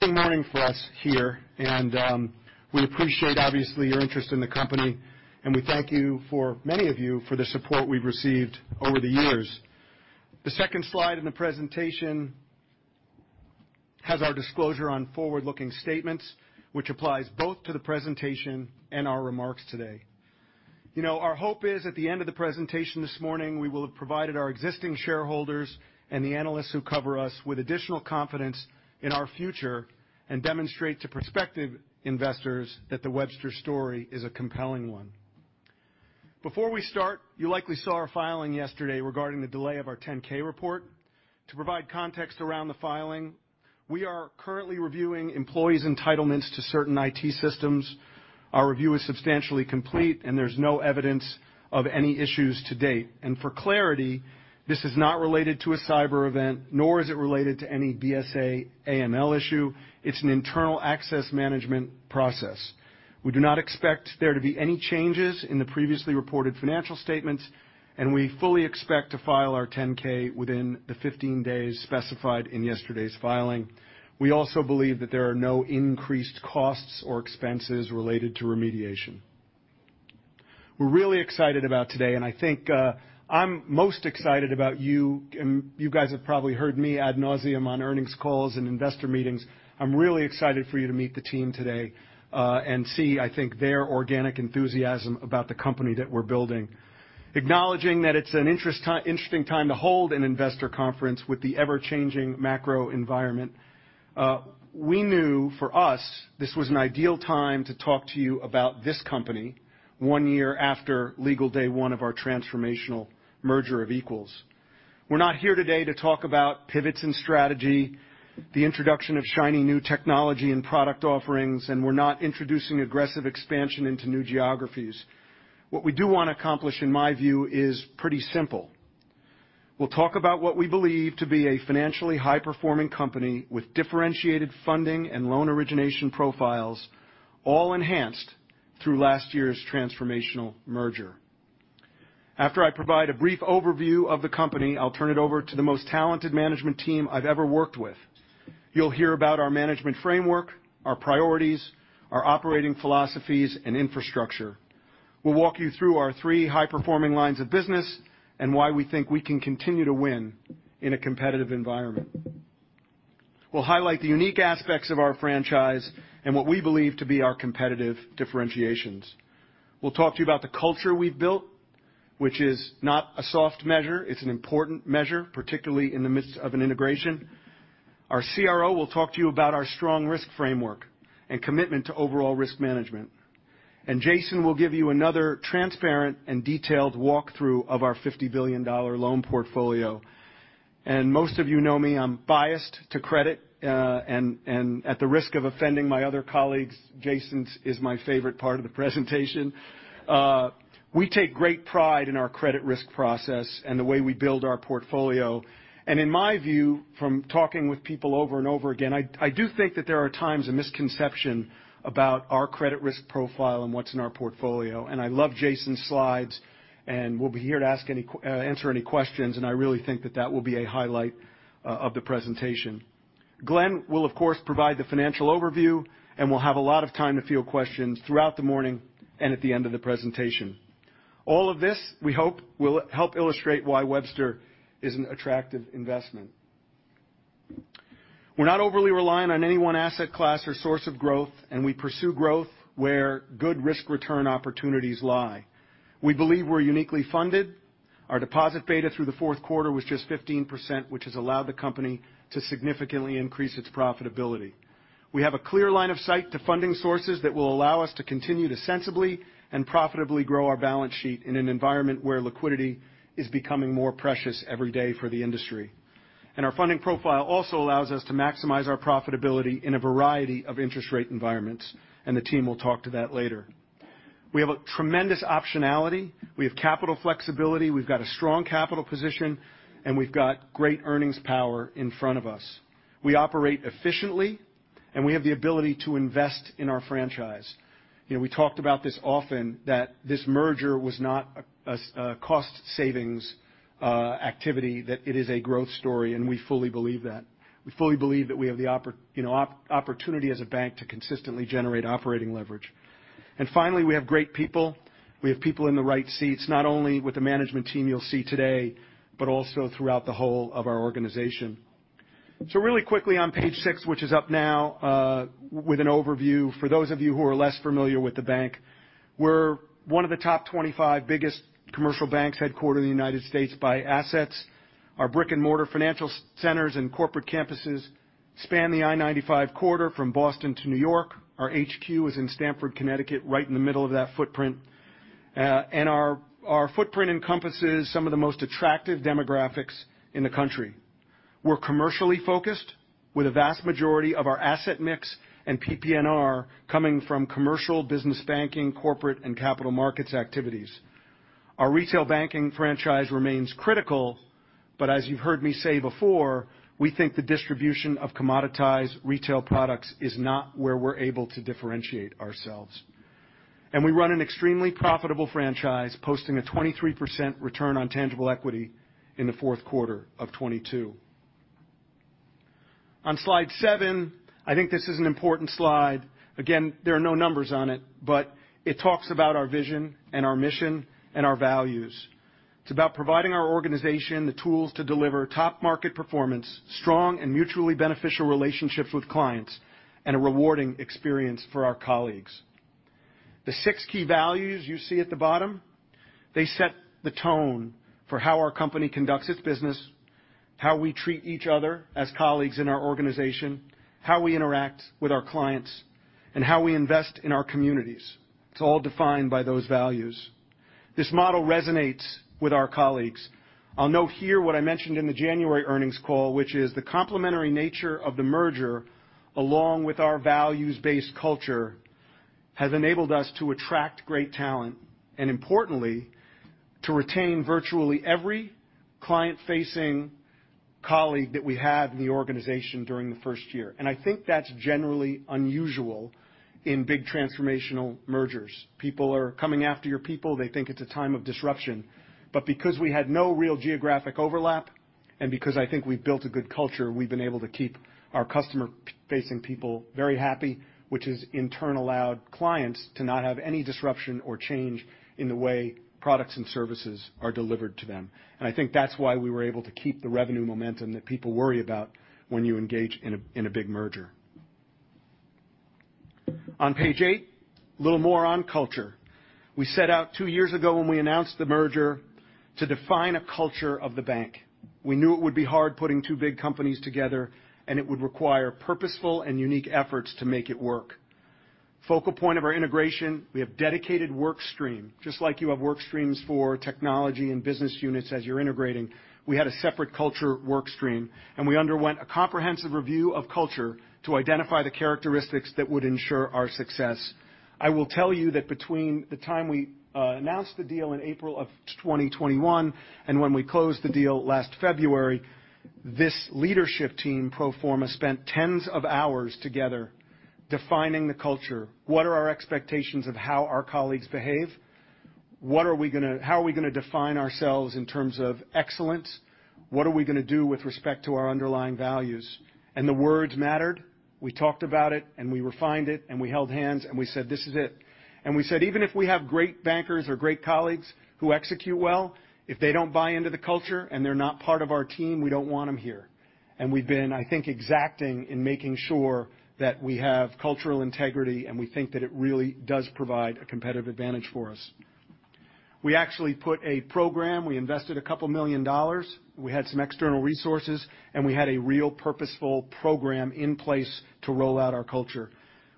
Good morning for us here. We appreciate obviously your interest in the company, and we thank you for many of you for the support we've received over the years. The second slide in the presentation has our disclosure on forward-looking statements, which applies both to the presentation and our remarks today. You know, our hope is at the end of the presentation this morning, we will have provided our existing shareholders and the analysts who cover us with additional confidence in our future and demonstrate to prospective investors that the Webster story is a compelling one. Before we start, you likely saw our filing yesterday regarding the delay of our 10-K report. To provide context around the filing, we are currently reviewing employees' entitlements to certain IT systems. Our review is substantially complete, and there's no evidence of any issues to date. For clarity, this is not related to a cyber event, nor is it related to any BSA/AML issue. It's an internal access management process. We do not expect there to be any changes in the previously reported financial statements, and we fully expect to file our 10-K within the 15 days specified in yesterday's filing. We also believe that there are no increased costs or expenses related to remediation. We're really excited about today, and I think, I'm most excited about you. You guys have probably heard me ad nauseam on earnings calls and investor meetings. I'm really excited for you to meet the team today, and see, I think, their organic enthusiasm about the company that we're building. Acknowledging that it's an interesting time to hold an investor conference with the ever-changing macro environment. We knew for us this was an ideal time to talk to you about this company one year after legal day one of our transformational merger of equals. We're not here today to talk about pivots in strategy, the introduction of shiny new technology and product offerings, and we're not introducing aggressive expansion into new geographies. What we do want to accomplish, in my view, is pretty simple. We'll talk about what we believe to be a financially high-performing company with differentiated funding and loan origination profiles, all enhanced through last year's transformational merger. After I provide a brief overview of the company, I'll turn it over to the most talented management team I've ever worked with. You'll hear about our management framework, our priorities, our operating philosophies, and infrastructure. We'll walk you through our three high-performing lines of business and why we think we can continue to win in a competitive environment. We'll highlight the unique aspects of our franchise and what we believe to be our competitive differentiations. We'll talk to you about the culture we've built, which is not a soft measure. It's an important measure, particularly in the midst of an integration. Our CRO will talk to you about our strong risk framework and commitment to overall risk management. Jason will give you another transparent and detailed walk through of our $50 billion loan portfolio. Most of you know me, I'm biased to credit, and at the risk of offending my other colleagues, Jason's is my favorite part of the presentation. We take great pride in our credit risk process and the way we build our portfolio. In my view, from talking with people over and over again, I do think that there are times a misconception about our credit risk profile and what's in our portfolio. I love Jason's slides, and we'll be here to answer any questions, and I really think that that will be a highlight of the presentation. Glenn will, of course, provide the financial overview, and we'll have a lot of time to field questions throughout the morning and at the end of the presentation. All of this, we hope, will help illustrate why Webster is an attractive investment. We're not overly reliant on any one asset class or source of growth, and we pursue growth where good risk-return opportunities lie. We believe we're uniquely funded. Our deposit beta through the fourth quarter was just 15%, which has allowed the company to significantly increase its profitability. We have a clear line of sight to funding sources that will allow us to continue to sensibly and profitably grow our balance sheet in an environment where liquidity is becoming more precious every day for the industry. Our funding profile also allows us to maximize our profitability in a variety of interest rate environments, and the team will talk to that later. We have a tremendous optionality. We have capital flexibility. We've got a strong capital position, and we've got great earnings power in front of us. We operate efficiently, and we have the ability to invest in our franchise. You know, we talked about this often, that this merger was not a cost savings activity, that it is a growth story. We fully believe that. We fully believe that we have the opportunity as a bank to consistently generate operating leverage. Finally, we have great people. We have people in the right seats, not only with the management team you'll see today, but also throughout the whole of our organization. Really quickly on page six, which is up now, with an overview for those of you who are less familiar with the bank. We're one of the top 25 biggest commercial banks headquartered in the United States by assets. Our brick-and-mortar financial centers and corporate campuses span the I-95 corridor from Boston to New York. Our HQ is in Stamford, Connecticut, right in the middle of that footprint. Our footprint encompasses some of the most attractive demographics in the country. We're commercially focused with a vast majority of our asset mix and PPNR coming from commercial business banking, corporate, and capital markets activities. Our retail banking franchise remains critical, but as you've heard me say before, we think the distribution of commoditized retail products is not where we're able to differentiate ourselves. We run an extremely profitable franchise posting a 23% return on tangible equity in the fourth quarter of 2022. On slide seven, I think this is an important slide. Again, there are no numbers on it, but it talks about our vision and our mission and our values. It's about providing our organization the tools to deliver top market performance, strong and mutually beneficial relationships with clients, and a rewarding experience for our colleagues. The six key values you see at the bottom, they set the tone for how our company conducts its business, how we treat each other as colleagues in our organization, how we interact with our clients, and how we invest in our communities. It's all defined by those values. This model resonates with our colleagues. I'll note here what I mentioned in the January earnings call, which is the complementary nature of the merger, along with our values-based culture, has enabled us to attract great talent, and importantly, to retain virtually every client-facing colleague that we have in the organization during the first year. I think that's generally unusual in big transformational mergers. People are coming after your people. They think it's a time of disruption. Because we had no real geographic overlap, and because I think we've built a good culture, we've been able to keep our customer-facing people very happy, which has in turn allowed clients to not have any disruption or change in the way products and services are delivered to them. I think that's why we were able to keep the revenue momentum that people worry about when you engage in a big merger. On page eight, a little more on culture. We set out two years ago when we announced the merger to define a culture of the bank. We knew it would be hard putting two big companies together, and it would require purposeful and unique efforts to make it work. Focal point of our integration, we have dedicated work stream. Just like you have work streams for technology and business units as you're integrating, we had a separate culture work stream, and we underwent a comprehensive review of culture to identify the characteristics that would ensure our success. I will tell you that between the time we announced the deal in April of 2021 and when we closed the deal last February, this leadership team, pro forma, spent tens of hours together defining the culture. What are our expectations of how our colleagues behave? How are we gonna define ourselves in terms of excellence? What are we gonna do with respect to our underlying values? The words mattered. We talked about it, and we refined it, and we held hands, and we said, "This is it." We said, even if we have great bankers or great colleagues who execute well, if they don't buy into the culture and they're not part of our team, we don't want them here. We've been, I think, exacting in making sure that we have cultural integrity, and we think that it really does provide a competitive advantage for us. We actually put a program. We invested a couple million dollars. We had some external resources, and we had a real purposeful program in place to roll out our culture.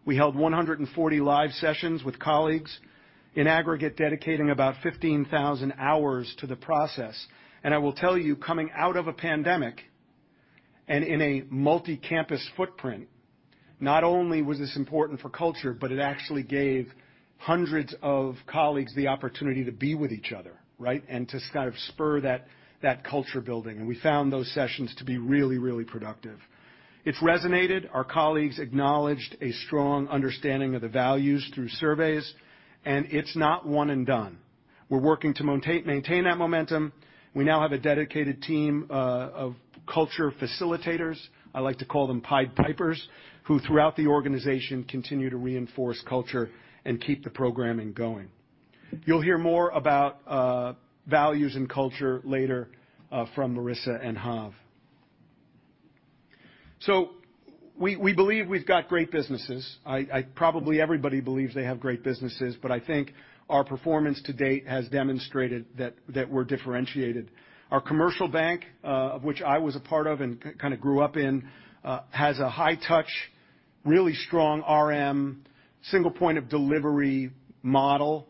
We held 140 live sessions with colleagues, in aggregate dedicating about 15,000 hours to the process. I will tell you, coming out of a pandemic and in a multi-campus footprint, not only was this important for culture, but it actually gave hundreds of colleagues the opportunity to be with each other, right? To kind of spur that culture building. We found those sessions to be really, really productive. It's resonated. Our colleagues acknowledged a strong understanding of the values through surveys, and it's not one and done. We're working to maintain that momentum. We now have a dedicated team of culture facilitators, I like to call them pied pipers, who throughout the organization continue to reinforce culture and keep the programming going. You'll hear more about values and culture later from Marissa and Hav. We, we believe we've got great businesses. I... Probably everybody believes they have great businesses, I think our performance to date has demonstrated that we're differentiated. Our commercial bank, of which I was a part of and kinda grew up in, has a high touch, really strong RM, single point of delivery model,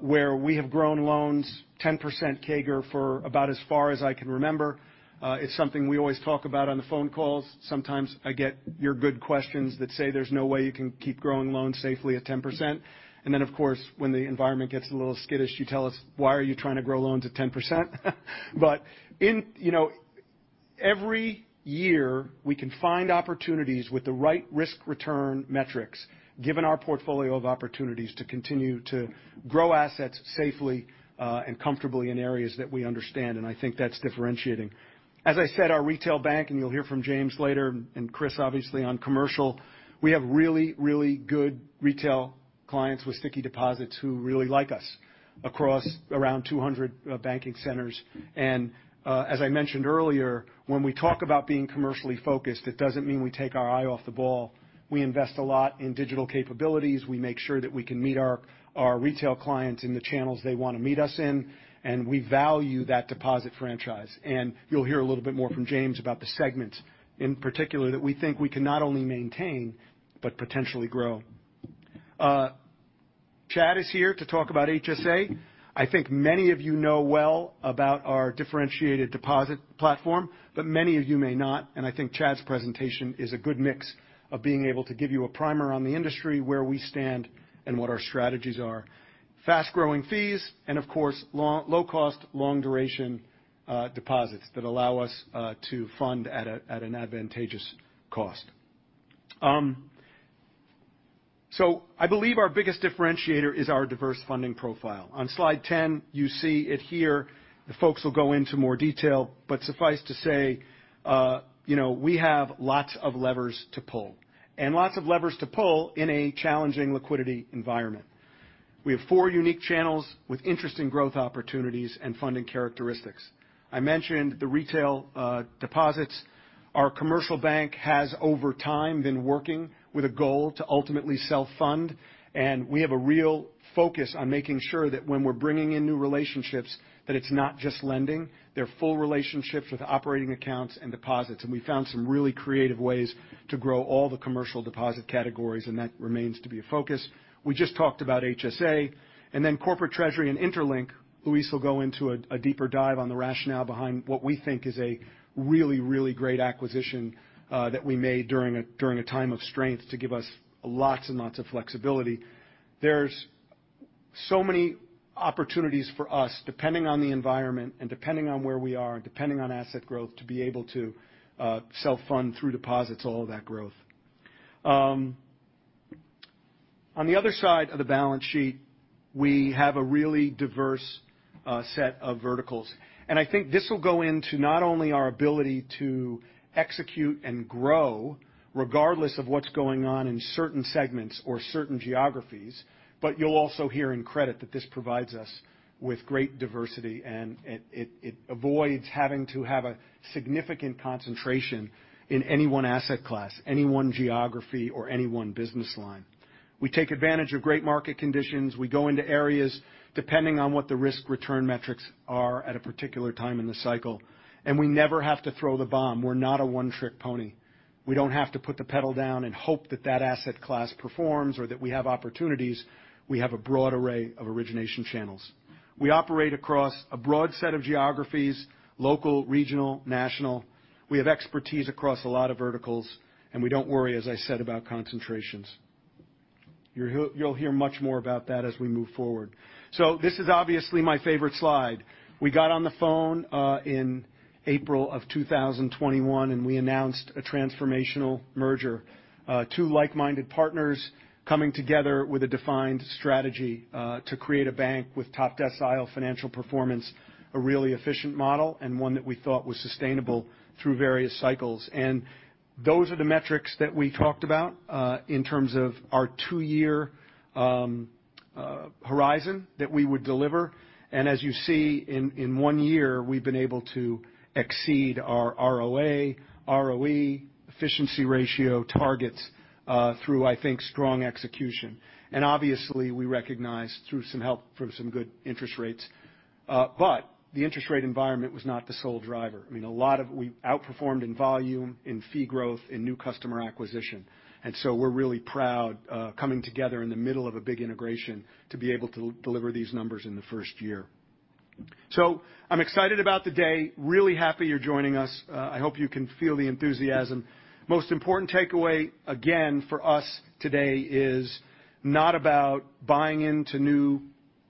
where we have grown loans 10% CAGR for about as far as I can remember. It's something we always talk about on the phone calls. Sometimes I get your good questions that say there's no way you can keep growing loans safely at 10%. Then, of course, when the environment gets a little skittish, you tell us, "Why are you trying to grow loans at 10%?" In... You know, every year, we can find opportunities with the right risk-return metrics, given our portfolio of opportunities, to continue to grow assets safely and comfortably in areas that we understand, and I think that's differentiating. As I said, our retail bank, and you'll hear from James later, and Chris obviously on commercial, we have really, really good retail clients with sticky deposits who really like us across around 200 banking centers. As I mentioned earlier, when we talk about being commercially focused, it doesn't mean we take our eye off the ball. We invest a lot in digital capabilities. We make sure that we can meet our retail clients in the channels they want to meet us in, and we value that deposit franchise. You'll hear a little bit more from James about the segments in particular that we think we can not only maintain but potentially grow. Chad is here to talk about HSA. I think many of you know well about our differentiated deposit platform, but many of you may not. I think Chad's presentation is a good mix of being able to give you a primer on the industry, where we stand, and what our strategies are. Fast-growing fees. Of course, low cost, long duration deposits that allow us to fund at an advantageous cost. I believe our biggest differentiator is our diverse funding profile. On slide 10, you see it here. The folks will go into more detail, but suffice to say, you know, we have lots of levers to pull. Lots of levers to pull in a challenging liquidity environment. We have four unique channels with interesting growth opportunities and funding characteristics. I mentioned the retail deposits. Our commercial bank has over time been working with a goal to ultimately self-fund, and we have a real focus on making sure that when we're bringing in new relationships that it's not just lending, they're full relationships with operating accounts and deposits. We found some really creative ways to grow all the commercial deposit categories, and that remains to be a focus. We just talked about HSA. Then Corporate Treasury and interLINK, Luis will go into a deeper dive on the rationale behind what we think is a really, really great acquisition that we made during a time of strength to give us lots and lots of flexibility. There's so many opportunities for us, depending on the environment and depending on where we are, and depending on asset growth, to be able to self-fund through deposits all of that growth. On the other side of the balance sheet, we have a really diverse set of verticals. I think this will go into not only our ability to execute and grow regardless of what's going on in certain segments or certain geographies, but you'll also hear in credit that this provides us with great diversity and it avoids having to have a significant concentration in any one asset class, any one geography, or any one business line. We take advantage of great market conditions. We go into areas depending on what the risk-return metrics are at a particular time in the cycle. We never have to throw the bomb. We're not a one-trick pony. We don't have to put the pedal down and hope that that asset class performs or that we have opportunities. We have a broad array of origination channels. We operate across a broad set of geographies, local, regional, national. We have expertise across a lot of verticals, and we don't worry, as I said, about concentrations. You'll hear much more about that as we move forward. This is obviously my favorite slide. We got on the phone in April of 2021, and we announced a transformational merger. Two like-minded partners coming together with a defined strategy to create a bank with top decile financial performance, a really efficient model, and one that we thought was sustainable through various cycles. Those are the metrics that we talked about in terms of our two-year horizon that we would deliver. As you see, in one year, we've been able to exceed our ROA, ROE, efficiency ratio targets through, I think, strong execution. Obviously, we recognize through some help from some good interest rates. The interest rate environment was not the sole driver. I mean, we outperformed in volume, in fee growth, in new customer acquisition. We're really proud coming together in the middle of a big integration to be able to deliver these numbers in the first year. I'm excited about the day. Really happy you're joining us. I hope you can feel the enthusiasm. Most important takeaway, again, for us today is not about buying into new,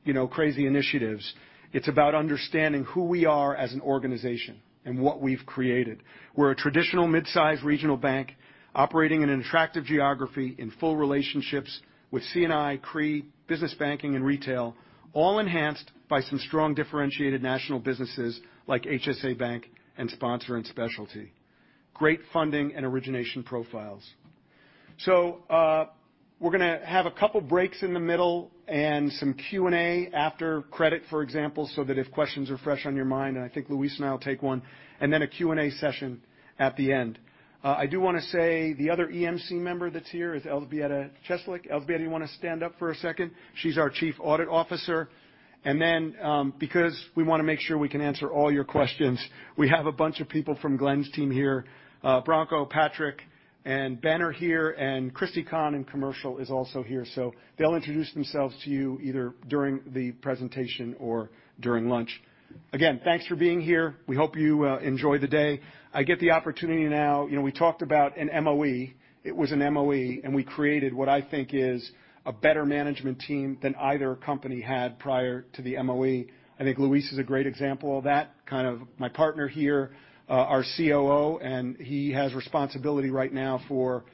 you know, crazy initiatives. It's about understanding who we are as an organization and what we've created. We're a traditional mid-size regional bank operating in an attractive geography in full relationships with C&I, CRE, business banking, and retail, all enhanced by some strong differentiated national businesses like HSA Bank and Sponsor and Specialty. Great funding and origination profiles. We're gonna have a couple breaks in the middle and some Q&A after credit, for example, so that if questions are fresh on your mind, and I think Luis and I will take one, and then a Q&A session at the end. I do wanna say the other EMC member that's here is Elzbieta Cieslik. Elzbieta, you wanna stand up for a second? She's our chief audit officer. Because we wanna make sure we can answer all your questions, we have a bunch of people from Glenn's team here. Bronco, Patrick, and Ben are here, and Christy Conn in Commercial is also here. They'll introduce themselves to you either during the presentation or during lunch. Again, thanks for being here. We hope you enjoy the day. I get the opportunity now. You know, we talked about an MOE. It was an MOE, and we created what I think is a better management team than either company had prior to the MOE. I think Luis is a great example of that, kind of my partner here, our COO, and he has responsibility right now for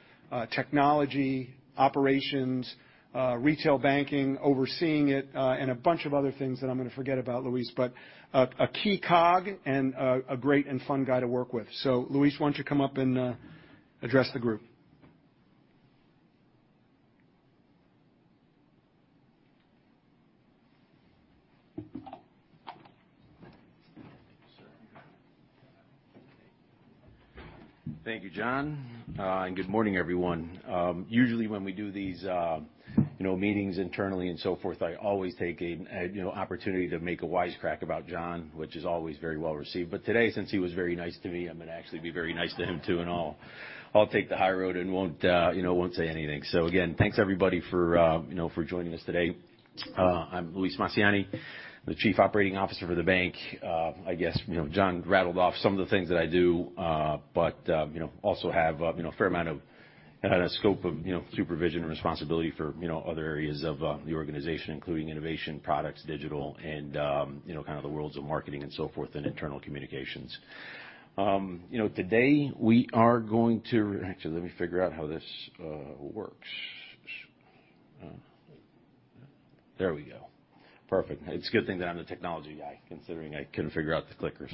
technology, operations, retail banking, overseeing it, and a bunch of other things that I'm gonna forget about Luis. A key cog and a great and fun guy to work with. Luis, why don't you to come up and address the group. Thank you, John. Good morning, everyone. Usually, when we do these, you know, meetings internally and so forth, I always take an opportunity to make a wisecrack about John, which is always very well received. Today, since he was very nice to me, I'm gonna actually be very nice to him too, and I'll take the high road and won't, you know, say anything. Again, thanks everybody for, you know, for joining us today. I'm Luis Massiani. I'm the Chief Operating Officer for the bank. I guess, you know, John rattled off some of the things that I do, but, you know, also have, you know, a fair amount of and a scope of, you know, supervision and responsibility for, you know, other areas of the organization, including innovation, products, digital, and, you know, kind of the worlds of marketing and so forth, and internal communications. You know, today we are going to... Actually, let me figure out how this works. There we go. Perfect. It's a good thing that I'm the technology guy, considering I couldn't figure out the clicker.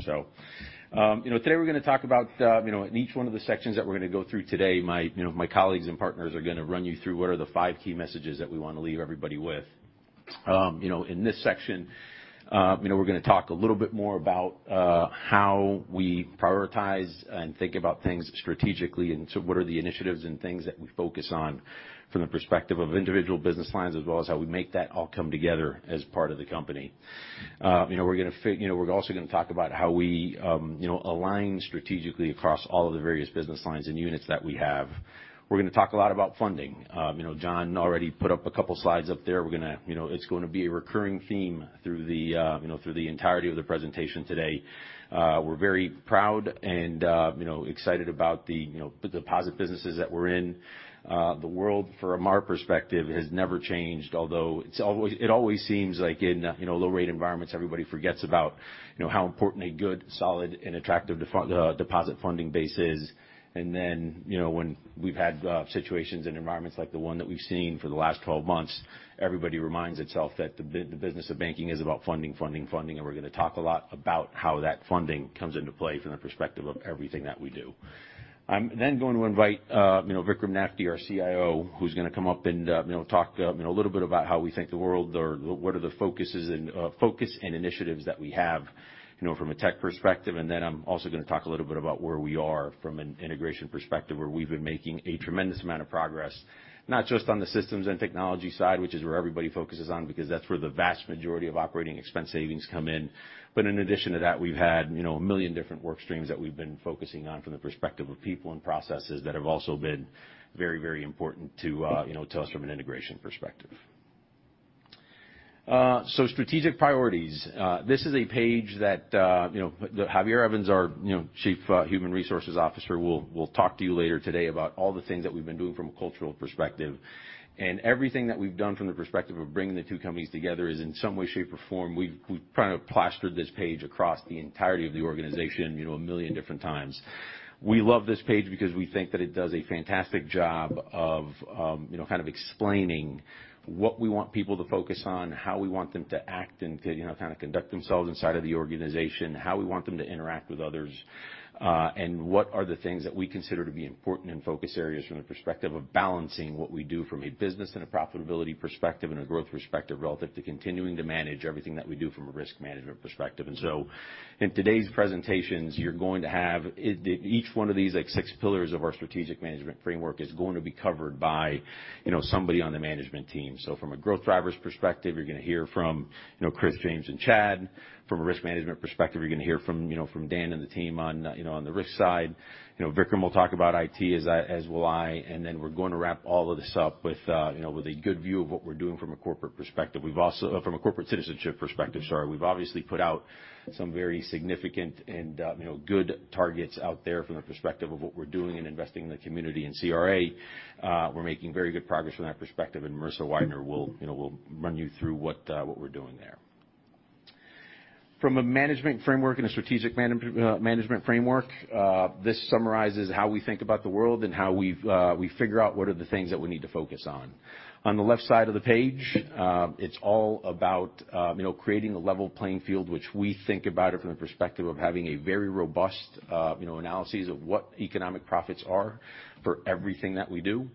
You know, today we're going to talk about, you know, in each one of the sections that we're going to go through today, my, you know, my colleagues and partners are going to run you through what are the five key messages that we want to leave everybody with. You know, in this section, you know, we're going to talk a little bit more about how we prioritize and think about things strategically, and so what are the initiatives and things that we focus on from the perspective of individual business lines as well as how we make that all come together as part of the company. You know, we're also going to talk about how we, you know, align strategically across all of the various business lines and units that we have. We're going to talk a lot about funding. You know, John already put up a couple slides up there. We're going to, you know, it's going to be a recurring theme through the, you know, through the entirety of the presentation today. We're very proud and, you know, excited about the, you know, the deposit businesses that we're in. The world, from our perspective, has never changed, although it's always, it always seems like in, you know, low rate environments, everybody forgets about, you know, how important a good, solid and attractive deposit funding base is. Then, you know, when we've had situations and environments like the one that we've seen for the last 12 months, everybody reminds itself that the business of banking is about funding, funding. We're going to talk a lot about how that funding comes into play from the perspective of everything that we do. I'm then going to invite, you know, Vikram Nafde, our CIO, who's going to come up and, you know, talk, you know, a little bit about how we think the world or what are the focuses and focus and initiatives that we have, you know, from a tech perspective. I'm also going to talk a little bit about where we are from an integration perspective, where we've been making a tremendous amount of progress, not just on the systems and technology side, which is where everybody focuses on, because that's where the vast majority of operating expense savings come in. In addition to that, we've had, you know, 1 million different work streams that we've been focusing on from the perspective of people and processes that have also been very, very important to us from an integration perspective. Strategic priorities. This is a page that, you know, that Javier Evans, our Chief Human Resources Officer, will talk to you later today about all the things that we've been doing from a cultural perspective. Everything that we've done from the perspective of bringing the two companies together is in some way, shape, or form, we've kind of plastered this page across the entirety of the organization, you know, 1 million different times. We love this page because we think that it does a fantastic job of, you know, kind of explaining what we want people to focus on, how we want them to act and to, you know, kind of conduct themselves inside of the organization, how we want them to interact with others, and what are the things that we consider to be important and focus areas from the perspective of balancing what we do from a business and a profitability perspective and a growth perspective relative to continuing to manage everything that we do from a risk management perspective. In today's presentations, each one of these, like, six pillars of our strategic management framework is going to be covered by, you know, somebody on the management team. From a growth drivers perspective, you're going to hear from, you know, Chris, James, and Chad. From a risk management perspective, you're going to hear from, you know, from Dan and the team on, you know, on the risk side. You know, Vikram will talk about IT as I, as will I. Then we're going to wrap all of this up with, you know, with a good view of what we're doing from a corporate perspective. From a corporate citizenship perspective, sorry. We've obviously put out some very significant and, you know, good targets out there from the perspective of what we're doing in investing in the community and CRA. We're making very good progress from that perspective, Marissa Weidner will, you know, will run you through what we're doing there. From a management framework and a strategic management framework, this summarizes how we think about the world and how we've we figure out what are the things that we need to focus on. On the left side of the page, it's all about, you know, creating a level playing field, which we think about it from the perspective of having a very robust, you know, analysis of what economic profits are for everything that we do,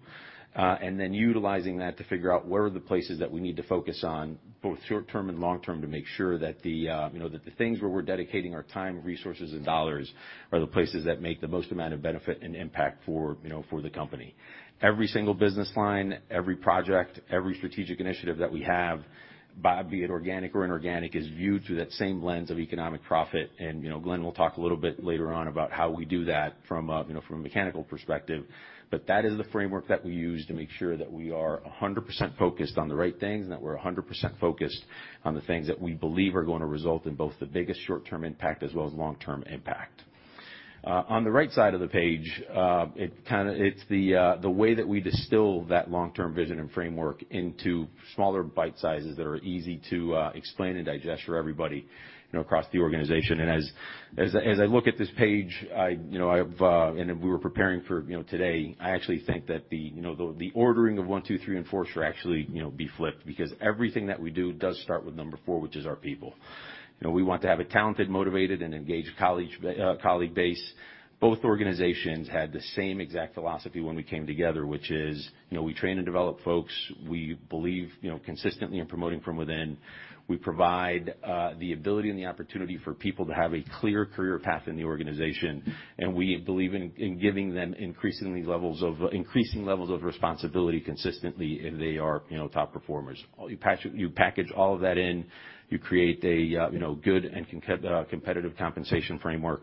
then utilizing that to figure out where are the places that we need to focus on both short-term and long-term to make sure that the, you know, that the things where we're dedicating our time, resources, and dollars are the places that make the most amount of benefit and impact for, you know, for the company. Every single business line, every project, every strategic initiative that we have, be it organic or inorganic, is viewed through that same lens of economic profit. You know, Glenn will talk a little bit later on about how we do that from a, you know, from a mechanical perspective. That is the framework that we use to make sure that we are 100% focused on the right things and that we're 100% focused on the things that we believe are going to result in both the biggest short-term impact as well as long-term impact. On the right side of the page, it kind of, it's the way that we distill that long-term vision and framework into smaller bite sizes that are easy to explain and digest for everybody, you know, across the organization. As I look at this page, I, you know, I've, and as we were preparing for, you know, today, I actually think that the, you know, the ordering of one, two, three, and four should actually, you know, be flipped because everything that we do does start with number four, which is our people. You know, we want to have a talented, motivated, and engaged colleague base. Both organizations had the same exact philosophy when we came together, which is, you know, we train and develop folks. We believe, you know, consistently in promoting from within. We provide the ability and the opportunity for people to have a clear career path in the organization. We believe in giving them increasing levels of responsibility consistently if they are, you know, top performers. You package all of that in, you create a, you know, good and competitive compensation framework,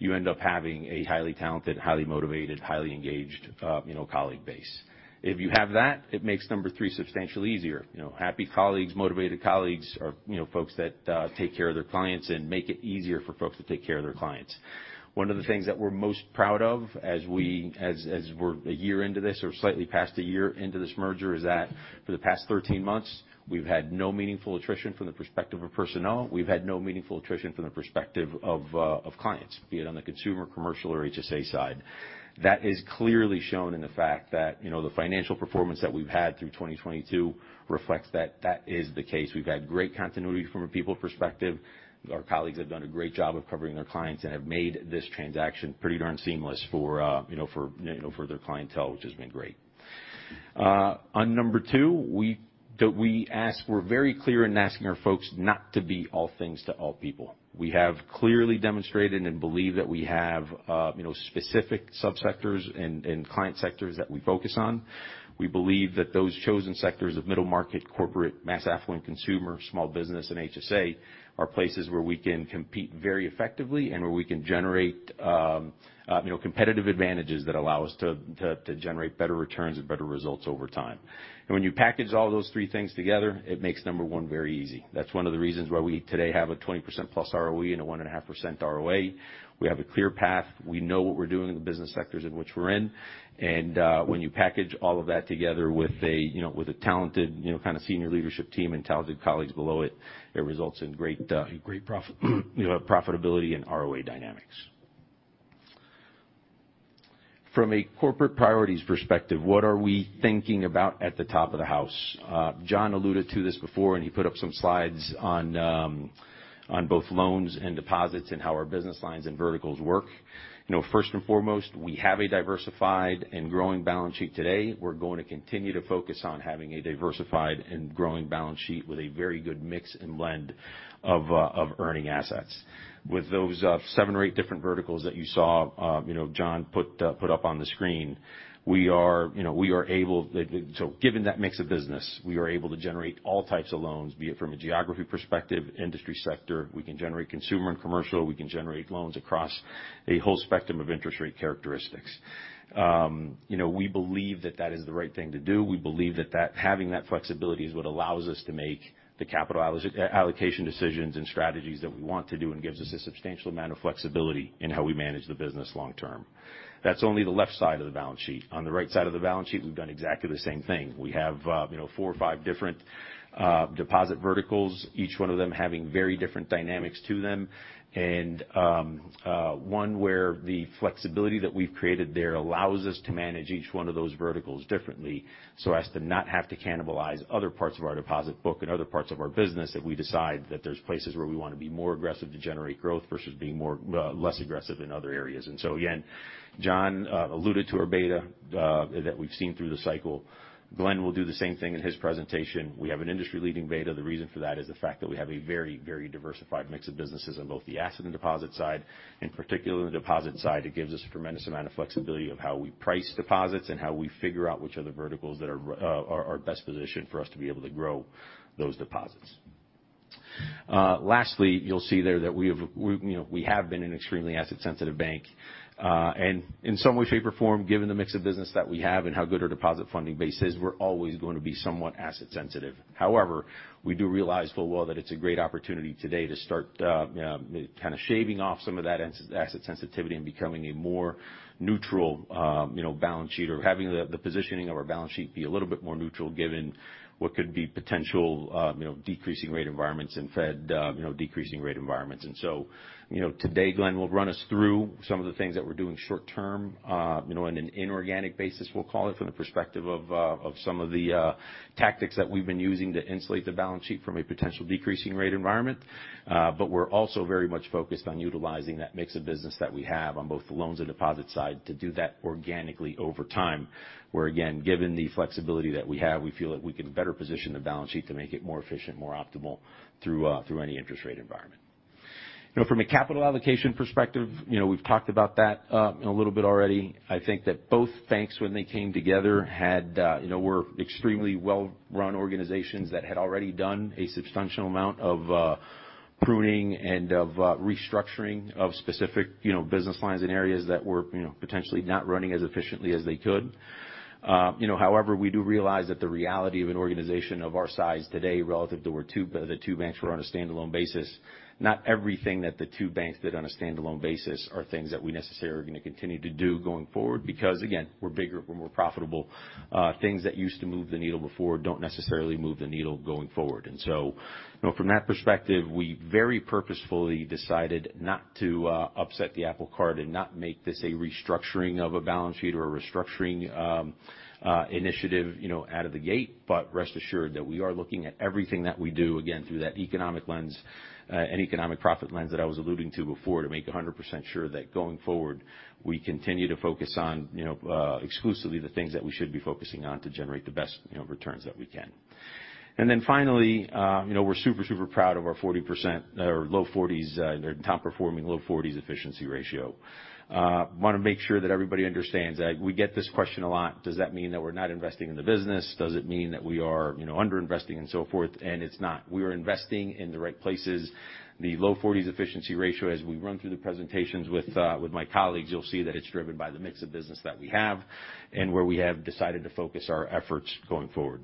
you end up having a highly talented, highly motivated, highly engaged, you know, colleague base. If you have that, it makes number three substantially easier. You know, happy colleagues, motivated colleagues are, you know, folks that, take care of their clients and make it easier for folks to take care of their clients. One of the things that we're most proud of as we're a year into this or slightly past a year into this merger, is that for the past 13 months, we've had no meaningful attrition from the perspective of personnel. We've had no meaningful attrition from the perspective of clients, be it on the consumer, commercial, or HSA side. That is clearly shown in the fact that, you know, the financial performance that we've had through 2022 reflects that that is the case. We've had great continuity from a people perspective. Our colleagues have done a great job of covering their clients and have made this transaction pretty darn seamless for, you know, for, you know, for their clientele, which has been great. On number two, we're very clear in asking our folks not to be all things to all people. We have clearly demonstrated and believe that we have, you know, specific subsectors and client sectors that we focus on. We believe that those chosen sectors of middle market, corporate, mass affluent consumer, small business, and HSA are places where we can compete very effectively and where we can generate, you know, competitive advantages that allow us to generate better returns and better results over time. When you package all those three things together, it makes number one very easy. That's one of the reasons why we today have a 20%+ ROE and a 1.5% ROA. We have a clear path. We know what we're doing in the business sectors in which we're in. When you package all of that together with a, you know, with a talented, you know, kind of senior leadership team and talented colleagues below it results in great. Great profit. You know, profitability and ROA dynamics. From a corporate priorities perspective, what are we thinking about at the top of the house? John alluded to this before, and he put up some slides on both loans and deposits and how our business lines and verticals work. You know, first and foremost, we have a diversified and growing balance sheet today. We're going to continue to focus on having a diversified and growing balance sheet with a very good mix and blend of earning assets. With those seven or eight different verticals that you saw, you know, John put up on the screen. Given that mix of business, we are able to generate all types of loans, be it from a geography perspective, industry sector. We can generate consumer and commercial. We can generate loans across a whole spectrum of interest rate characteristics. you know, we believe that that is the right thing to do. We believe that having that flexibility is what allows us to make the capital allocation decisions and strategies that we want to do and gives us a substantial amount of flexibility in how we manage the business long term. That's only the left side of the balance sheet. On the right side of the balance sheet, we've done exactly the same thing. We have, you know, four or five different deposit verticals, each one of them having very different dynamics to them. One where the flexibility that we've created there allows us to manage each one of those verticals differently so as to not have to cannibalize other parts of our deposit book and other parts of our business if we decide that there's places where we want to be more aggressive to generate growth versus being more less aggressive in other areas. Again, John alluded to our beta that we've seen through the cycle. Glenn will do the same thing in his presentation. We have an industry-leading beta. The reason for that is the fact that we have a very, very diversified mix of businesses on both the asset and deposit side. In particular, the deposit side, it gives us a tremendous amount of flexibility of how we price deposits and how we figure out which are the verticals that are best positioned for us to be able to grow those deposits. Lastly, you'll see there that we have, you know, we have been an extremely asset-sensitive bank. In some way, shape, or form, given the mix of business that we have and how good our deposit funding base is, we're always going to be somewhat asset sensitive. However, we do realize full well that it's a great opportunity today to start kind of shaving off some of that as-asset sensitivity and becoming a more neutral, you know, balance sheet or having the positioning of our balance sheet be a little bit more neutral given what could be potential, you know, decreasing rate environments and Fed, you know, decreasing rate environments. Today, Glenn will run us through some of the things that we're doing short term, you know, on an inorganic basis, we'll call it, from the perspective of some of the tactics that we've been using to insulate the balance sheet from a potential decreasing rate environment. We're also very much focused on utilizing that mix of business that we have on both the loans and deposit side to do that organically over time, where again, given the flexibility that we have, we feel like we can better position the balance sheet to make it more efficient, more optimal through any interest rate environment. You know, from a capital allocation perspective, you know, we've talked about that a little bit already. I think that both banks, when they came together, had, you know, were extremely well-run organizations that had already done a substantial amount of pruning and of restructuring of specific, you know, business lines and areas that were, you know, potentially not running as efficiently as they could. you know, however, we do realize that the reality of an organization of our size today relative to where the two banks were on a standalone basis, not everything that the two banks did on a standalone basis are things that we necessarily are going to continue to do going forward because, again, we're bigger, we're more profitable. Things that used to move the needle before don't necessarily move the needle going forward. you know, from that perspective, we very purposefully decided not to upset the apple cart and not make this a restructuring of a balance sheet or a restructuring initiative, you know, out of the gate. Rest assured that we are looking at everything that we do, again, through that economic lens, and economic profit lens that I was alluding to before to make 100% sure that going forward, we continue to focus on, you know, exclusively the things that we should be focusing on to generate the best, you know, returns that we can. Finally, you know, we're super proud of our 40% or low 40s, top-performing low 40s efficiency ratio. Want to make sure that everybody understands that we get this question a lot. Does that mean that we're not investing in the business? Does it mean that we are, you know, underinvesting and so forth? It's not. We are investing in the right places. The low 40s efficiency ratio, as we run through the presentations with my colleagues, you'll see that it's driven by the mix of business that we have and where we have decided to focus our efforts going forward.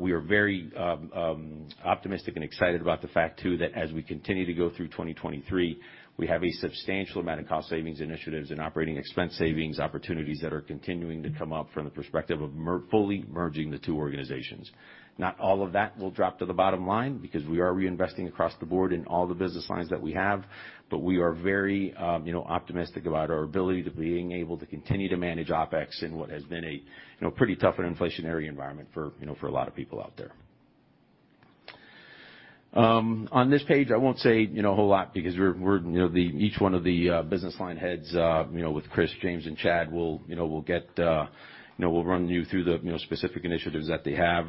We are very optimistic and excited about the fact too that as we continue to go through 2023, we have a substantial amount of cost savings initiatives and operating expense savings opportunities that are continuing to come up from the perspective of fully merging the two organizations. Not all of that will drop to the bottom line because we are reinvesting across the board in all the business lines that we have. We are very, you know, optimistic about our ability to being able to continue to manage OpEx in what has been a pretty tough and inflationary environment for, you know, for a lot of people out there. On this page, I won't say, you know, a whole lot because we're, you know, each one of the business line heads, you know, with Chris, James, and Chad will get, you know, will run you through the, you know, specific initiatives that they have.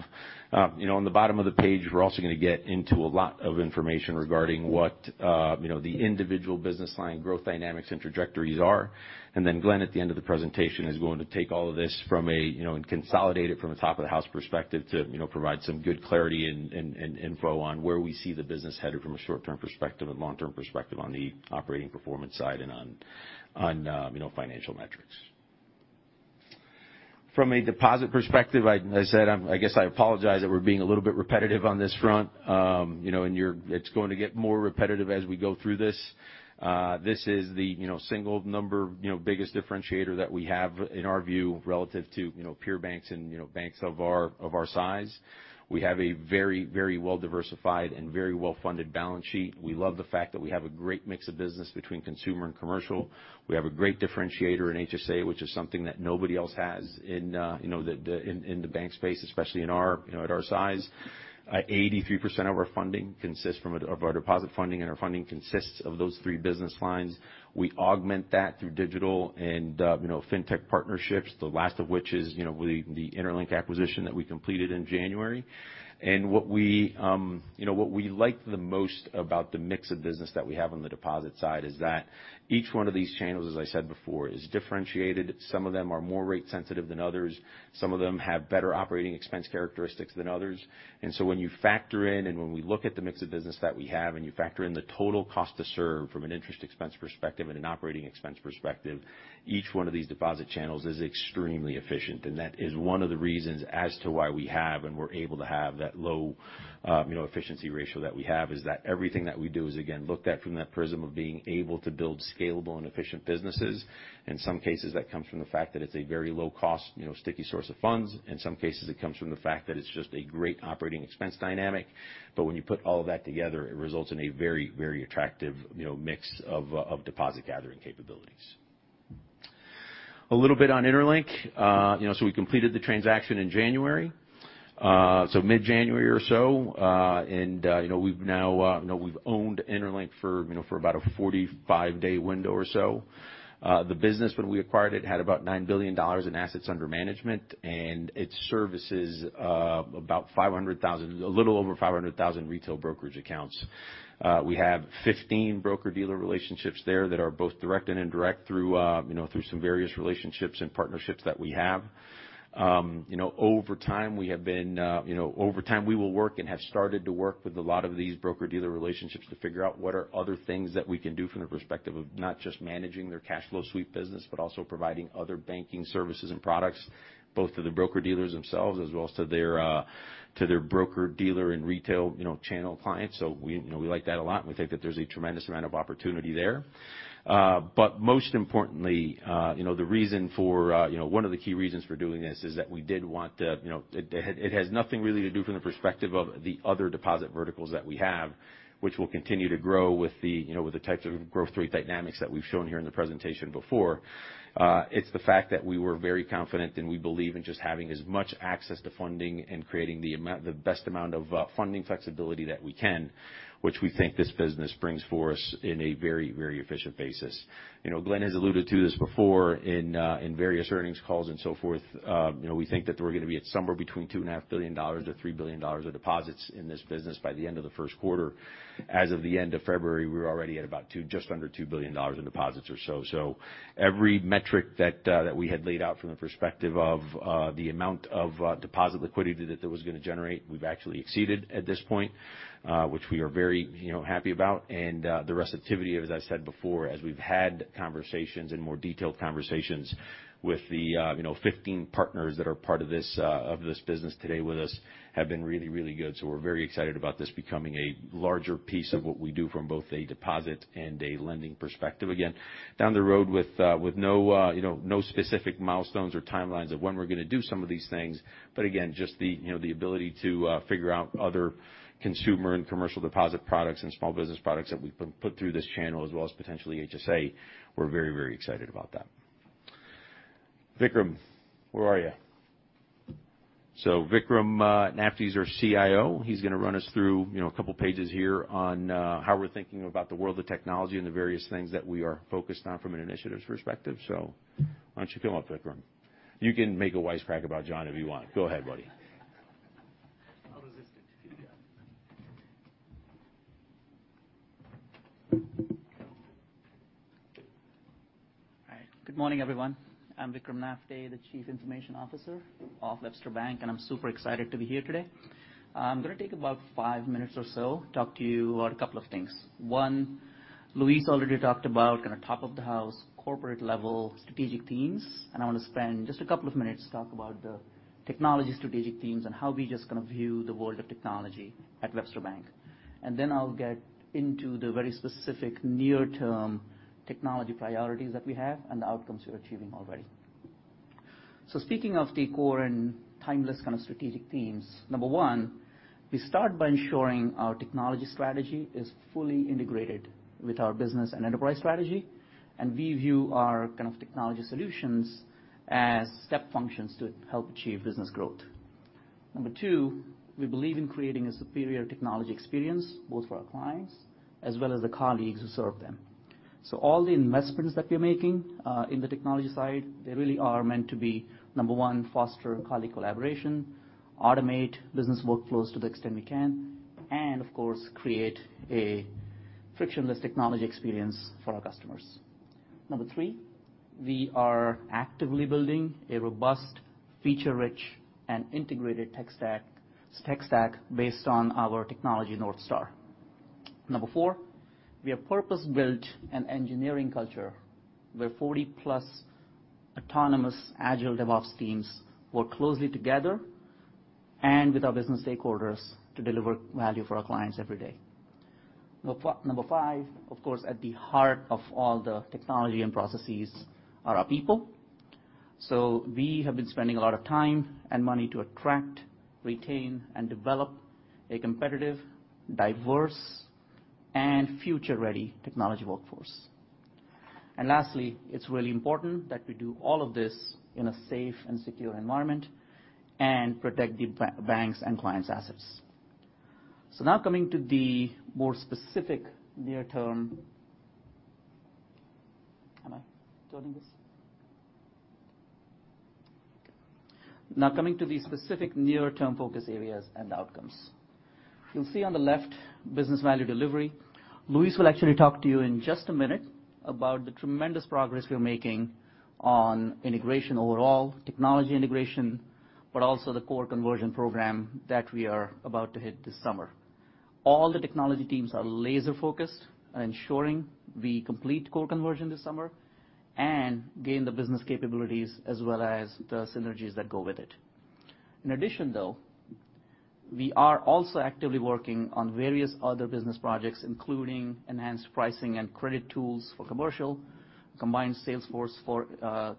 you know, on the bottom of the page, we're also gonna get into a lot of information regarding what, you know, the individual business line growth dynamics and trajectories are. Then Glenn, at the end of the presentation, is going to take all of this from a, you know, and consolidate it from a top-of-the-house perspective to, you know, provide some good clarity and info on where we see the business headed from a short-term perspective and long-term perspective on the operating performance side and on, you know, financial metrics. From a deposit perspective, I said, I guess I apologize that we're being a little bit repetitive on this front. you know, it's going to get more repetitive as we go through this. This is the, you know, single number, you know, biggest differentiator that we have in our view relative to, you know, peer banks and, you know, banks of our, of our size. We have a very, very well-diversified and very well-funded balance sheet. We love the fact that we have a great mix of business between consumer and commercial. We have a great differentiator in HSA, which is something that nobody else has in, you know, the bank space, especially in our, you know, at our size. 83% of our funding consists of our deposit funding, and our funding consists of those three business lines. We augment that through digital and, you know, fintech partnerships, the last of which is, you know, with the interLINK acquisition that we completed in January. What we, you know, what we like the most about the mix of business that we have on the deposit side is that each one of these channels, as I said before, is differentiated. Some of them are more rate sensitive than others. Some of them have better operating expense characteristics than others. When you factor in and when we look at the mix of business that we have, and you factor in the total cost to serve from an interest expense perspective and an operating expense perspective, each one of these deposit channels is extremely efficient. That is one of the reasons as to why we're able to have that low, you know, efficiency ratio that we have is that everything that we do is again looked at from that prism of being able to build scalable and efficient businesses. In some cases, that comes from the fact that it's a very low cost, you know, sticky source of funds. In some cases, it comes from the fact that it's just a great operating expense dynamic. When you put all of that together, it results in a very, very attractive, you know, mix of deposit gathering capabilities. A little bit on interLINK. You know, so we completed the transaction in January, so mid-January or so. You know, we've now, you know, we've owned interLINK for, you know, for about a 45-day window or so. The business when we acquired it had about $9 billion in assets under management, and it services about 500,000 retail brokerage accounts. We have 15 broker-dealer relationships there that are both direct and indirect through, you know, through some various relationships and partnerships that we have. You know, over time, we will work and have started to work with a lot of these broker-dealer relationships to figure out what are other things that we can do from the perspective of not just managing their cash flow sweep business but also providing other banking services and products, both to the broker-dealers themselves as well as to their broker-dealer and retail, you know, channel clients. We, you know, we like that a lot, and we think that there's a tremendous amount of opportunity there. Most importantly, you know, the reason for, you know, one of the key reasons for doing this is that we did want to, you know, it has nothing really to do from the perspective of the other deposit verticals that we have, which will continue to grow with the, you know, with the types of growth rate dynamics that we've shown here in the presentation before. It's the fact that we were very confident, and we believe in just having as much access to funding and creating the best amount of funding flexibility that we can, which we think this business brings for us in a very, very efficient basis. You know, Glenn has alluded to this before in various earnings calls and so forth. You know, we think that we're gonna be at somewhere between $2.5 billion-$3 billion of deposits in this business by the end of the first quarter. As of the end of February, we're already at just under $2 billion in deposits or so. Every metric that we had laid out from the perspective of the amount of deposit liquidity that that was gonna generate, we've actually exceeded at this point, which we are very, you know, happy about. The receptivity, as I said before, as we've had conversations and more detailed conversations with the, you know, 15 partners that are part of this business today with us have been really, really good. We're very excited about this becoming a larger piece of what we do from both a deposit and a lending perspective. Again, down the road with no, you know, no specific milestones or timelines of when we're gonna do some of these things but again, just the, you know, the ability to figure out other consumer and commercial deposit products and small business products that we can put through this channel as well as potentially HSA. We're very excited about that. Vikram, where are you? Vikram Nafde is our CIO. He's gonna run us through, you know, a couple pages here on how we're thinking about the world of technology and the various things that we are focused on from an initiatives perspective. Why don't you come up, Vikram? You can make a wisecrack about John if you want. Go ahead, buddy. I'll resist it. All right. Good morning, everyone. I'm Vikram Nafde, the Chief Information Officer of Webster Bank, and I'm super excited to be here today. I'm gonna take about five minutes or so, talk to you about a couple of things. One, Luis already talked about kind of top of the house corporate-level strategic themes. I want to spend just a couple of minutes to talk about the technology strategic themes and how we just kind of view the world of technology at Webster Bank. Then I'll get into the very specific near-term technology priorities that we have and the outcomes we're achieving already. Speaking of the core and timeless kind of strategic themes, number one, we start by ensuring our technology strategy is fully integrated with our business and enterprise strategy, and we view our kind of technology solutions as step functions to help achieve business growth. Number two, we believe in creating a superior technology experience both for our clients as well as the colleagues who serve them. All the investments that we're making in the technology side, they really are meant to be, number one, foster colleague collaboration, automate business workflows to the extent we can, and of course, create a frictionless technology experience for our customers. Number three, we are actively building a robust feature-rich and integrated tech stack based on our technology North Star. Number four, we have purpose-built an engineering culture where 40-plus autonomous agile DevOps teams work closely together and with our business stakeholders to deliver value for our clients every day. Number five, of course, at the heart of all the technology and processes are our people. We have been spending a lot of time and money to attract, retain, and develop a competitive, diverse, and future-ready technology workforce. Lastly, it's really important that we do all of this in a safe and secure environment and protect the bank's and clients' assets. Now coming to the more specific near-term... Am I turning this? Now coming to the specific near-term focus areas and outcomes. You'll see on the left business value delivery. Luis will actually talk to you in just a minute about the tremendous progress we're making on integration overall, technology integration, but also the core conversion program that we are about to hit this summer. All the technology teams are laser-focused on ensuring we complete core conversion this summer and gain the business capabilities as well as the synergies that go with it. In addition, though, we are also actively working on various other business projects, including enhanced pricing and credit tools for commercial, combined Salesforce for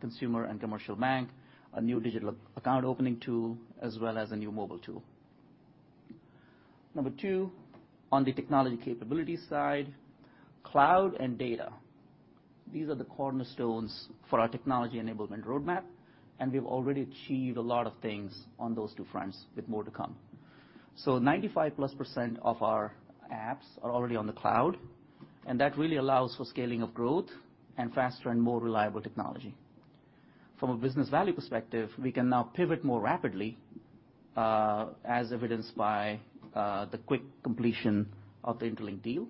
consumer and commercial bank, a new digital account opening tool, as well as a new mobile tool. Number two, on the technology capabilities side, cloud and data. These are the cornerstones for our technology enablement roadmap, and we've already achieved a lot of things on those two fronts with more to come. 95+% of our apps are already on the cloud, and that really allows for scaling of growth and faster and more reliable technology. From a business value perspective, we can now pivot more rapidly, as evidenced by the quick completion of the interLINK deal.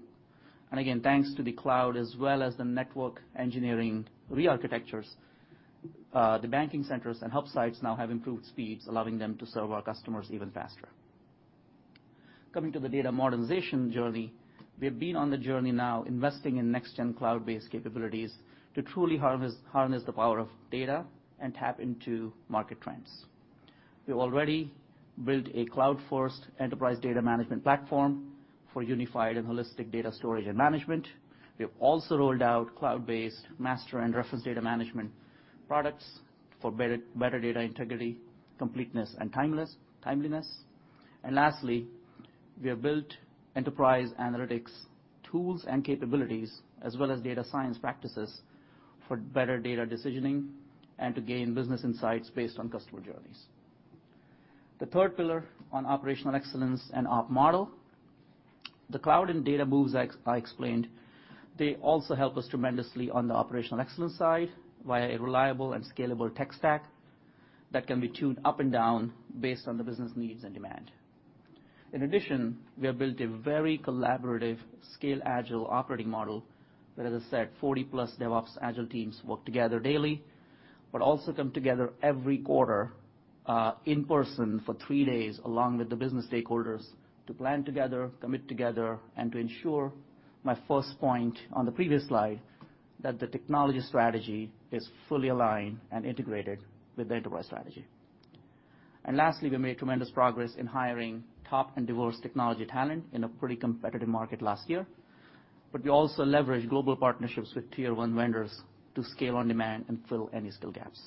Again, thanks to the cloud as well as the network engineering rearchitectures, the banking centers and hub sites now have improved speeds, allowing them to serve our customers even faster. Coming to the data modernization journey, we've been on the journey now investing in next-gen cloud-based capabilities to truly harness the power of data and tap into market trends. We've already built a cloud-first enterprise data management platform for unified and holistic data storage and management. We've also rolled out cloud-based master and reference data management products for better data integrity, completeness and timeliness. Lastly, we have built enterprise analytics tools and capabilities as well as data science practices for better data decisioning and to gain business insights based on customer journeys. The third pillar on Operational Excellence and op model. The cloud and data moves I explained, they also help us tremendously on the Operational Excellence side via a reliable and scalable tech stack that can be tuned up and down based on the business needs and demand. In addition, we have built a very collaborative scale agile operating model where, as I said, 40-plus DevOps agile teams work together daily but also come together every quarter, in person for three days along with the business stakeholders to plan together, commit together, and to ensure my first point on the previous slide that the technology strategy is fully aligned and integrated with the enterprise strategy. Lastly, we made tremendous progress in hiring top-end diverse technology talent in a pretty competitive market last year. We also leveraged global partnerships with tier one vendors to scale on demand and fill any skill gaps.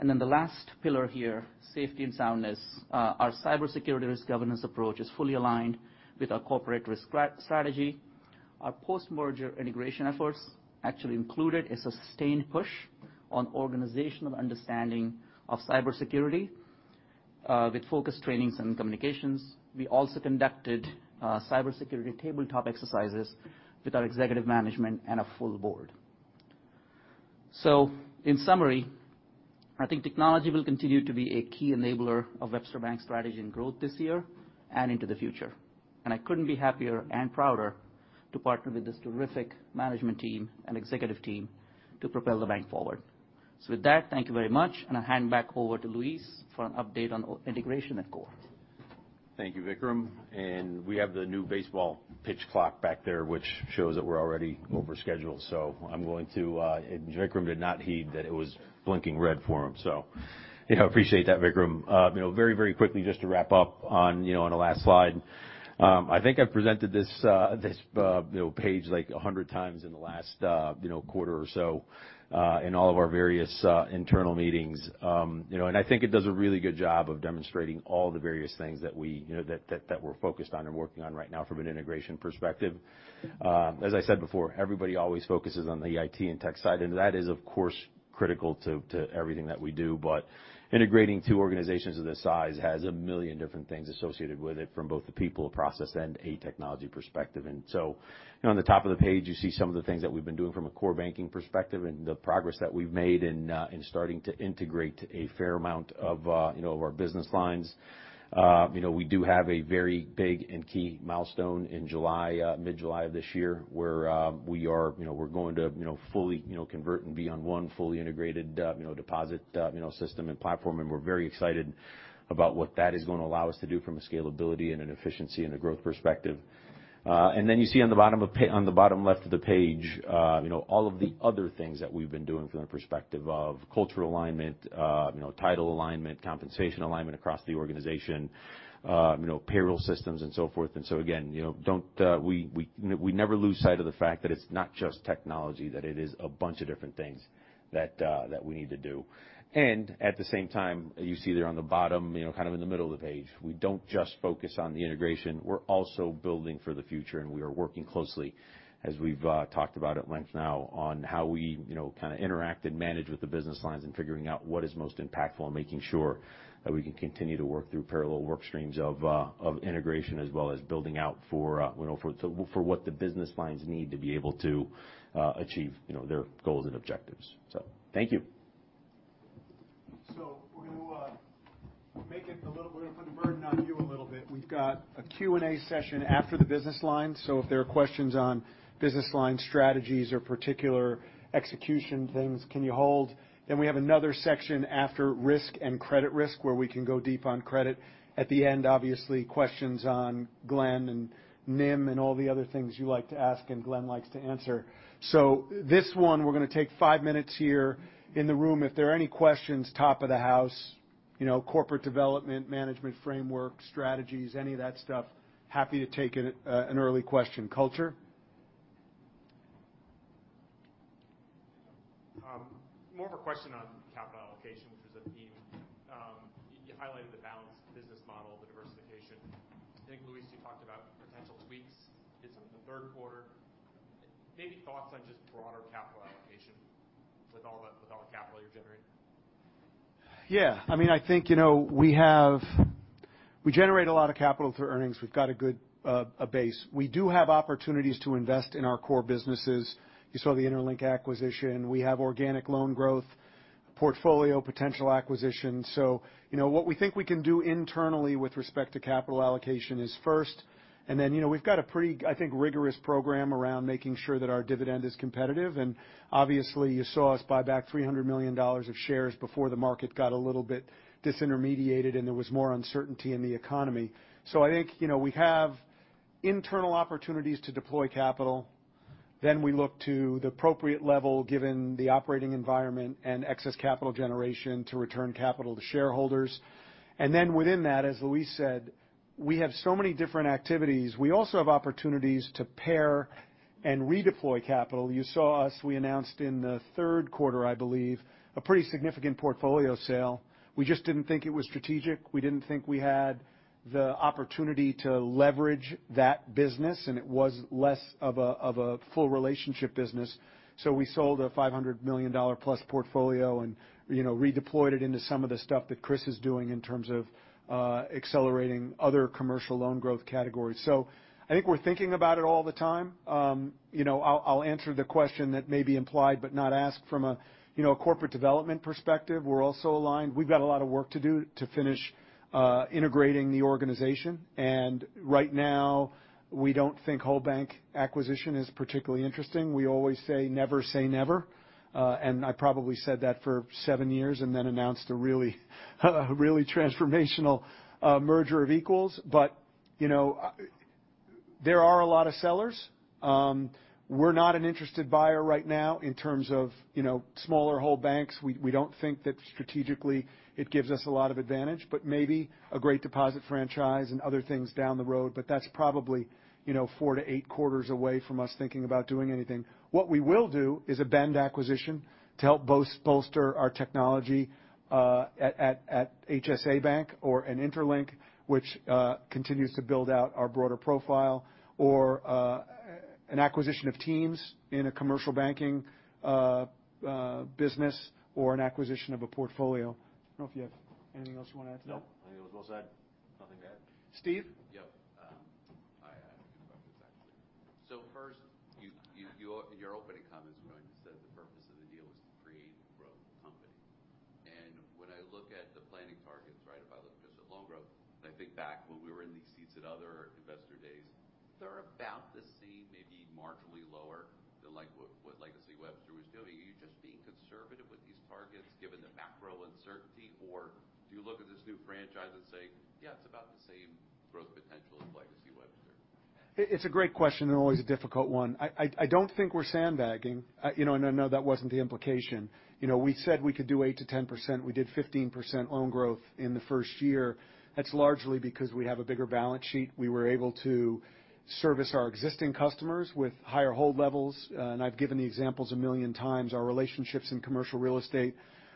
The last pillar here, safety and soundness. Our cybersecurity risk governance approach is fully aligned with our corporate risk strategy. Our post-merger integration efforts actually included a sustained push on organizational understanding of cybersecurity, with focused trainings and communications. We also conducted cybersecurity tabletop exercises with our executive management and a full board. In summary, I think technology will continue to be a key enabler of Webster Bank's strategy and growth this year and into the future. I couldn't be happier and prouder to partner with this terrific management team and executive team to propel the bank forward. With that, thank you very much, and I'll hand it back over to Luis for an update on integration and core. Thank you, Vikram. We have the new baseball pitch clock back there, which shows that we're already over schedule. Vikram did not heed that it was blinking red for him. You know, appreciate that, Vikram. You know, very quickly just to wrap up on, you know, on the last slide. I think I've presented this, you know, page like 100 times in the last, you know, quarter or so, in all of our various internal meetings. You know, I think it does a really good job of demonstrating all the various things that we, you know, that we're focused on and working on right now from an integration perspective. As I said before, everybody always focuses on the IT and tech side, and that is, of course, critical to everything that we do. Integrating two organizations of this size has 1 million different things associated with it from both the people, process, and a technology perspective. You know, on the top of the page, you see some of the things that we've been doing from a core banking perspective and the progress that we've made in starting to integrate a fair amount of our business lines. You know, we do have a very big and key milestone in July, mid-July of this year where we are, you know, we're going to, you know, fully, you know, convert and be on one fully integrated, deposit, system and platform. We're very excited about what that is gonna allow us to do from a scalability and an efficiency and a growth perspective. Then you see on the bottom left of the page, you know, all of the other things that we've been doing from the perspective of cultural alignment, you know, title alignment, compensation alignment across the organization, you know, payroll systems and so forth. Again, you know, don't, we never lose sight of the fact that it's not just technology, that it is a bunch of different things that we need to do. At the same time, you see there on the bottom, you know, kind of in the middle of the page, we don't just focus on the integration, we're also building for the future, and we are working closely, as we've talked about at length now, on how we, you know, kind of interact and manage with the business lines and figuring out what is most impactful and making sure that we can continue to work through parallel work streams of integration, as well as building out for, you know, for what the business lines need to be able to achieve, you know, their goals and objectives. Thank you. We're gonna put the burden on you a little bit. We've got a Q&A session after the business line, if there are questions on business line strategies or particular execution things, can you hold? We have another section after risk and credit risk, where we can go deep on credit. At the end, obviously, questions on Glenn and NIM and all the other things you like to ask and Glenn likes to answer. This one, we're gonna take 5 minutes here in the room. If there are any questions, top of the house, you know, corporate development, management framework, strategies, any of that stuff, happy to take an early question. Culture. More of a question on capital allocation, which was a theme. You highlighted the balanced business model, the diversification. I think, Luis, you talked about potential tweaks is in the third quarter. Maybe thoughts on just broader capital allocation with all the capital you're generating. I mean, I think, you know, we generate a lot of capital through earnings. We've got a good base. We do have opportunities to invest in our core businesses. You saw the interLINK acquisition. We have organic loan growth, portfolio potential acquisition. You know, what we think we can do internally with respect to capital allocation is first. Then, you know, we've got a pretty, I think, rigorous program around making sure that our dividend is competitive. Obviously you saw us buy back $300 million of shares before the market got a little bit disintermediated and there was more uncertainty in the economy. I think, you know, we have internal opportunities to deploy capital, then we look to the appropriate level given the operating environment and excess capital generation to return capital to shareholders. Within that, as Luis said, we have so many different activities. We also have opportunities to pair and redeploy capital. You saw us, we announced in the third quarter, I believe, a pretty significant portfolio sale. We just didn't think it was strategic. We didn't think we had the opportunity to leverage that business, and it was less of a full relationship business. We sold a $500 million plus portfolio and, you know, redeployed it into some of the stuff that Chris is doing in terms of accelerating other commercial loan growth categories. I think we're thinking about it all the time. You know, I'll answer the question that may be implied but not asked from a, you know, a corporate development perspective. We're also aligned. We've got a lot of work to do to finish integrating the organization. Right now we don't think whole bank acquisition is particularly interesting. We always say, "Never say never." I probably said that for seven years and then announced a really transformational merger of equals. You know, there are a lot of sellers. We're not an interested buyer right now in terms of, you know, smaller whole banks. We don't think that strategically it gives us a lot of advantage, but maybe a great deposit franchise and other things down the road, but that's probably, you know, four-eight quarters away from us thinking about doing anything. What we will do is a Bend acquisition to help bolster our technology at HSA Bank or an interLINK, which continues to build out our broader profile, or an acquisition of teams in a commercial banking business or an acquisition of a portfolio. I don't know if you have anything else you want to add to that? No. I think it was well said. Nothing to add. Steve? Yeah. I had a few questions, actually. First, your opening comments when you said the purpose of the deal was to create and grow the company. When I look at the planning targets, right, if I look just at loan growth, and I think back when we were in these seats at other investor days, they're about the same, maybe marginally lower than like what Legacy Webster was doing. Are you just being conservative with these targets given the macro uncertainty, or do you look at this new franchise and say, "Yeah, it's about the same growth potential as Legacy Webster? It's a great question and always a difficult one. I don't think we're sandbagging. You know, I know that wasn't the implication. You know, we said we could do 8%-10%. We did 15% loan growth in the first year. That's largely because we have a bigger balance sheet. We were able to service our existing customers with higher hold levels. I've given the examples 1 million times. Our relationships in commercial real estate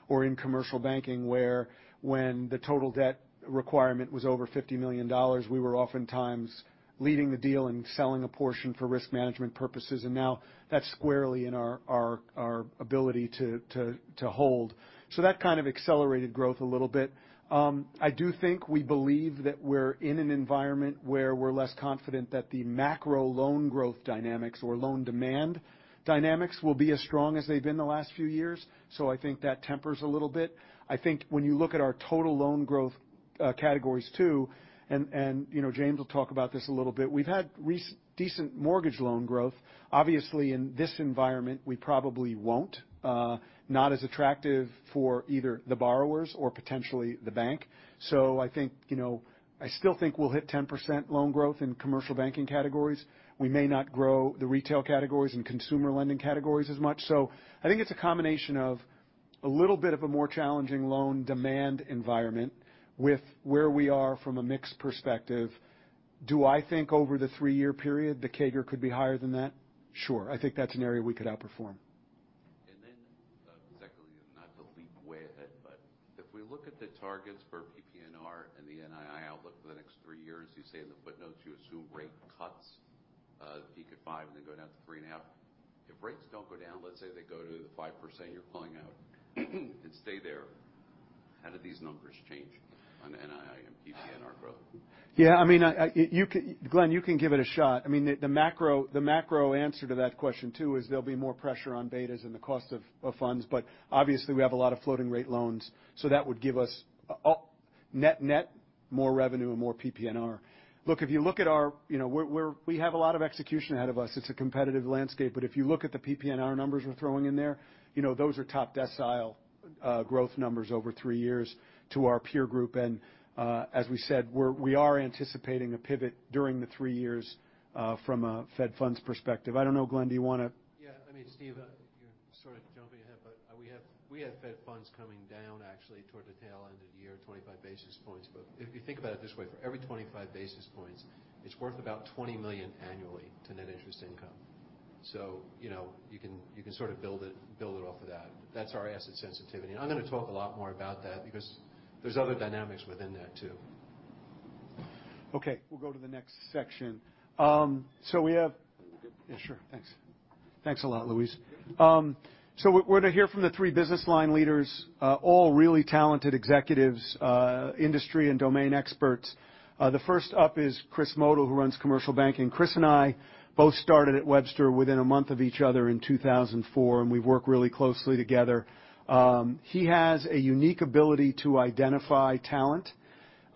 or in commercial banking where when the total debt requirement was over $50 million, we were oftentimes leading the deal and selling a portion for risk management purposes, and now that's squarely in our ability to hold. That kind of accelerated growth a little bit. I do think we believe that we're in an environment where we're less confident that the macro loan growth dynamics or loan demand dynamics will be as strong as they've been the last few years. I think that tempers a little bit. I think when you look at our total loan growth categories too, and, you know, James will talk about this a little bit, we've had decent mortgage loan growth. Obviously, in this environment, we probably won't. Not as attractive for either the borrowers or potentially the bank. I think, you know, I still think we'll hit 10% loan growth in commercial banking categories. We may not grow the retail categories and consumer lending categories as much. I think it's a combination of a little bit of a more challenging loan demand environment with where we are from a mix perspective. Do I think over the three-year period, the CAGR could be higher than that? Sure. I think that's an area we could outperform. Secondly, not to leap way ahead, if we look at the targets for PPNR and the NII outlook for the next three years, you say in the footnotes, you assume rate cuts peak at five and then go down to 3.5. If rates don't go down, let's say they go to the 5% you're calling out and stay there, how do these numbers change on NII and PPNR growth? Yeah, I mean, I, Glenn, you can give it a shot. I mean, the macro answer to that question too is there'll be more pressure on betas and the cost of funds. Obviously, we have a lot of floating rate loans, so that would give us net more revenue and more PPNR. Look, if you look at our, you know, we're we have a lot of execution ahead of us. It's a competitive landscape. If you look at the PPNR numbers we're throwing in there, you know, those are top decile growth numbers over three years to our peer group. As we said, we are anticipating a pivot during the three years from a Fed funds perspective. I don't know, Glenn, do you wanna? Yeah. I mean, Steve, you're sort of jumping ahead, but we have Fed funds coming down actually toward the tail end of the year, 25 basis points. If you think about it this way, for every 25 basis points, it's worth about $20 million annually to net interest income. You know, you can sort of build it off of that. That's our asset sensitivity. I'm gonna talk a lot more about that because there's other dynamics within that too. Okay. We'll go to the next section. Are we good? Yeah, sure. Thanks. Thanks a lot, Luis. We're, we're gonna hear from the three business line leaders, all really talented executives, industry and domain experts. The first up is Chris Motl, who runs Commercial Banking. Chris and I both started at Webster within a month of each other in 2004, and we work really closely together. He has a unique ability to identify talent,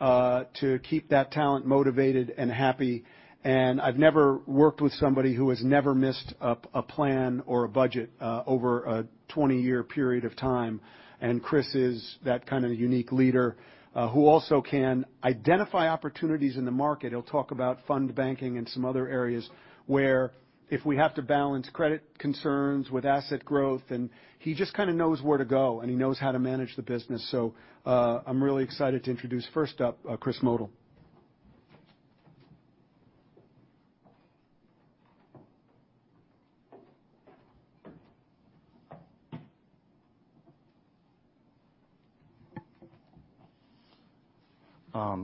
to keep that talent motivated and happy. I've never worked with somebody who has never missed a plan or a budget, over a 20-year period of time. Chris is that kind of unique leader, who also can identify opportunities in the market. He'll talk about fund banking and some other areas where if we have to balance credit concerns with asset growth, then he just kinda knows where to go, and he knows how to manage the business. I'm really excited to introduce first up, Chris Motl.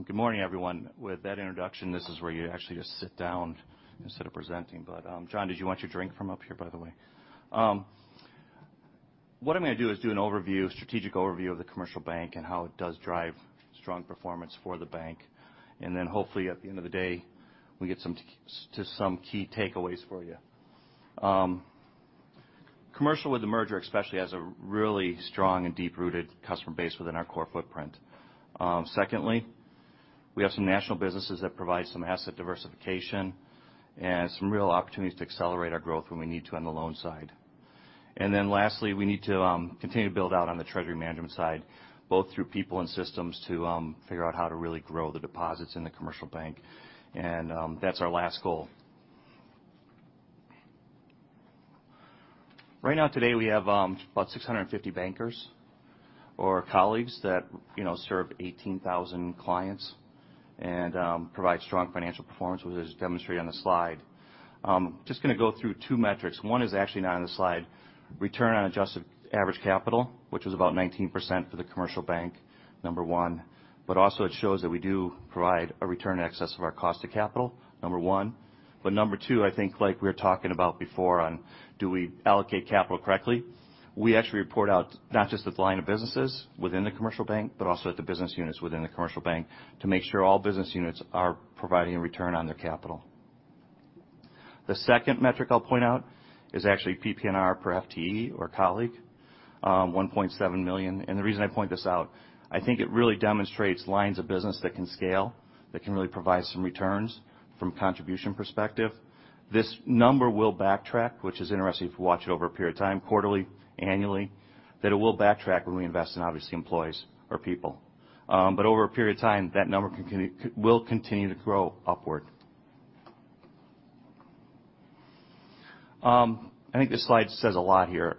Good morning, everyone. With that introduction, this is where you actually just sit down instead of presenting. John, did you want your drink from up here, by the way? What I'm gonna do is do an overview, strategic overview of the commercial bank and how it does drive strong performance for the bank. Hopefully at the end of the day, we get to some key takeaways for you. Commercial with the merger especially has a really strong and deep-rooted customer base within our core footprint. Secondly, we have some national businesses that provide some asset diversification and some real opportunities to accelerate our growth when we need to on the loan side. Lastly, we need to continue to build out on the treasury management side, both through people and systems to figure out how to really grow the deposits in the commercial bank. That's our last goal. Right now today, we have about 650 bankers or colleagues that, you know, serve 18,000 clients and provide strong financial performance, which is demonstrated on the slide. Just gonna go through two metrics. One is actually not on the slide, return on adjusted average capital, which is about 19% for the commercial bank, number one. It shows that we do provide a return in excess of our cost of capital, number one. Number two, I think like we were talking about before on do we allocate capital correctly, we actually report out not just the line of businesses within the Commercial Bank, but also at the business units within the Commercial Bank to make sure all business units are providing a return on their capital. The second metric I'll point out is actually PPNR per FTE or colleague, $1.7 million. The reason I point this out, I think it really demonstrates lines of business that can scale, that can really provide some returns from a contribution perspective. This number will backtrack, which is interesting if you watch it over a period of time, quarterly, annually, that it will backtrack when we invest in obviously employees or people. Over a period of time, that number will continue to grow upward. I think this slide says a lot here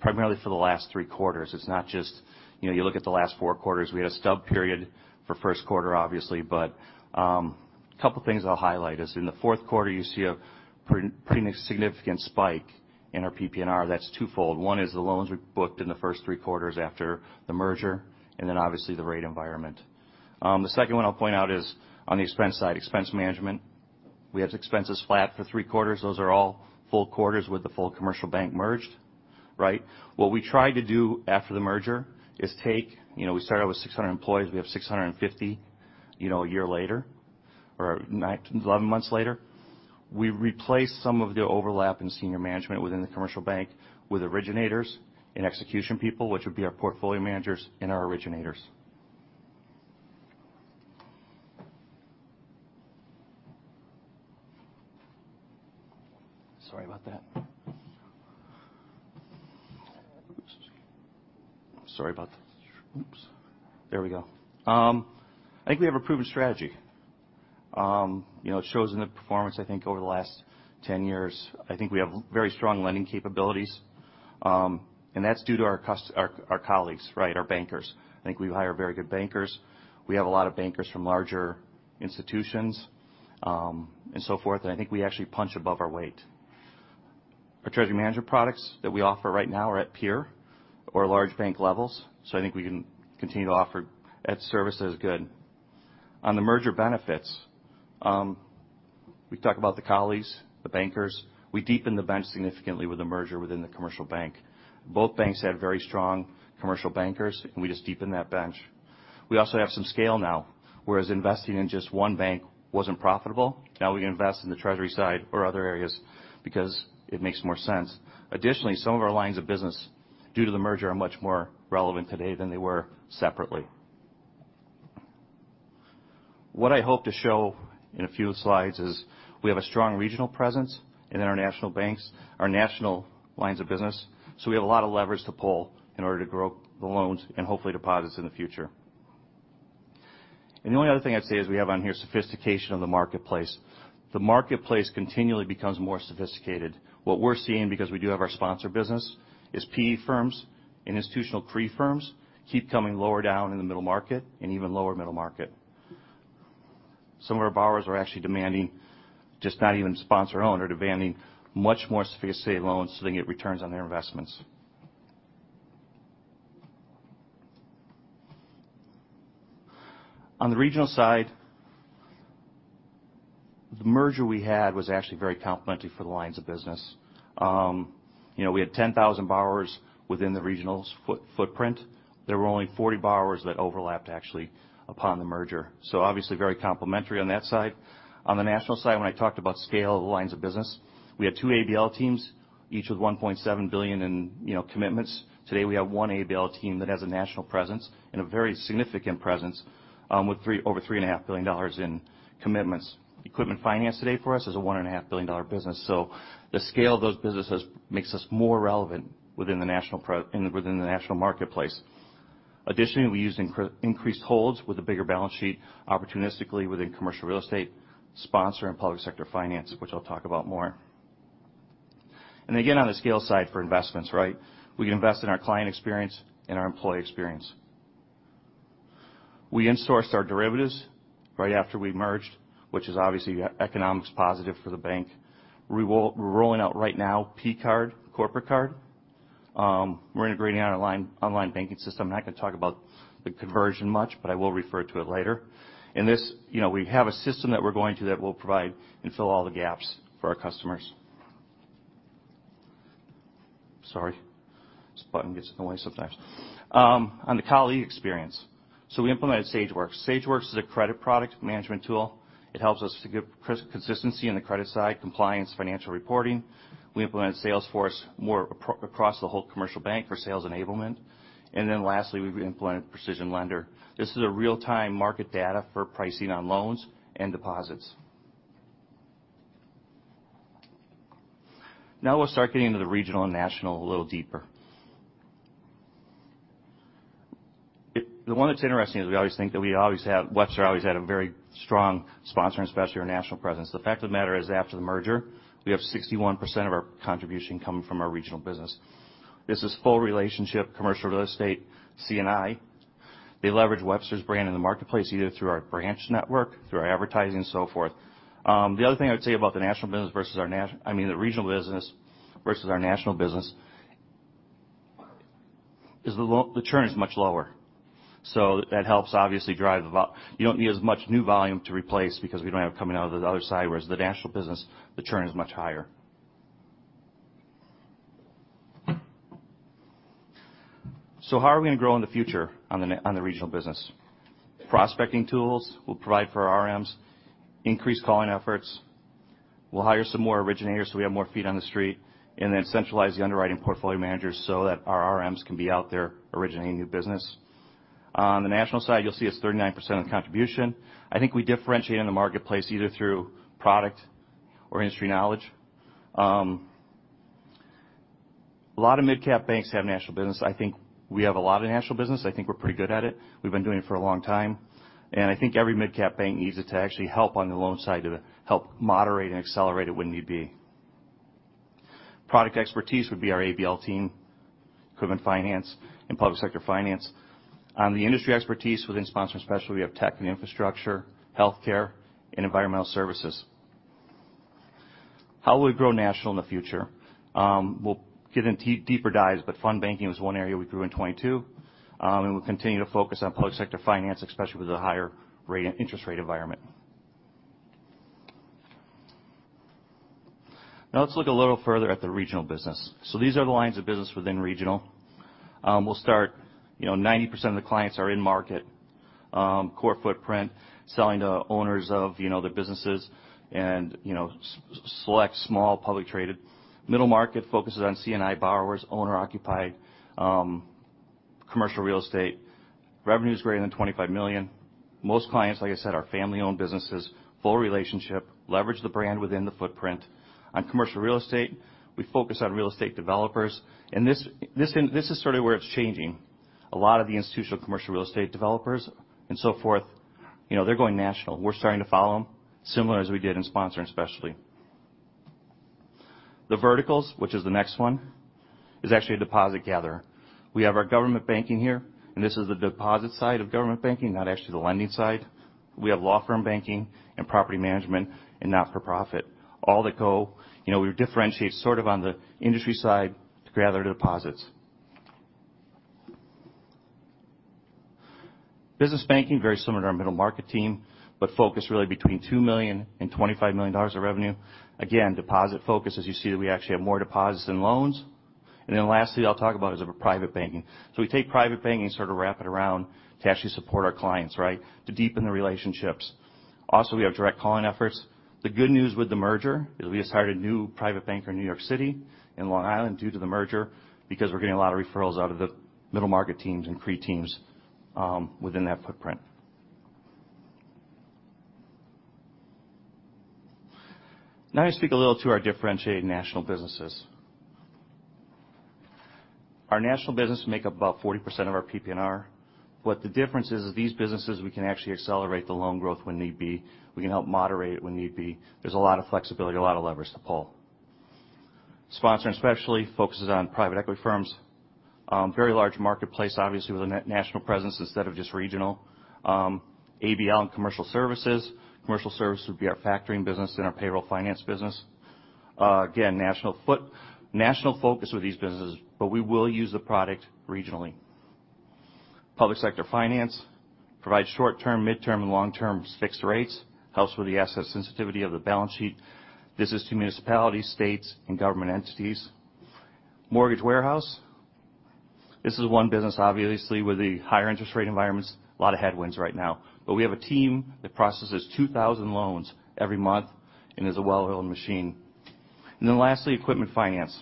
primarily for the last three quarters. It's not just, you know, you look at the last four quarters. We had a stub period for first quarter, obviously. Couple things I'll highlight is in the fourth quarter, you see a pretty significant spike in our PPNR. That's twofold. One is the loans we booked in the first three quarters after the merger, and then obviously the rate environment. The second one I'll point out is on the expense side, expense management. We have expenses flat for three quarters. Those are all full quarters with the full commercial bank merged, right? What we tried to do after the merger is take. You know, we started out with 600 employees. We have 650, you know, a year later or 11 months later. We replaced some of the overlap in senior management within the commercial bank with originators and execution people, which would be our portfolio managers and our originators. Sorry about that. Sorry about that. Oops, there we go. I think we have a proven strategy. You know, it shows in the performance, I think, over the last 10 years. I think we have very strong lending capabilities, and that's due to our colleagues, right, our bankers. I think we hire very good bankers. We have a lot of bankers from larger institutions, and so forth, and I think we actually punch above our weight. Our treasury management products that we offer right now are at peer or large bank levels, so I think we can continue to offer that service as good. On the merger benefits, we talk about the colleagues, the bankers. We deepened the bench significantly with the merger within the commercial bank. Both banks had very strong commercial bankers, and we just deepened that bench. We also have some scale now, whereas investing in just one bank wasn't profitable. Now we can invest in the treasury side or other areas because it makes more sense. Additionally, some of our lines of business, due to the merger, are much more relevant today than they were separately. What I hope to show in a few slides is we have a strong regional presence in our national banks, our national lines of business, so we have a lot of levers to pull in order to grow the loans and hopefully deposits in the future. The only other thing I'd say is we have on here sophistication of the marketplace. The marketplace continually becomes more sophisticated. What we're seeing because we do have our sponsor business is PE firms and institutional CRE firms keep coming lower down in the middle market and even lower middle market. Some of our borrowers are actually demanding just not even sponsor owned. They're demanding much more sophisticated loans so they can get returns on their investments. On the regional side, the merger we had was actually very complementary for the lines of business. You know, we had 10,000 borrowers within the regional footprint. There were only 40 borrowers that overlapped actually upon the merger, so obviously very complementary on that side. On the national side, when I talked about scale of the lines of business, we had two ABL teams, each with $1.7 billion in, you know, commitments. Today, we have 1 ABL team that has a national presence and a very significant presence, over three and a half billion dollars in commitments. Equipment finance today for us is a one and a half billion dollar business. The scale of those businesses makes us more relevant within the national marketplace. Additionally, we use increased holds with a bigger balance sheet opportunistically within commercial real estate, sponsor, and public sector finance, which I'll talk about more. Again, on the scale side for investments, right, we invest in our client experience and our employee experience. We insourced our derivatives right after we merged, which is obviously economics positive for the bank. We're rolling out right now pCard, corporate card. We're integrating our online banking system. I'm not going to talk about the conversion much, but I will refer to it later. In this, you know, we have a system that we're going to that will provide and fill all the gaps for our customers. Sorry. This button gets in the way sometimes. On the colleague experience. We implemented Sageworks. Sageworks is a credit product management tool. It helps us to give consistency on the credit side, compliance, financial reporting. We implemented Salesforce more across the whole commercial bank for sales enablement. Lastly, we've implemented PrecisionLender. This is a real-time market data for pricing on loans and deposits. We'll start getting into the regional and national a little deeper. The one that's interesting is we always think that Webster always had a very strong sponsor and sponsor in our national presence. The fact of the matter is, after the merger, we have 61% of our contribution coming from our regional business. This is full relationship commercial real estate C&I. They leverage Webster's brand in the marketplace, either through our branch network, through our advertising and so forth. The other thing I'd say about the national business versus our I mean, the regional business versus our national business is the churn is much lower. That helps obviously drive you don't need as much new volume to replace because we don't have it coming out of the other side, whereas the national business, the churn is much higher. How are we going to grow in the future on the regional business? Prospecting tools we'll provide for our RMs, increased calling efforts. We'll hire some more originators so we have more feet on the street, then centralize the underwriting portfolio managers so that our RMs can be out there originating new business. On the national side, you'll see it's 39% of the contribution. I think we differentiate in the marketplace either through product or industry knowledge. A lot of mid-cap banks have national business. I think we have a lot of national business. I think we're pretty good at it. We've been doing it for a long time. I think every mid-cap bank needs it to actually help on the loan side to help moderate and accelerate it when need be. Product expertise would be our ABL team, equipment finance, and public sector finance. On the industry expertise within Sponsor and Specialty, we have tech and infrastructure, healthcare, and environmental services. How will we grow national in the future? We'll get into deeper dives, but fund banking was one area we grew in 2022. We'll continue to focus on public sector finance, especially with the higher rate, interest rate environment. Now let's look a little further at the regional business. These are the lines of business within regional. We'll start, you know, 90% of the clients are in market. Core footprint, selling to owners of, you know, the businesses and, you know, select small public traded. Middle market focuses on C&I borrowers, owner-occupied, commercial real estate. Revenue is greater than $25 million. Most clients, like I said, are family-owned businesses, full relationship, leverage the brand within the footprint. On commercial real estate, we focus on real estate developers. This is sort of where it's changing. A lot of the institutional commercial real estate developers and so forth, you know, they're going national. We're starting to follow them similar as we did in Sponsor and Specialty. The verticals, which is the next one, is actually a deposit gatherer. We have our Government Banking here, and this is the deposit side of Government Banking, not actually the lending side. We have Law Firm Banking and Property Management and Not-for-Profit. All that go, you know, we differentiate sort of on the industry side to gather the deposits. Business Banking, very similar to our Middle Market team, but focused really between $2 million-$25 million of revenue. Again, deposit focused. As you see that we actually have more deposits than loans. Lastly I'll talk about is of a Private Banking. We take private banking and sort of wrap it around to actually support our clients, right? To deepen the relationships. Also, we have direct calling efforts. The good news with the merger is we just hired a new private banker in New York City and Long Island due to the merger, because we're getting a lot of referrals out of the middle market teams and pre teams within that footprint. Now I'm going to speak a little to our differentiated national businesses. Our national businesses make up about 40% of our PPNR. What the difference is these businesses, we can actually accelerate the loan growth when need be. We can help moderate it when need be. There's a lot of flexibility, a lot of levers to pull. Sponsor and Specialty focuses on private equity firms. Very large marketplace, obviously, with a national presence instead of just regional. ABL and commercial services. Commercial services would be our factoring business and our payroll finance business. Again, national focus with these businesses. We will use the product regionally. Public sector finance provides short-term, mid-term, and long-term fixed rates. Helps with the asset sensitivity of the balance sheet. This is to municipalities, states, and government entities. Mortgage warehouse. This is one business, obviously, with the higher interest rate environments, a lot of headwinds right now. We have a team that processes 2,000 loans every month and is a well-oiled machine. Lastly, equipment finance.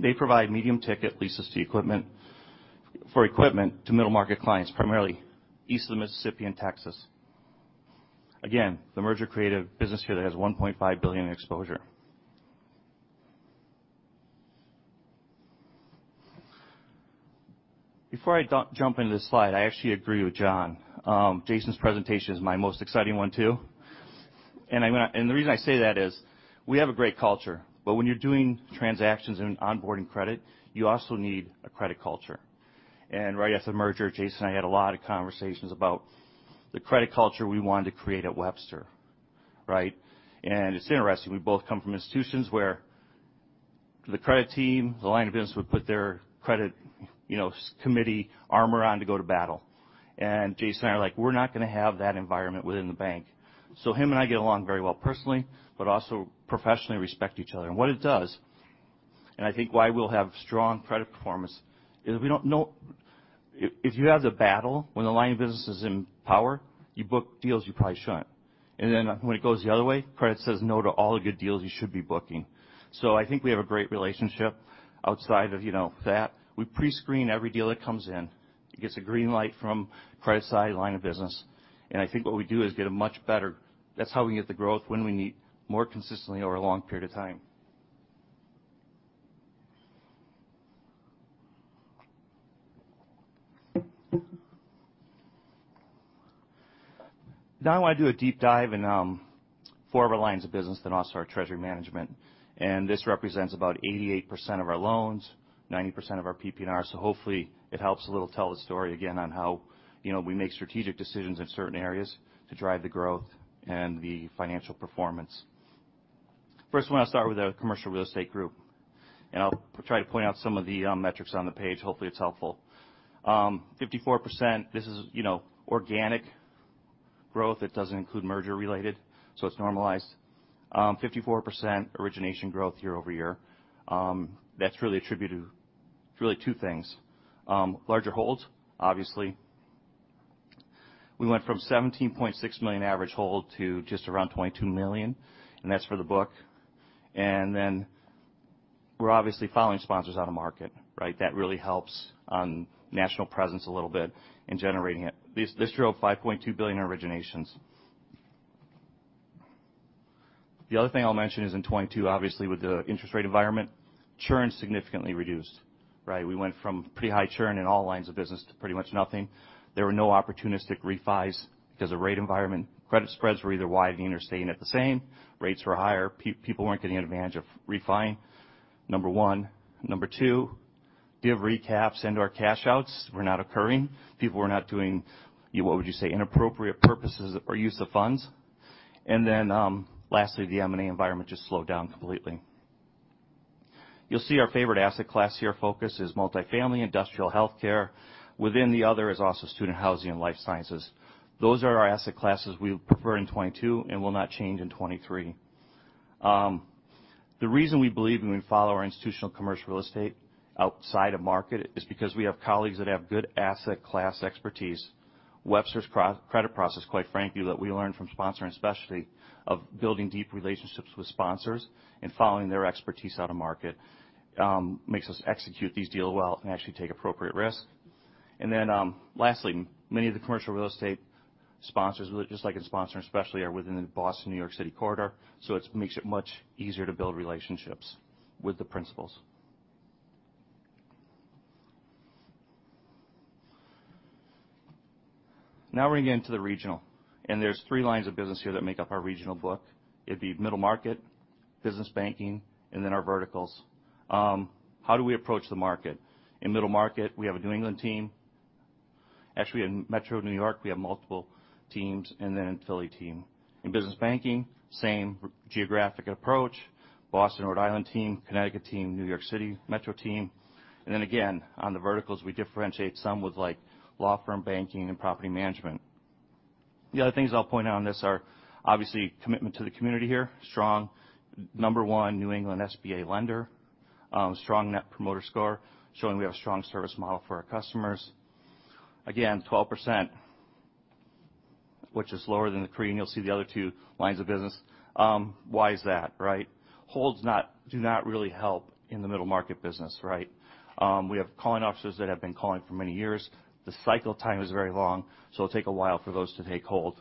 They provide medium-ticket leases for equipment to middle market clients, primarily east of the Mississippi and Texas. Again, the merger created a business here that has $1.5 billion exposure. Before I jump into this slide, I actually agree with John. Jason's presentation is my most exciting one too. The reason I say that is we have a great culture, but when you're doing transactions and onboarding credit, you also need a credit culture. Right after the merger, Jason and I had a lot of conversations about the credit culture we wanted to create at Webster, right? It's interesting, we both come from institutions where the credit team, the line of business would put their credit, you know, committee armor on to go to battle. Jason and I are like, "We're not gonna have that environment within the bank." Him and I get along very well personally, but also professionally respect each other. What it does, and I think why we'll have strong credit performance, is we don't know... If you have the battle when the line of business is in power, you book deals you probably shouldn't. When it goes the other way, credit says no to all the good deals you should be booking. I think we have a great relationship outside of, you know, that. We pre-screen every deal that comes in. It gets a green light from credit side line of business. I think what we do is get a much better... That's how we get the growth when we need more consistently over a long period of time. Now I want to do a deep dive in four of our lines of business, then also our treasury management. This represents about 88% of our loans, 90% of our PPNR. Hopefully it helps a little tell the story again on how, you know, we make strategic decisions in certain areas to drive the growth and the financial performance. First, I want to start with the commercial real estate group. I'll try to point out some of the metrics on the page. Hopefully, it's helpful. 54%, this is, you know, organic growth. It doesn't include merger related, so it's normalized. 54% origination growth year-over-year. That's really attributed to two things. Larger holds, obviously. We went from $17.6 million average hold to just around $22 million, and that's for the book. We're obviously following sponsors out of market, right? That really helps on national presence a little bit in generating it. This drove $5.2 billion in originations. The other thing I'll mention is in 2022, obviously with the interest rate environment, churn significantly reduced, right. We went from pretty high churn in all lines of business to pretty much nothing. There were no opportunistic refis because the rate environment credit spreads were either widening or staying at the same. Rates were higher. People weren't getting advantage of refi, number one. Number two, div recaps into our cash outs were not occurring. People were not doing, what would you say, inappropriate purposes or use of funds. Lastly, the M&A environment just slowed down completely. You'll see our favorite asset class here, focus is multifamily, industrial, healthcare. Within the other is also student housing and life sciences. Those are our asset classes we prefer in 2022 and will not change in 2023. The reason we believe when we follow our institutional commercial real estate outside of market is because we have colleagues that have good asset class expertise. Webster's pro-credit process, quite frankly, that we learned from Sponsor and Specialty of building deep relationships with sponsors and following their expertise out of market, makes us execute these deals well and actually take appropriate risk. Lastly, many of the commercial real estate sponsors, just like in Sponsor and Specialty, are within the Boston, New York City corridor, so it makes it much easier to build relationships with the principals. We're gonna get into the regional, there's three lines of business here that make up our regional book. It'd be middle market, business banking, and then our verticals. How do we approach the market? In middle market, we have a New England team. Actually, in Metro New York, we have multiple teams and then a Philly team. In business banking, same geographic approach, Boston, Rhode Island team, Connecticut team, New York City, Metro team. Then again, on the verticals, we differentiate some with like law firm banking and property management. The other things I'll point out on this are obviously commitment to the community here. Strong number one New England SBA lender, strong net promoter score, showing we have a strong service model for our customers. Again, 12%, which is lower than the three, and you'll see the other two lines of business. Why is that, right? Do not really help in the middle market business, right? We have calling officers that have been calling for many years. The cycle time is very long, so it'll take a while for those to take hold.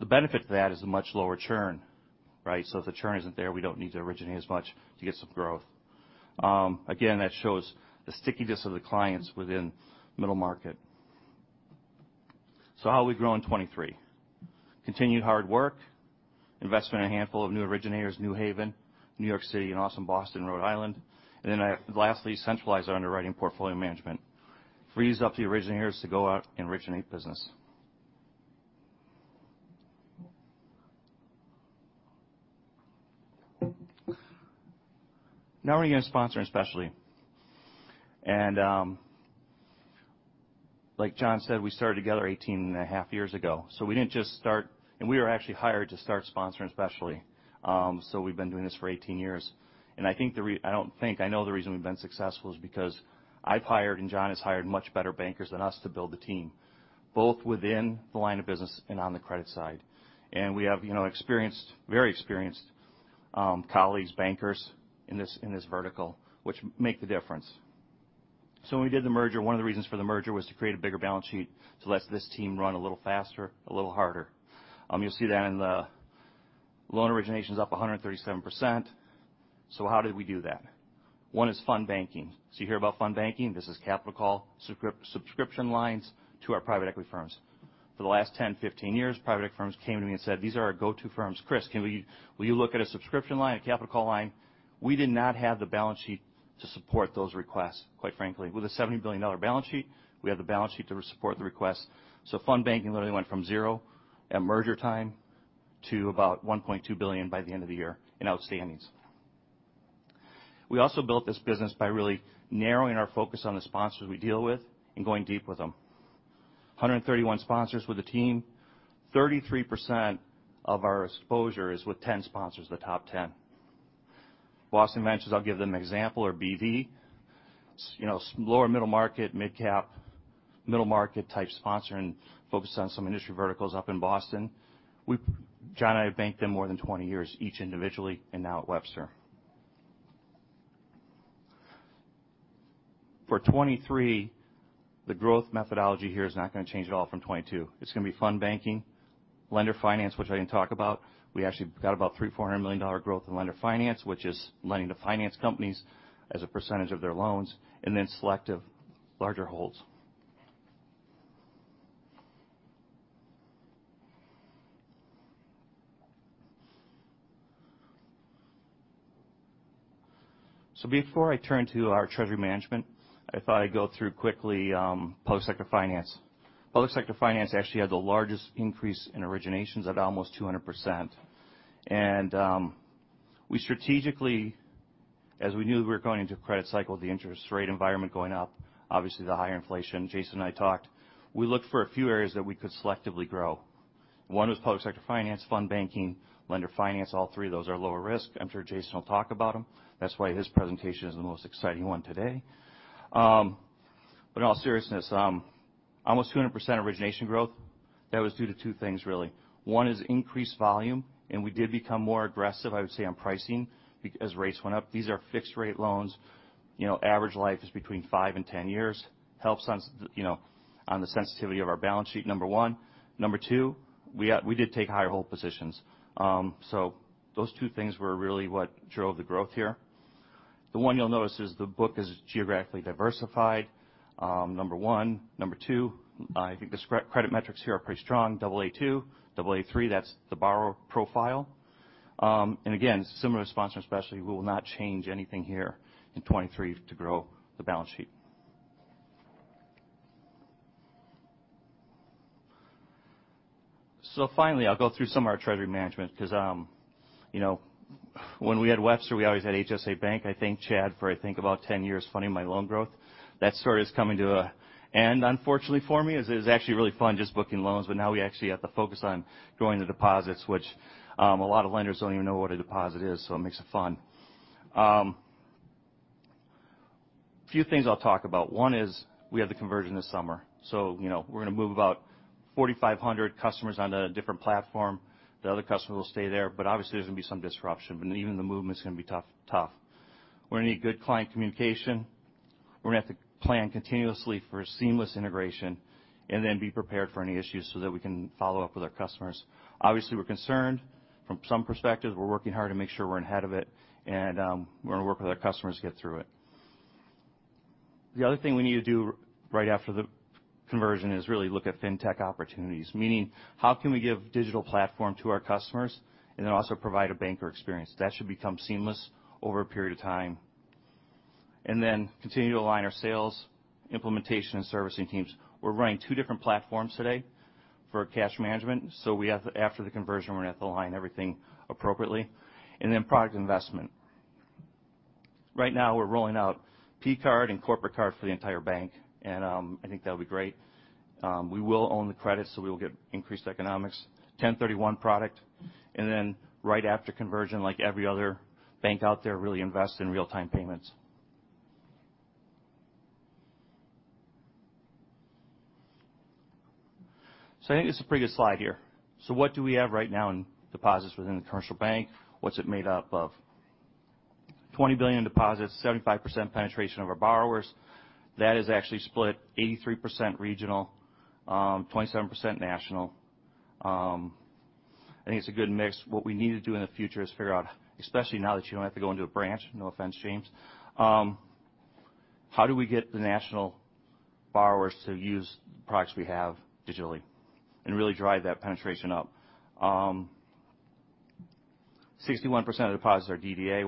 The benefit to that is a much lower churn, right? If the churn isn't there, we don't need to originate as much to get some growth. Again, that shows the stickiness of the clients within middle market. How are we growing 2023? Continued hard work, investment in a handful of new originators, New Haven, New York City, and also Boston, Rhode Island. Lastly, centralize our underwriting portfolio management. Freeze up the originators to go out and originate business. Now we're going to get into Sponsoring Specialty. Like John said, we started together 18 and a half years ago. We didn't just start, and we were actually hired to start Sponsoring Specialty. We've been doing this for 18 years. I don't think I know the reason we've been successful is because I've hired and John has hired much better bankers than us to build the team, both within the line of business and on the credit side. We have, you know, experienced, very experienced colleagues, bankers in this, in this vertical, which make the difference. When we did the merger, one of the reasons for the merger was to create a bigger balance sheet to let this team run a little faster, a little harder. You'll see that in the loan originations up 137%. How did we do that? One is fund banking. You hear about fund banking. This is capital call subscription lines to our private equity firms. For the last 10-15 years, private equity firms came to me and said, "These are our go-to firms. Chris, will you look at a subscription line, a capital call line?" We did not have the balance sheet to support those requests, quite frankly. With a $70 billion balance sheet, we have the balance sheet to support the request. Fund banking literally went from zero at merger time to about $1.2 billion by the end of the year in outstandings. We also built this business by really narrowing our focus on the sponsors we deal with and going deep with them. 131 sponsors with the team. 33% of our exposure is with 10 sponsors, the top 10. Boston Ventures, I'll give them an example, or BV. You know, lower middle market, midcap, middle market type sponsor and focused on some industry verticals up in Boston. John and I have banked them more than 20 years, each individually and now at Webster. For 2023, the growth methodology here is not going to change at all from 2022. It's going to be fund banking, lender finance, which I didn't talk about. We actually got about $300 million-$400 million growth in lender finance, which is lending to finance companies as a percentage of their loans, and then selective larger holds. Before I turn to our treasury management, I thought I'd go through quickly, public sector finance. Public sector finance actually had the largest increase in originations at almost 200%. We strategically, as we knew we were going into a credit cycle, the interest rate environment going up, obviously the higher inflation. Jason and I talked. We looked for a few areas that we could selectively grow. One was public sector finance, fund banking, lender finance. All three of those are lower risk. I'm sure Jason will talk about them. That's why his presentation is the most exciting one today. But in all seriousness, almost 200% origination growth, that was due to two things really. One is increased volume, and we did become more aggressive, I would say, on pricing as rates went up. These are fixed-rate loans. You know, average life is between 5 and 10 years. Helps on you know, on the sensitivity of our balance sheet, number one. Number two. We did take higher hold positions. Those two things were really what drove the growth here. The one you'll notice is the book is geographically diversified, number one. Number two, I think the credit metrics here are pretty strong, AA2, AA3, that's the borrower profile. Again, similar to sponsor, especially, we will not change anything here in 2023 to grow the balance sheet. Finally, I'll go through some of our treasury management because, you know, when we had Webster, we always had HSA Bank. I thank Chad for, I think, about 10 years funding my loan growth. That story is coming to an end, unfortunately for me, as it was actually really fun just booking loans. Now we actually have to focus on growing the deposits, which, a lot of lenders don't even know what a deposit is, so it makes it fun. Few things I'll talk about. One is we have the conversion this summer, you know, we're gonna move about 4,500 customers onto a different platform. The other customers will stay there, obviously there's gonna be some disruption, even the movement's gonna be tough. We're gonna need good client communication. We're gonna have to plan continuously for seamless integration be prepared for any issues so that we can follow up with our customers. Obviously, we're concerned from some perspective. We're working hard to make sure we're ahead of it, we're gonna work with our customers to get through it. The other thing we need to do right after the conversion is really look at fintech opportunities, meaning how can we give digital platform to our customers also provide a banker experience? That should become seamless over a period of time. Continue to align our sales, implementation, and servicing teams. We're running two different platforms today for cash management. After the conversion, we're gonna have to align everything appropriately. Product investment. Right now, we're rolling out pCard and corporate card for the entire bank, and I think that'll be great. We will own the credit, so we will get increased economics. 1031 product. Right after conversion, like every other bank out there, really invest in real-time payments. I think this is a pretty good slide here. What do we have right now in deposits within the commercial bank? What's it made up of? $20 billion deposits, 75% penetration of our borrowers. That is actually split 83% regional, 27% national. I think it's a good mix. What we need to do in the future is figure out, especially now that you don't have to go into a branch, no offense, James, how do we get the national borrowers to use products we have digitally and really drive that penetration up? 61% of deposits are DDA,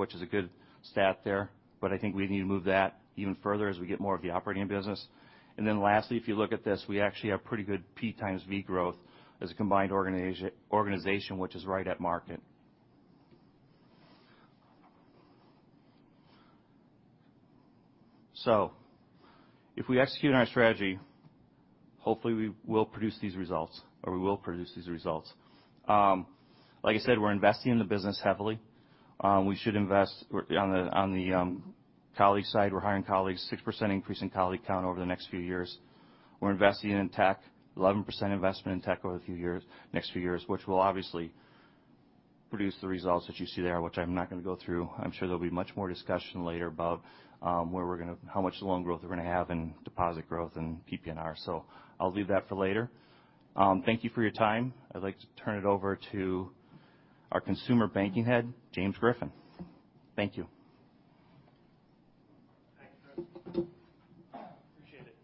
I think we need to move that even further as we get more of the operating business. Lastly, if you look at this, we actually have pretty good P times V growth as a combined organization, which is right at market. If we execute on our strategy, hopefully we will produce these results or we will produce these results. Like I said, we're investing in the business heavily. We should invest on the colleague side. We're hiring colleagues, 6% increase in colleague count over the next few years. We're investing in tech, 11% investment in tech over the next few years, which will obviously produce the results that you see there, which I'm not gonna go through. I'm sure there'll be much more discussion later about, how much loan growth we're gonna have and deposit growth and PPNR. I'll leave that for later. Thank you for your time. I'd like to turn it over to our consumer banking head, James Griffin. Thank you. Thanks, Chris. Appreciate it.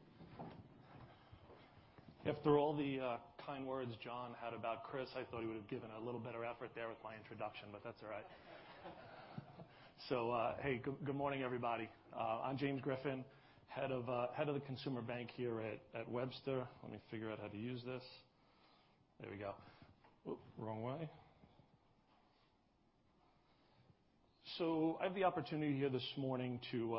After all the kind words John had about Chris, I thought he would have given a little better effort there with my introduction, but that's all right. Hey, good morning, everybody. I'm James Griffin, head of the consumer bank here at Webster. Let me figure out how to use this. There we go. Oh, wrong way. I have the opportunity here this morning to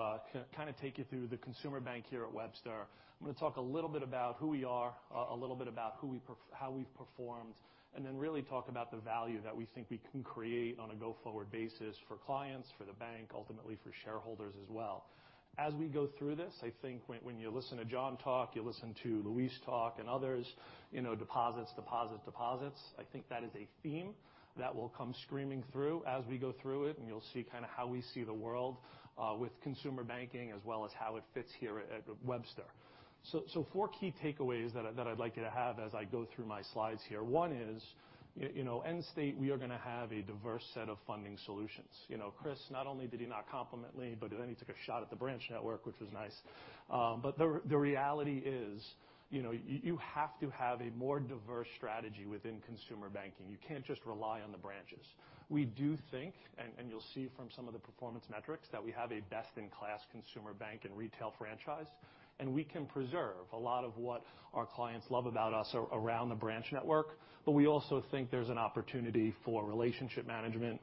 kind of take you through the consumer bank here at Webster. I'm gonna talk a little bit about who we are, a little bit about how we've performed, and then really talk about the value that we think we can create on a go-forward basis for clients, for the bank, ultimately for shareholders as well. As we go through this, I think when you listen to John talk, you listen to Luis talk and others, you know, deposits, deposits. I think that is a theme that will come screaming through as we go through it, and you'll see kind of how we see the world with consumer banking as well as how it fits here at Webster. Four key takeaways that I'd like you to have as I go through my slides here. One is, you know, end state, we are gonna have a diverse set of funding solutions. You know, Chris, not only did he not compliment me, but then he took a shot at the branch network, which was nice. The reality is, you know, you have to have a more diverse strategy within consumer banking. You can't just rely on the branches. We do think, and you'll see from some of the performance metrics, that we have a best-in-class consumer bank and retail franchise, and we can preserve a lot of what our clients love about us around the branch network. We also think there's an opportunity for relationship management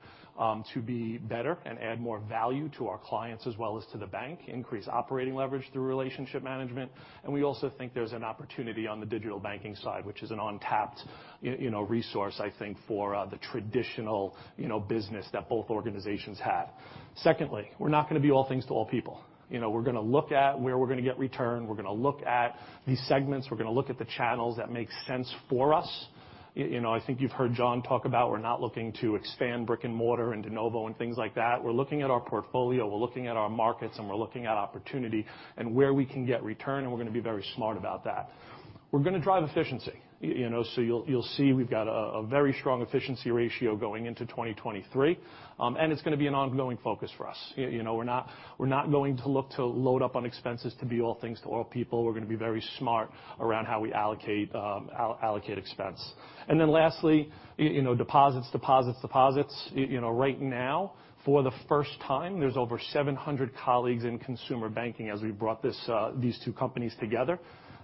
to be better and add more value to our clients as well as to the bank, increase operating leverage through relationship management. We also think there's an opportunity on the digital banking side, which is an untapped you know, resource, I think, for the traditional, you know, business that both organizations have. Secondly, we're not gonna be all things to all people. You know, we're gonna look at where we're gonna get return. We're gonna look at these segments. We're gonna look at the channels that make sense for us. You know, I think you've heard John talk about we're not looking to expand brick-and-mortar and de novo and things like that. We're looking at our portfolio, we're looking at our markets, and we're looking at opportunity and where we can get return, and we're gonna be very smart about that. We're gonna drive efficiency. You know, you'll see we've got a very strong efficiency ratio going into 2023. And it's gonna be an ongoing focus for us. You know, we're not going to look to load up on expenses to be all things to all people. We're gonna be very smart around how we allocate expense. Lastly, you know, deposits, deposits. You know, right now, for the first time, there's over 700 colleagues in consumer banking as we brought these two companies together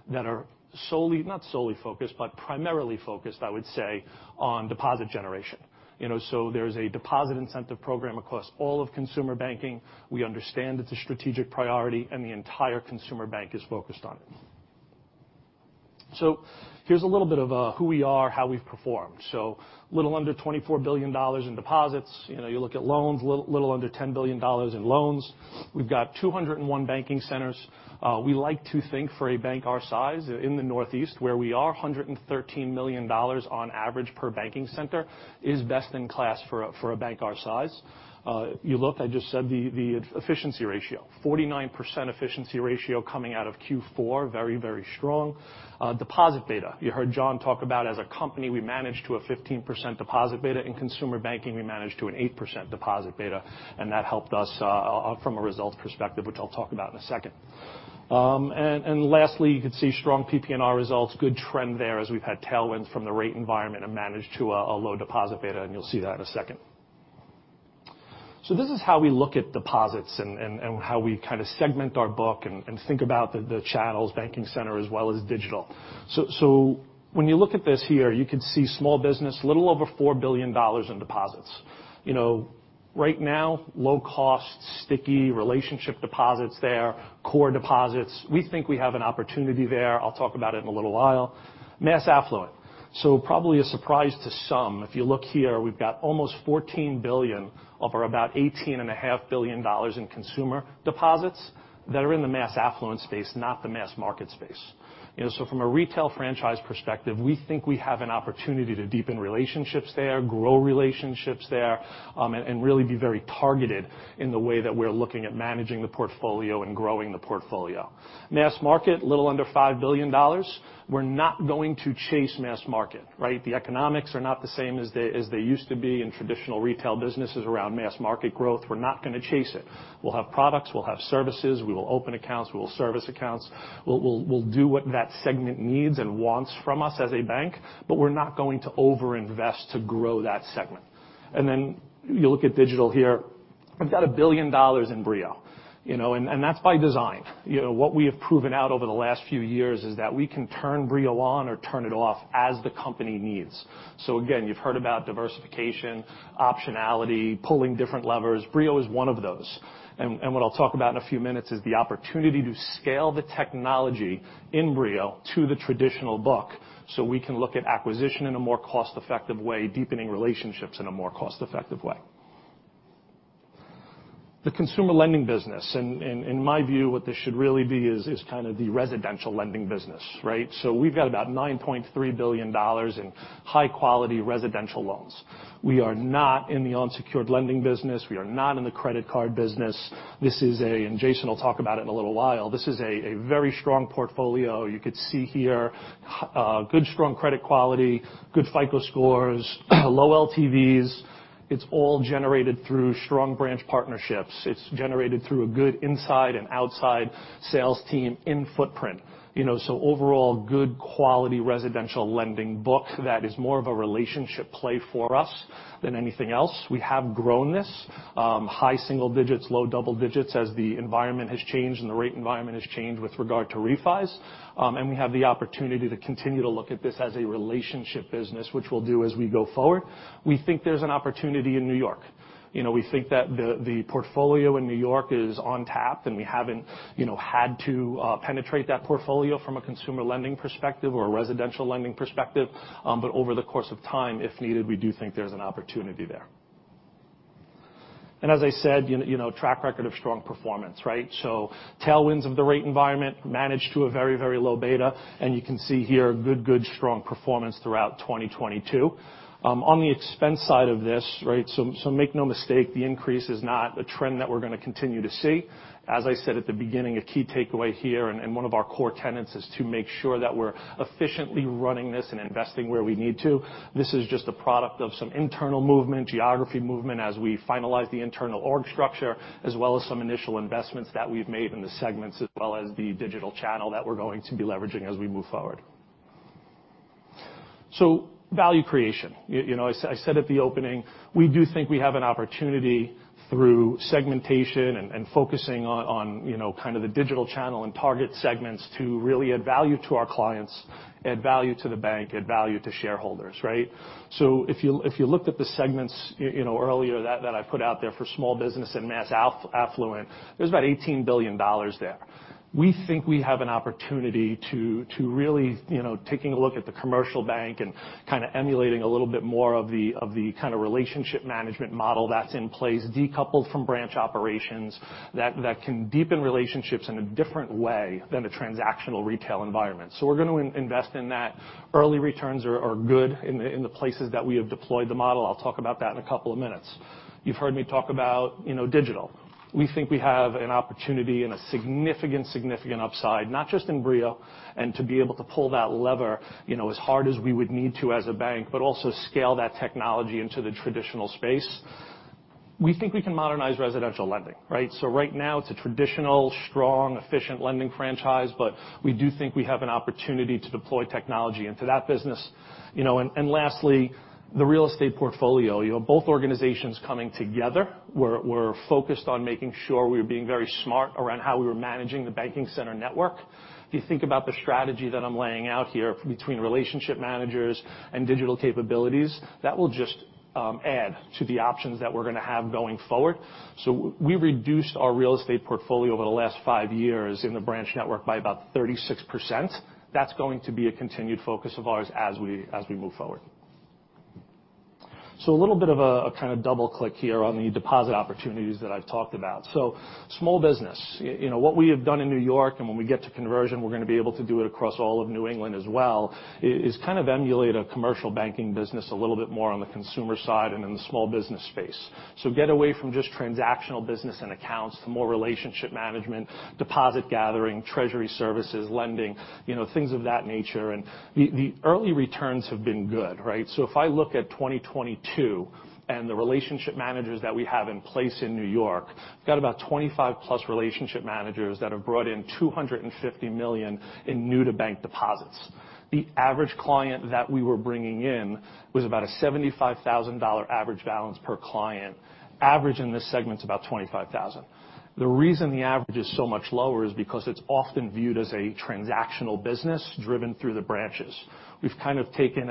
that are solely, not solely focused, but primarily focused, I would say, on deposit generation. You know, there's a deposit incentive program across all of consumer banking. We understand it's a strategic priority, the entire consumer bank is focused on it. Here's a little bit of who we are, how we've performed. Little under $24 billion in deposits. You know, you look at loans, little under $10 billion in loans. We've got 201 banking centers. We like to think for a bank our size in the Northeast, where we are, $113 million on average per banking center is best in class for a bank our size. You look, I just said the efficiency ratio. 49% efficiency ratio coming out of Q4, very, very strong. Deposit beta. You heard John talk about as a company, we manage to a 15% deposit beta. In consumer banking, we manage to an 8% deposit beta, and that helped us from a results perspective, which I'll talk about in a second. And lastly, you could see strong PPNR results, good trend there as we've had tailwinds from the rate environment and managed to a low deposit beta, and you'll see that in a second. This is how we look at deposits and how we kinda segment our book and think about the channels banking center as well as digital. When you look at this here, you could see small business, little over $4 billion in deposits. You know, right now, low cost, sticky relationship deposits there, core deposits. We think we have an opportunity there. I'll talk about it in a little while. Mass affluent. Probably a surprise to some. If you look here, we've got almost $14 billion of our about $18.5 billion in consumer deposits that are in the mass affluent space, not the mass market space. You know, from a retail franchise perspective, we think we have an opportunity to deepen relationships there, grow relationships there, and really be very targeted in the way that we're looking at managing the portfolio and growing the portfolio. Mass market, little under $5 billion. We're not going to chase mass market, right? The economics are not the same as they used to be in traditional retail businesses around mass market growth. We're not gonna chase it. We'll have products, we'll have services, we will open accounts, we will service accounts. We'll do what that segment needs and wants from us as a bank, but we're not going to over-invest to grow that segment. You look at digital here. We've got $1 billion in BrioDirect, you know, and that's by design. You know, what we have proven out over the last few years is that we can turn BrioDirect on or turn it off as the company needs. Again, you've heard about diversification, optionality, pulling different levers. BrioDirect is one of those. What I'll talk about in a few minutes is the opportunity to scale the technology in BrioDirect to the traditional book. We can look at acquisition in a more cost-effective way, deepening relationships in a more cost-effective way. The consumer lending business, in my view, what this should really be is kind of the residential lending business, right? We've got about $9.3 billion in high-quality residential loans. We are not in the unsecured lending business. We are not in the credit card business. This is a. Jason will talk about it in a little while. This is a very strong portfolio. You could see here, good strong credit quality, good FICO scores, low LTVs. It's all generated through strong branch partnerships. It's generated through a good inside and outside sales team in footprint. You know, overall, good quality residential lending book that is more of a relationship play for us than anything else. We have grown this, high single digits, low double digits as the environment has changed and the rate environment has changed with regard to refis. We have the opportunity to continue to look at this as a relationship business, which we'll do as we go forward. We think there's an opportunity in New York. You know, we think that the portfolio in New York is on tap, and we haven't, you know, had to penetrate that portfolio from a consumer lending perspective or a residential lending perspective. Over the course of time, if needed, we do think there's an opportunity there. As I said, you know, track record of strong performance, right? Tailwinds of the rate environment managed to a very, very low beta. You can see here good strong performance throughout 2022. On the expense side of this, right? Make no mistake, the increase is not a trend that we're gonna continue to see. As I said at the beginning, a key takeaway here and one of our core tenets is to make sure that we're efficiently running this and investing where we need to. This is just a product of some internal movement, geography movement as we finalize the internal org structure, as well as some initial investments that we've made in the segments, as well as the digital channel that we're going to be leveraging as we move forward. Value creation. You know, I said at the opening, we do think we have an opportunity through segmentation and focusing on, you know, kind of the digital channel and target segments to really add value to our clients, add value to the bank, add value to shareholders, right? If you looked at the segments, you know, earlier that I put out there for small business and mass affluent, there's about $18 billion there. We think we have an opportunity to really, you know, taking a look at the commercial bank and kind of emulating a little bit more of the, of the kind of relationship management model that's in place, decoupled from branch operations that can deepen relationships in a different way than a transactional retail environment. We're gonna invest in that. Early returns are good in the places that we have deployed the model. I'll talk about that in a couple of minutes. You've heard me talk about, you know, digital. We think we have an opportunity and a significant upside, not just in BrioDirect and to be able to pull that lever, you know, as hard as we would need to as a bank, but also scale that technology into the traditional space. We think we can modernize residential lending, right? Right now, it's a traditional, strong, efficient lending franchise, but we do think we have an opportunity to deploy technology into that business. Lastly, the real estate portfolio. You know, both organizations coming together. We're focused on making sure we're being very smart around how we were managing the banking center network. If you think about the strategy that I'm laying out here between relationship managers and digital capabilities, that will just add to the options that we're gonna have going forward. We reduced our real estate portfolio over the last 5 years in the branch network by about 36%. That's going to be a continued focus of ours as we, as we move forward. A little bit of a kind of double click here on the deposit opportunities that I've talked about. Small business. You know, what we have done in New York, and when we get to conversion, we're gonna be able to do it across all of New England as well, is kind of emulate a commercial banking business a little bit more on the consumer side and in the small business space. Get away from just transactional business and accounts to more relationship management, deposit gathering, treasury services, lending, you know, things of that nature. The early returns have been good, right? If I look at 2022 and the relationship managers that we have in place in New York, we've got about 25+ relationship managers that have brought in $250 million in new to bank deposits. The average client that we were bringing in was about a $75,000 average balance per client. Average in this segment's about $25,000. The reason the average is so much lower is because it's often viewed as a transactional business driven through the branches. We've kind of taken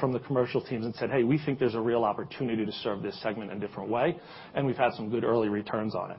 from the commercial teams and said, "Hey, we think there's a real opportunity to serve this segment in a different way," and we've had some good early returns on it.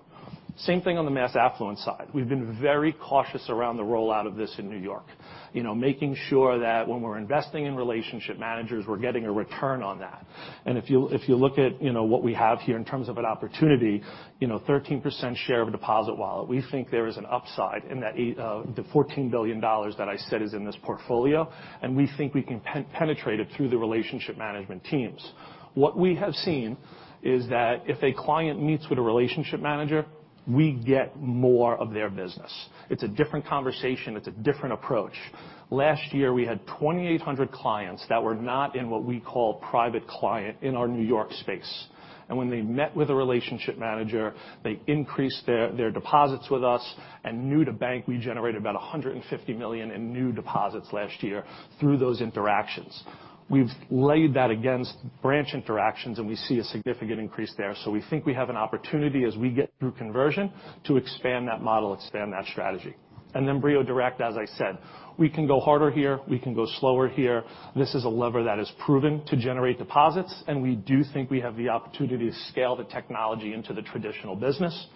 Same thing on the mass affluent side. We've been very cautious around the rollout of this in New York. You know, making sure that when we're investing in relationship managers, we're getting a return on that. If you look at, you know, what we have here in terms of an opportunity, you know, 13% share of a deposit wallet. We think there is an upside in that the $14 billion that I said is in this portfolio, and we think we can penetrate it through the relationship management teams. What we have seen is that if a client meets with a relationship manager, we get more of their business. It's a different conversation. It's a different approach. Last year, we had 2,800 clients that were not in what we call private client in our New York space. When they met with a relationship manager, they increased their deposits with us. New to bank, we generated about $150 million in new deposits last year through those interactions. We've laid that against branch interactions, and we see a significant increase there. We think we have an opportunity as we get through conversion to expand that model, expand that strategy. Then BrioDirect, as I said, we can go harder here, we can go slower here. This is a lever that is proven to generate deposits. We do think we have the opportunity to scale the technology into the traditional business.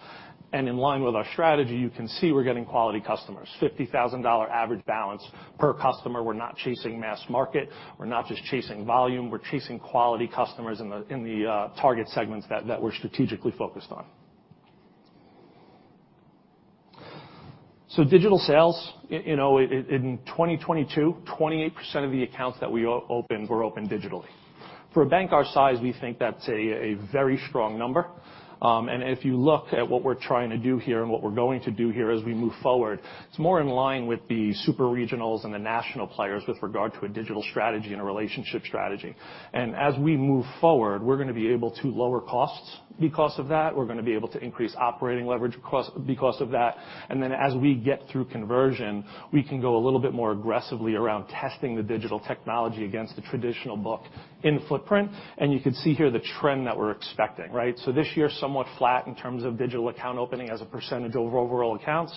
In line with our strategy, you can see we're getting quality customers. $50,000 average balance per customer. We're not chasing mass market. We're not just chasing volume. We're chasing quality customers in the target segments that we're strategically focused on. Digital sales. You know, in 2022, 28% of the accounts that we opened were opened digitally. For a bank our size, we think that's a very strong number. If you look at what we're trying to do here and what we're going to do here as we move forward, it's more in line with the super regionals and the national players with regard to a digital strategy and a relationship strategy. As we move forward, we're gonna be able to lower costs because of that. We're gonna be able to increase operating leverage cost because of that. As we get through conversion, we can go a little bit more aggressively around testing the digital technology against the traditional book in footprint. You can see here the trend that we're expecting, right? This year, somewhat flat in terms of digital account opening as a percentage of overall accounts.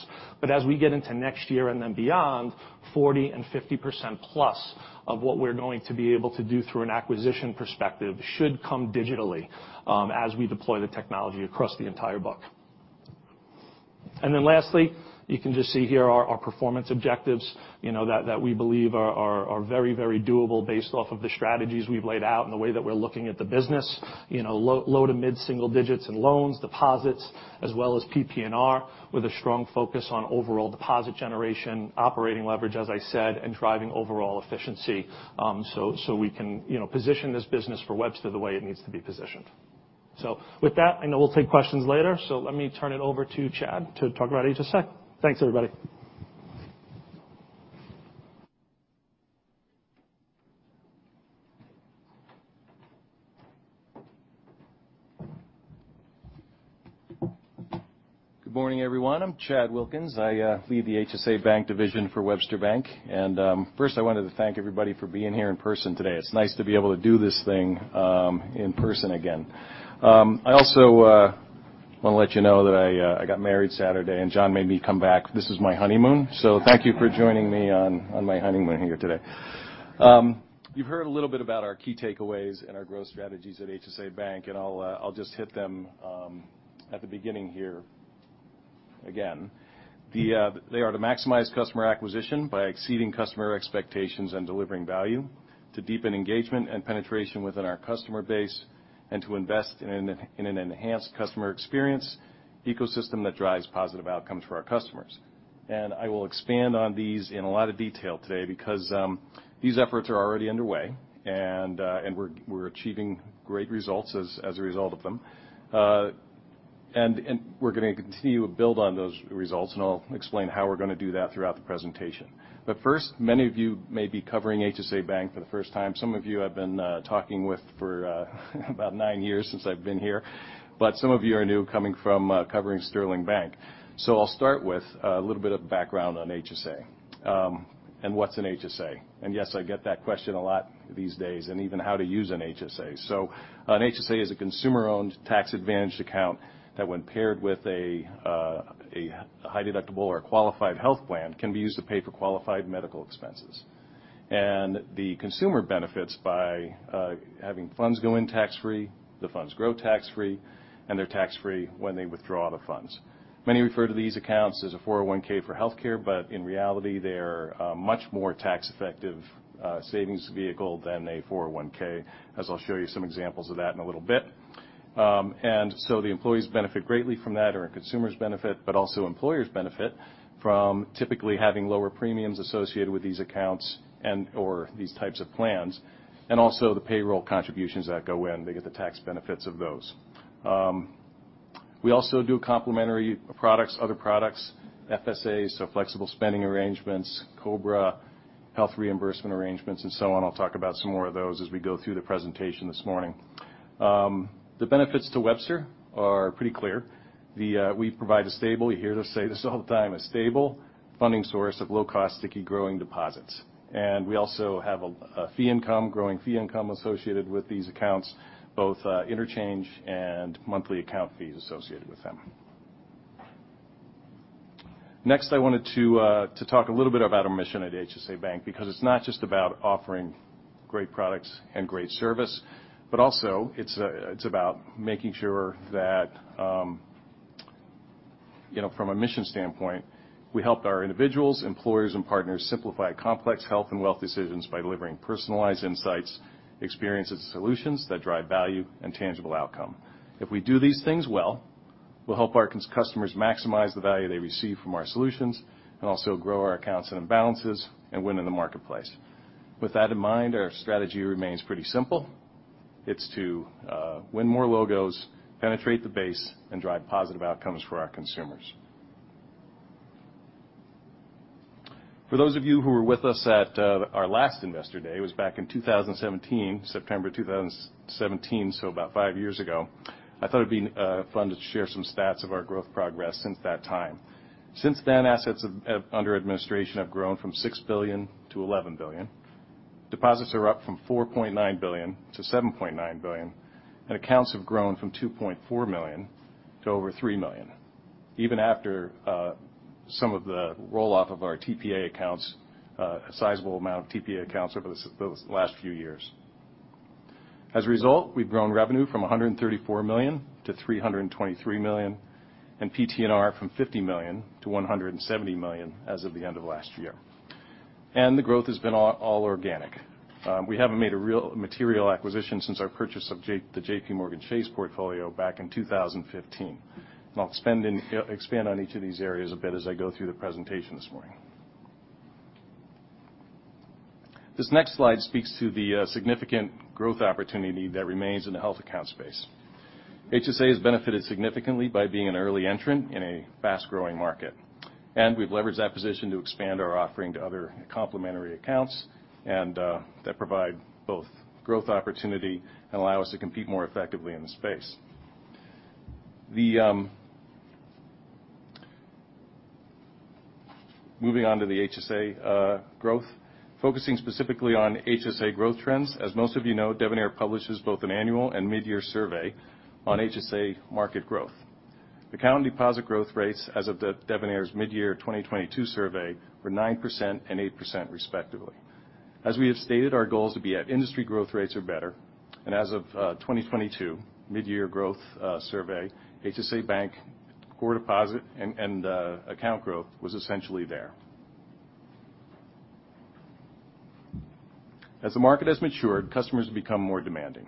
As we get into next year and then beyond, 40% and 50% plus of what we're going to be able to do through an acquisition perspective should come digitally, as we deploy the technology across the entire book. Lastly, you can just see here our performance objectives, you know, that we believe are very doable based off of the strategies we've laid out and the way that we're looking at the business. You know, low to mid-single digits in loans, deposits, as well as PPNR, with a strong focus on overall deposit generation, operating leverage, as I said, and driving overall efficiency, so we can, you know, position this business for Webster the way it needs to be positioned. With that, I know we'll take questions later. Let me turn it over to Chad to talk about HSA. Thanks, everybody. Good morning, everyone. I'm Chad Wilkins. I lead the HSA Bank division for Webster Bank. First I wanted to thank everybody for being here in person today. It's nice to be able to do this thing in person again. I also want to let you know that I got married Saturday and John made me come back. This is my honeymoon. Thank you for joining me on my honeymoon here today. You've heard a little bit about our key takeaways and our growth strategies at HSA Bank. I'll just hit them at the beginning here again. They are to maximize customer acquisition by exceeding customer expectations and delivering value, to deepen engagement and penetration within our customer base, and to invest in an enhanced customer experience ecosystem that drives positive outcomes for our customers. I will expand on these in a lot of detail today because these efforts are already underway and we're achieving great results as a result of them. And we're gonna continue to build on those results, and I'll explain how we're gonna do that throughout the presentation. First, many of you may be covering HSA Bank for the first time. Some of you I've been talking with for about nine years since I've been here. Some of you are new coming from covering Sterling Bank. I'll start with a little bit of background on HSA, and what's an HSA. Yes, I get that question a lot these days and even how to use an HSA. An HSA is a consumer-owned tax-advantaged account that when paired with a high deductible or a qualified health plan, can be used to pay for qualified medical expenses. The consumer benefits by having funds go in tax-free, the funds grow tax-free, and they're tax-free when they withdraw the funds. Many refer to these accounts as a 401(k) for healthcare, but in reality, they're a much more tax-effective savings vehicle than a 401(k) as I'll show you some examples of that in a little bit. The employees benefit greatly from that or consumers benefit, but also employers benefit from typically having lower premiums associated with these accounts and or these types of plans, and also the payroll contributions that go in. They get the tax benefits of those. We also do complementary products, other products, FSAs, so flexible spending arrangements, COBRA, health reimbursement arrangements, and so on. I'll talk about some more of those as we go through the presentation this morning. The benefits to Webster are pretty clear. We provide a stable, you hear us say this all the time, a stable funding source of low-cost, sticky, growing deposits. We also have a fee income, growing fee income associated with these accounts, both interchange and monthly account fees associated with them. Next, I wanted to talk a little bit about our mission at HSA Bank because it's not just about offering great products and great service, but also it's about making sure that, you know, from a mission standpoint, we help our individuals, employers, and partners simplify complex health and wealth decisions by delivering personalized insights, experiences, and solutions that drive value and tangible outcome. If we do these things well, we'll help our customers maximize the value they receive from our solutions and also grow our accounts and balances and win in the marketplace. With that in mind, our strategy remains pretty simple. It's to win more logos, penetrate the base, and drive positive outcomes for our consumers. For those of you who were with us at our last Investor Day, it was back in 2017, September 2017, so about five years ago, I thought it'd be fun to share some stats of our growth progress since that time. Since then, assets of under administration have grown from $6 billion-$11 billion. Deposits are up from $4.9 billion-$7.9 billion, and accounts have grown from $2.4 million to over $3 million, even after some of the roll-off of our TPA accounts, a sizable amount of TPA accounts over this, those last few years. As a result, we've grown revenue from $134 million-$323 million, and PPNR from $50 million-$170 million as of the end of last year. The growth has been all organic. We haven't made a real material acquisition since our purchase of the JPMorgan Chase portfolio back in 2015. I'll expand on each of these areas a bit as I go through the presentation this morning. This next slide speaks to the significant growth opportunity that remains in the health account space. HSA has benefited significantly by being an early entrant in a fast-growing market. We've leveraged that position to expand our offering to other complementary accounts that provide both growth opportunity and allow us to compete more effectively in the space. Moving on to the HSA growth. Focusing specifically on HSA growth trends, as most of you know, Devenir publishes both an annual and mid-year survey on HSA market growth. Account and deposit growth rates as of the Devenir's mid-year 2022 survey were 9% and 8% respectively. As we have stated, our goal is to be at industry growth rates or better. As of, 2022 mid-year growth, survey, HSA Bank core deposit and account growth was essentially there. As the market has matured, customers have become more demanding,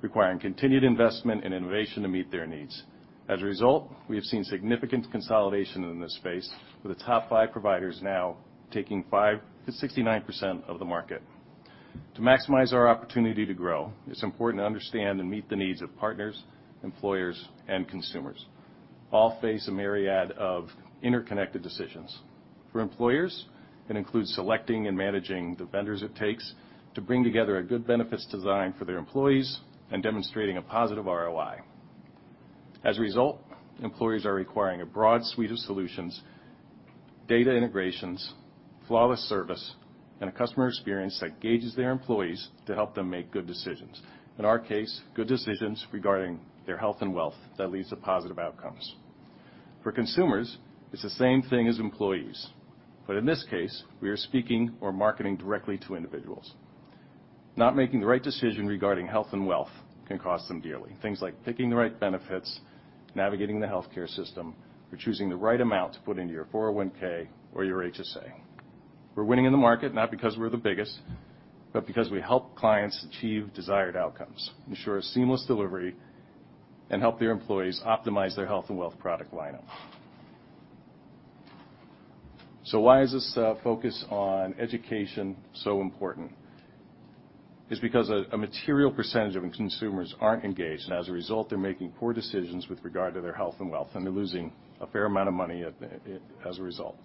requiring continued investment and innovation to meet their needs. As a result, we have seen significant consolidation in this space, with the top five providers now taking 5%-69% of the market. To maximize our opportunity to grow, it's important to understand and meet the needs of partners, employers, and consumers. All face a myriad of interconnected decisions. For employers, it includes selecting and managing the vendors it takes to bring together a good benefits design for their employees and demonstrating a positive ROI. As a result, employers are requiring a broad suite of solutions, data integrations, flawless service, and a customer experience that gauges their employees to help them make good decisions. In our case, good decisions regarding their health and wealth that leads to positive outcomes. For consumers, it's the same thing as employees. In this case, we are speaking or marketing directly to individuals. Not making the right decision regarding health and wealth can cost them dearly. Things like picking the right benefits, navigating the healthcare system, or choosing the right amount to put into your 401(k) or your HSA. We're winning in the market not because we're the biggest, but because we help clients achieve desired outcomes, ensure a seamless delivery, and help their employees optimize their health and wealth product lineup. Why is this focus on education so important? It's because a material percentage of consumers aren't engaged, and as a result, they're making poor decisions with regard to their health and wealth, and they're losing a fair amount of money as a result.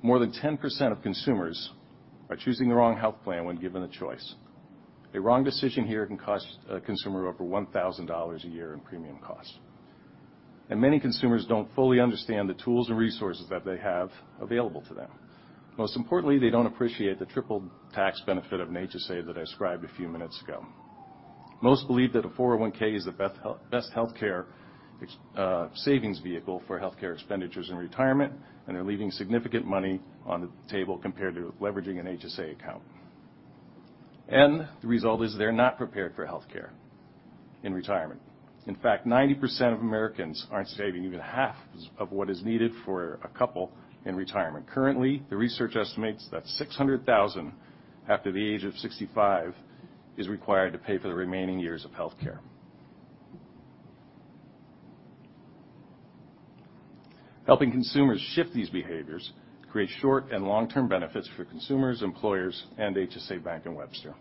More than 10% of consumers are choosing the wrong health plan when given a choice. A wrong decision here can cost a consumer over $1,000 a year in premium costs. Many consumers don't fully understand the tools and resources that they have available to them. Most importantly, they don't appreciate the triple tax benefit of an HSA that I described a few minutes ago. Most believe that a 401(k) is the best healthcare savings vehicle for healthcare expenditures in retirement, and they're leaving significant money on the table compared to leveraging an HSA account. The result is they're not prepared for healthcare in retirement. In fact, 90% of Americans aren't saving even half of what is needed for a couple in retirement. Currently, the research estimates that $600,000 after the age of 65 is required to pay for the remaining years of healthcare. Helping consumers shift these behaviors create short and long-term benefits for consumers, employers, and HSA Bank and Webster.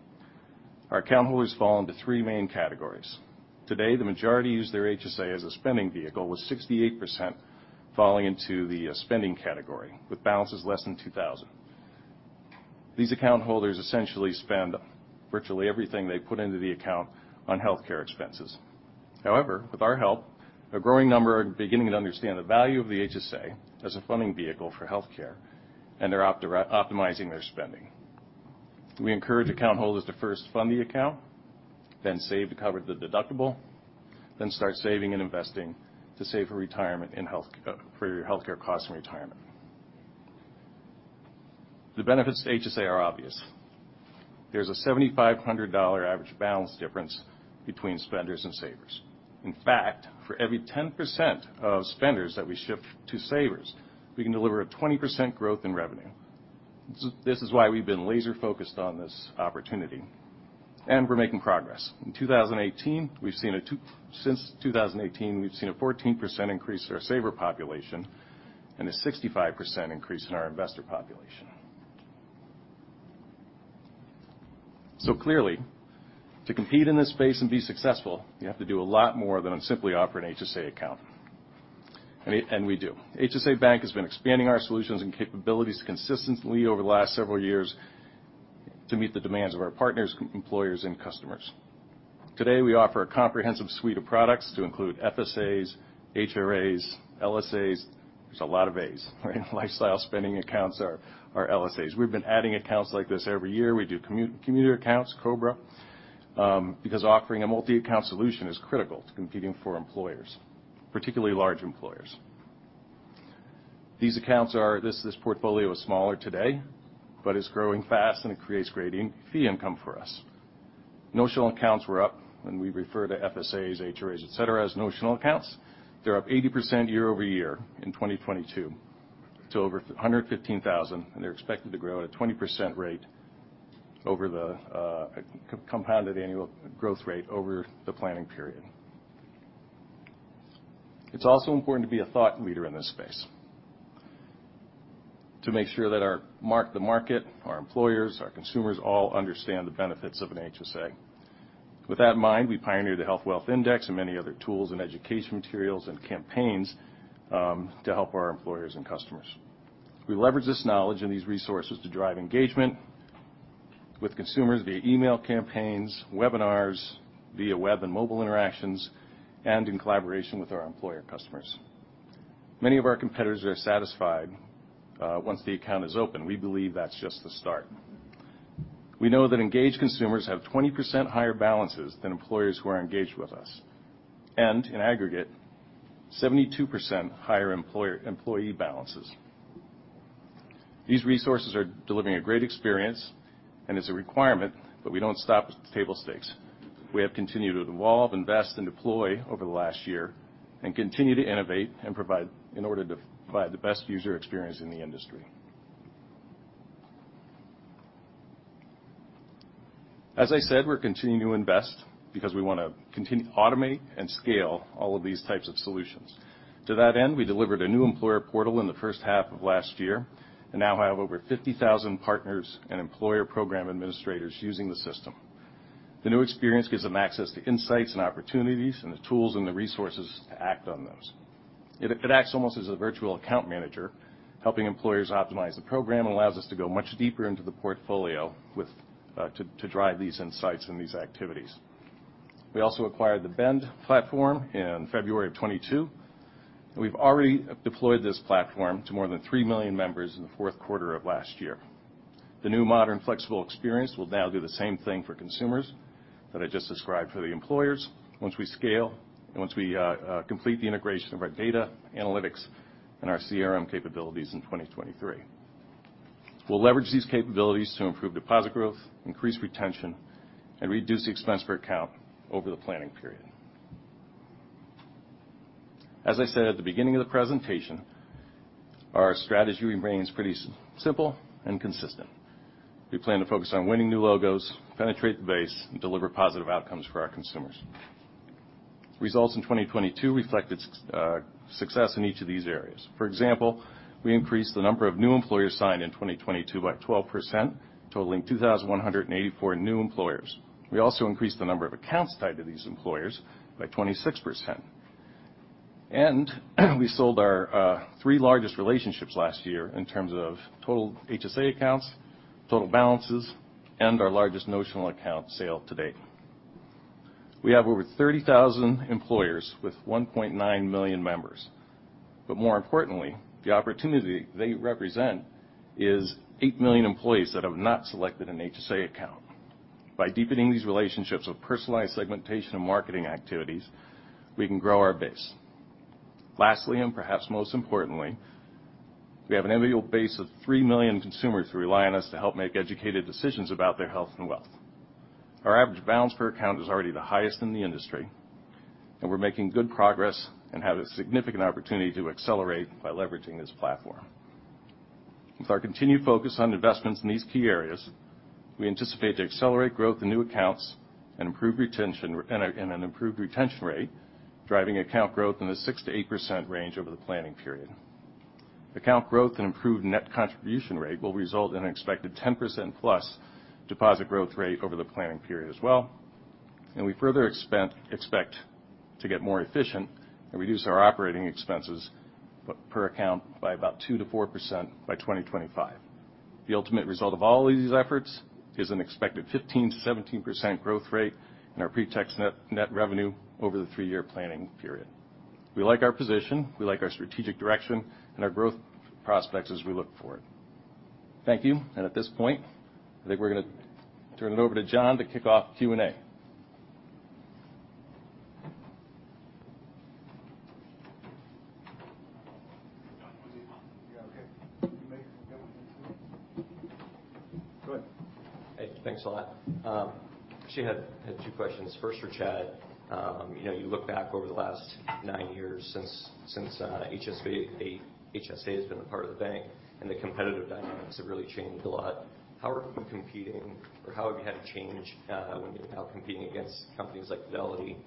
Our account holders fall into three main categories. Today, the majority use their HSA as a spending vehicle, with 68% falling into the spending category, with balances less than 2,000. These account holders essentially spend virtually everything they put into the account on healthcare expenses. With our help, a growing number are beginning to understand the value of the HSA as a funding vehicle for healthcare, and they're optimizing their spending. We encourage account holders to first fund the account, then save to cover the deductible, then start saving and investing to save for retirement for your healthcare costs in retirement. The benefits to HSA are obvious. There's a $7,500 average balance difference between spenders and savers. In fact, for every 10% of spenders that we shift to savers, we can deliver a 20% growth in revenue. This is why we've been laser focused on this opportunity. We're making progress. In 2018, since 2018, we've seen a 14% increase in our saver population and a 65% increase in our investor population. Clearly, to compete in this space and be successful, you have to do a lot more than simply offer an HSA account. We do. HSA Bank has been expanding our solutions and capabilities consistently over the last several years to meet the demands of our partners, employers, and customers. Today, we offer a comprehensive suite of products to include FSAs, HRAs, LSAs. There's a lot of As, right? Lifestyle spending accounts are LSAs. We've been adding accounts like this every year. We do commuter accounts, COBRA, because offering a multi-account solution is critical to competing for employers, particularly large employers. This portfolio is smaller today, but it's growing fast, and it creates great in-fee income for us. Notional accounts were up, when we refer to FSAs, HRAs, et cetera as notional accounts. They're up 80% year-over-year in 2022 to over 115,000, and they're expected to grow at a 20% rate over the compounded annual growth rate over the planning period. It's also important to be a thought leader in this space to make sure that the market, our employers, our consumers all understand the benefits of an HSA. With that in mind, we pioneered the Health Wealth Index and many other tools and education materials and campaigns to help our employers and customers. We leverage this knowledge and these resources to drive engagement with consumers via email campaigns, webinars, via web and mobile interactions, and in collaboration with our employer customers. Many of our competitors are satisfied once the account is open. We believe that's just the start. We know that engaged consumers have 20% higher balances than employers who are engaged with us and, in aggregate, 72% higher employer-employee balances. These resources are delivering a great experience and is a requirement that we don't stop with table stakes. We have continued to evolve, invest, and deploy over the last year and continue to innovate and provide in order to provide the best user experience in the industry. As I said, we're continuing to invest because we wanna continue to automate and scale all of these types of solutions. To that end, we delivered a new employer portal in the first half of last year and now have over 50,000 partners and employer program administrators using the system. The new experience gives them access to insights and opportunities and the tools and the resources to act on those. It acts almost as a virtual account manager, helping employers optimize the program. It allows us to go much deeper into the portfolio with to drive these insights and these activities. We also acquired the Bend platform in February of 2022. We've already deployed this platform to more than 3 million members in the fourth quarter of last year. The new modern flexible experience will now do the same thing for consumers that I just described for the employers once we scale and once we complete the integration of our data, analytics, and our CRM capabilities in 2023. We'll leverage these capabilities to improve deposit growth, increase retention, and reduce the expense per account over the planning period. As I said at the beginning of the presentation, our strategy remains pretty simple and consistent. We plan to focus on winning new logos, penetrate the base, and deliver positive outcomes for our consumers. Results in 2022 reflected success in each of these areas. For example, we increased the number of new employers signed in 2022 by 12%, totaling 2,184 new employers. We also increased the number of accounts tied to these employers by 26%. We sold our three largest relationships last year in terms of total HSA accounts, total balances, and our largest notional account sale to date. We have over 30,000 employers with 1.9 million members. More importantly, the opportunity they represent is 8 million employees that have not selected an HSA account. By deepening these relationships with personalized segmentation and marketing activities, we can grow our base. Lastly, and perhaps most importantly, we have an annual base of 3 million consumers who rely on us to help make educated decisions about their health and wealth. Our average balance per account is already the highest in the industry, and we're making good progress and have a significant opportunity to accelerate by leveraging this platform. With our continued focus on investments in these key areas, we anticipate to accelerate growth in new accounts and an improved retention rate, driving account growth in the 6%-8% range over the planning period. Account growth and improved net contribution rate will result in an expected 10%+ deposit growth rate over the planning period as well. We further expect to get more efficient and reduce our operating expenses per account by about 2%-4% by 2025. The ultimate result of all of these efforts is an expected 15%-17% growth rate in our pre-tax net revenue over the three-year planning period. We like our position, we like our strategic direction, and our growth prospects as we look forward. Thank you. At this point, I think we're gonna turn it over to John to kick off Q&A. Yeah. Okay. Can you make it this way? Go ahead. Hey, thanks a lot. Actually had 2 questions. First for Chad. You know, you look back over the last 9 years since HSA has been a part of the bank, and the competitive dynamics have really changed a lot. How are you competing or how have you had to change when you're now competing against companies like Fidelity,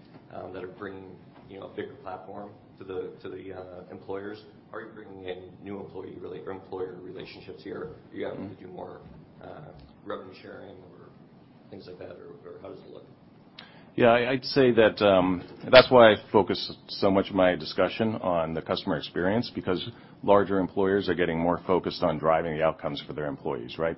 that are bringing, you know, a bigger platform to the employers? Are you bringing in new employer relationships here? Are you having to do more revenue sharing or things like that, or how does it look? Yeah. I'd say that's why I focus so much of my discussion on the customer experience because larger employers are getting more focused on driving the outcomes for their employees, right?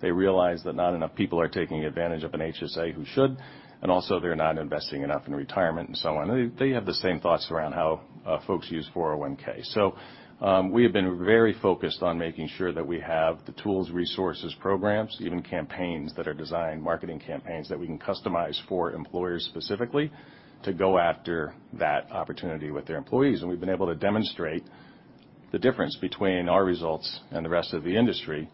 They realize that not enough people are taking advantage of an HSA who should, and also they're not investing enough in retirement and so on. They have the same thoughts around how folks use 401(k). We have been very focused on making sure that we have the tools, resources, programs, even campaigns that are designed, marketing campaigns that we can customize for employers specifically to go after that opportunity with their employees. We've been able to demonstrate the difference between our results and the rest of the industry,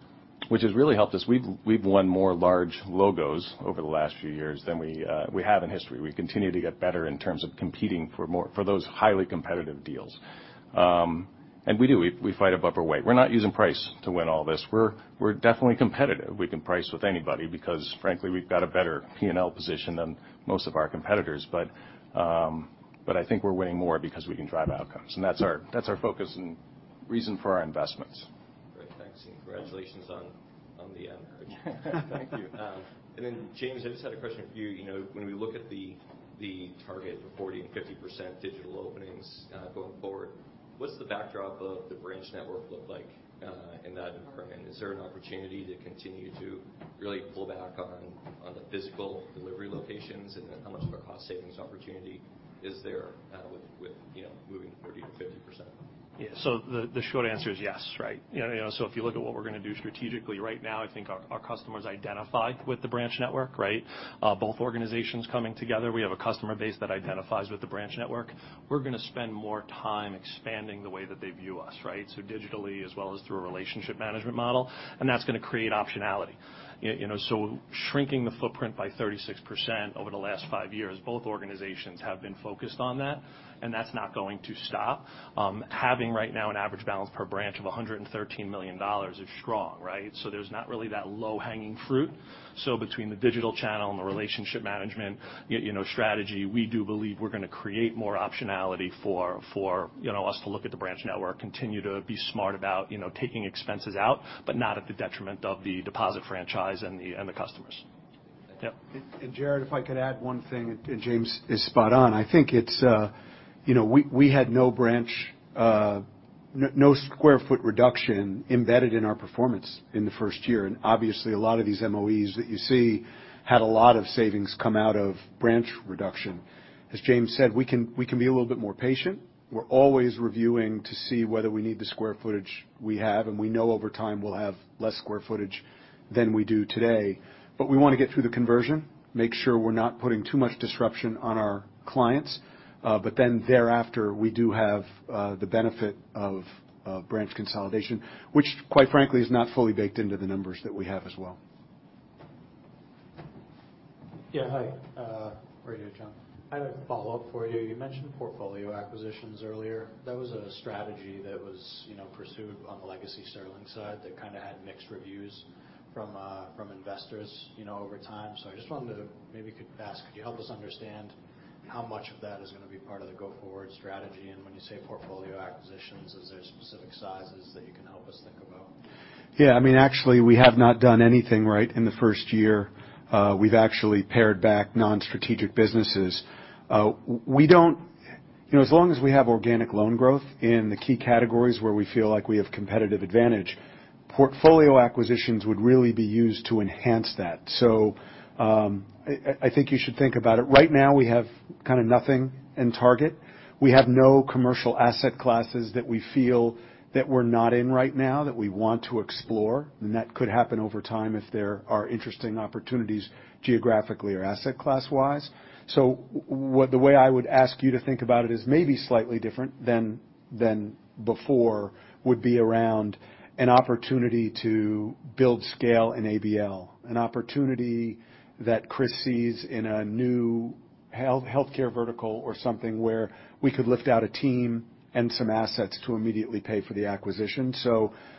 which has really helped us. We've won more large logos over the last few years than we have in history. We continue to get better in terms of competing for those highly competitive deals. We do, we fight above our weight. We're not using price to win all this. We're definitely competitive. We can price with anybody because, frankly, we've got a better P&L position than most of our competitors. I think we're winning more because we can drive outcomes, and that's our, that's our focus and reason for our investments. Great. Thanks. Congratulations on the merge. Thank you. James, I just had a question for you. You know, when we look at the target for 40% and 50% digital openings going forward, what's the backdrop of the branch network look like in that environment? Is there an opportunity to continue to really pull back on the physical delivery locations? How much of a cost savings opportunity is there with, you know, moving to 40% to 50%? Yeah. The short answer is yes, right? You know, if you look at what we're gonna do strategically right now, I think our customers identify with the branch network, right? Both organizations coming together, we have a customer base that identifies with the branch network. We're gonna spend more time expanding the way that they view us, right? Digitally as well as through a relationship management model, and that's gonna create optionality. You know, shrinking the footprint by 36% over the last five years, both organizations have been focused on that, and that's not going to stop. Having right now an average balance per branch of $113 million is strong, right? There's not really that low-hanging fruit. Between the digital channel and the relationship management, you know, strategy, we do believe we're gonna create more optionality for, you know, us to look at the branch network, continue to be smart about, you know, taking expenses out, but not at the detriment of the deposit franchise and the customers. Thank you. Yep. Jared, if I could add one thing, James is spot on. I think it's, you know, we had no branch, no square foot reduction embedded in our performance in the first year. Obviously, a lot of these MOEs that you see had a lot of savings come out of branch reduction. As James said, we can be a little bit more patient. We're always reviewing to see whether we need the square footage we have, and we know over time we'll have less square footage than we do today. We wanna get through the conversion, make sure we're not putting too much disruption on our clients. Thereafter, we do have the benefit of branch consolidation, which quite frankly, is not fully baked into the numbers that we have as well. Yeah. Hi, how are you doing, John? I have a follow-up for you. You mentioned portfolio acquisitions earlier. That was a strategy that was, you know, pursued on the legacy Sterling side that kind of had mixed reviews from investors, you know, over time. Could you help us understand how much of that is gonna be part of the go-forward strategy? When you say portfolio acquisitions, is there specific sizes that you can help us think about? Yeah. I mean, actually, we have not done anything, right, in the first year. We've actually pared back non-strategic businesses. We don't... You know, as long as we have organic loan growth in the key categories where we feel like we have competitive advantage Portfolio acquisitions would really be used to enhance that. I think you should think about it. Right now, we have kind of nothing in target. We have no commercial asset classes that we feel that we're not in right now that we want to explore, and that could happen over time if there are interesting opportunities geographically or asset class-wise. The way I would ask you to think about it is maybe slightly different than before, would be around an opportunity to build scale in ABL. An opportunity that Chris sees in a new healthcare vertical or something where we could lift out a team and some assets to immediately pay for the acquisition.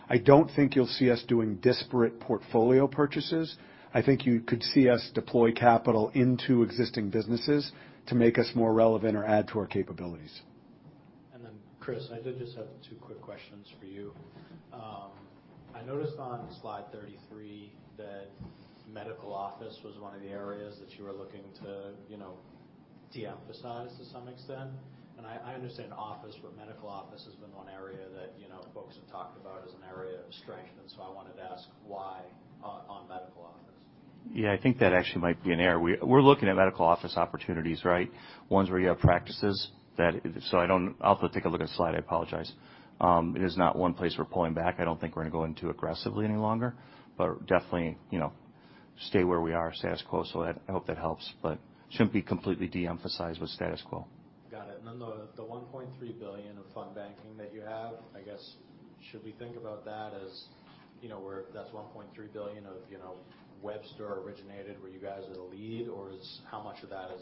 I don't think you'll see us doing disparate portfolio purchases. I think you could see us deploy capital into existing businesses to make us more relevant or add to our capabilities. Chris, I did just have two quick questions for you. I noticed on slide 33 that medical office was one of the areas that you were looking to, you know, de-emphasize to some extent. I understand office, but medical office has been one area that, you know, folks have talked about as an area of strength. I wanted to ask why on medical office? Yeah. I think that actually might be an error. We're looking at medical office opportunities, right? Ones where you have practices that. I'll have to take a look at the slide. I apologize. It is not one place we're pulling back. I don't think we're gonna go into aggressively any longer. Definitely, you know, stay where we are, status quo. I hope that helps. Shouldn't be completely de-emphasized, but status quo. Got it. Then the $1.3 billion of fund banking that you have, I guess, should we think about that as, you know, where that's $1.3 billion of, you know, Webster originated where you guys are the lead? Or how much of that has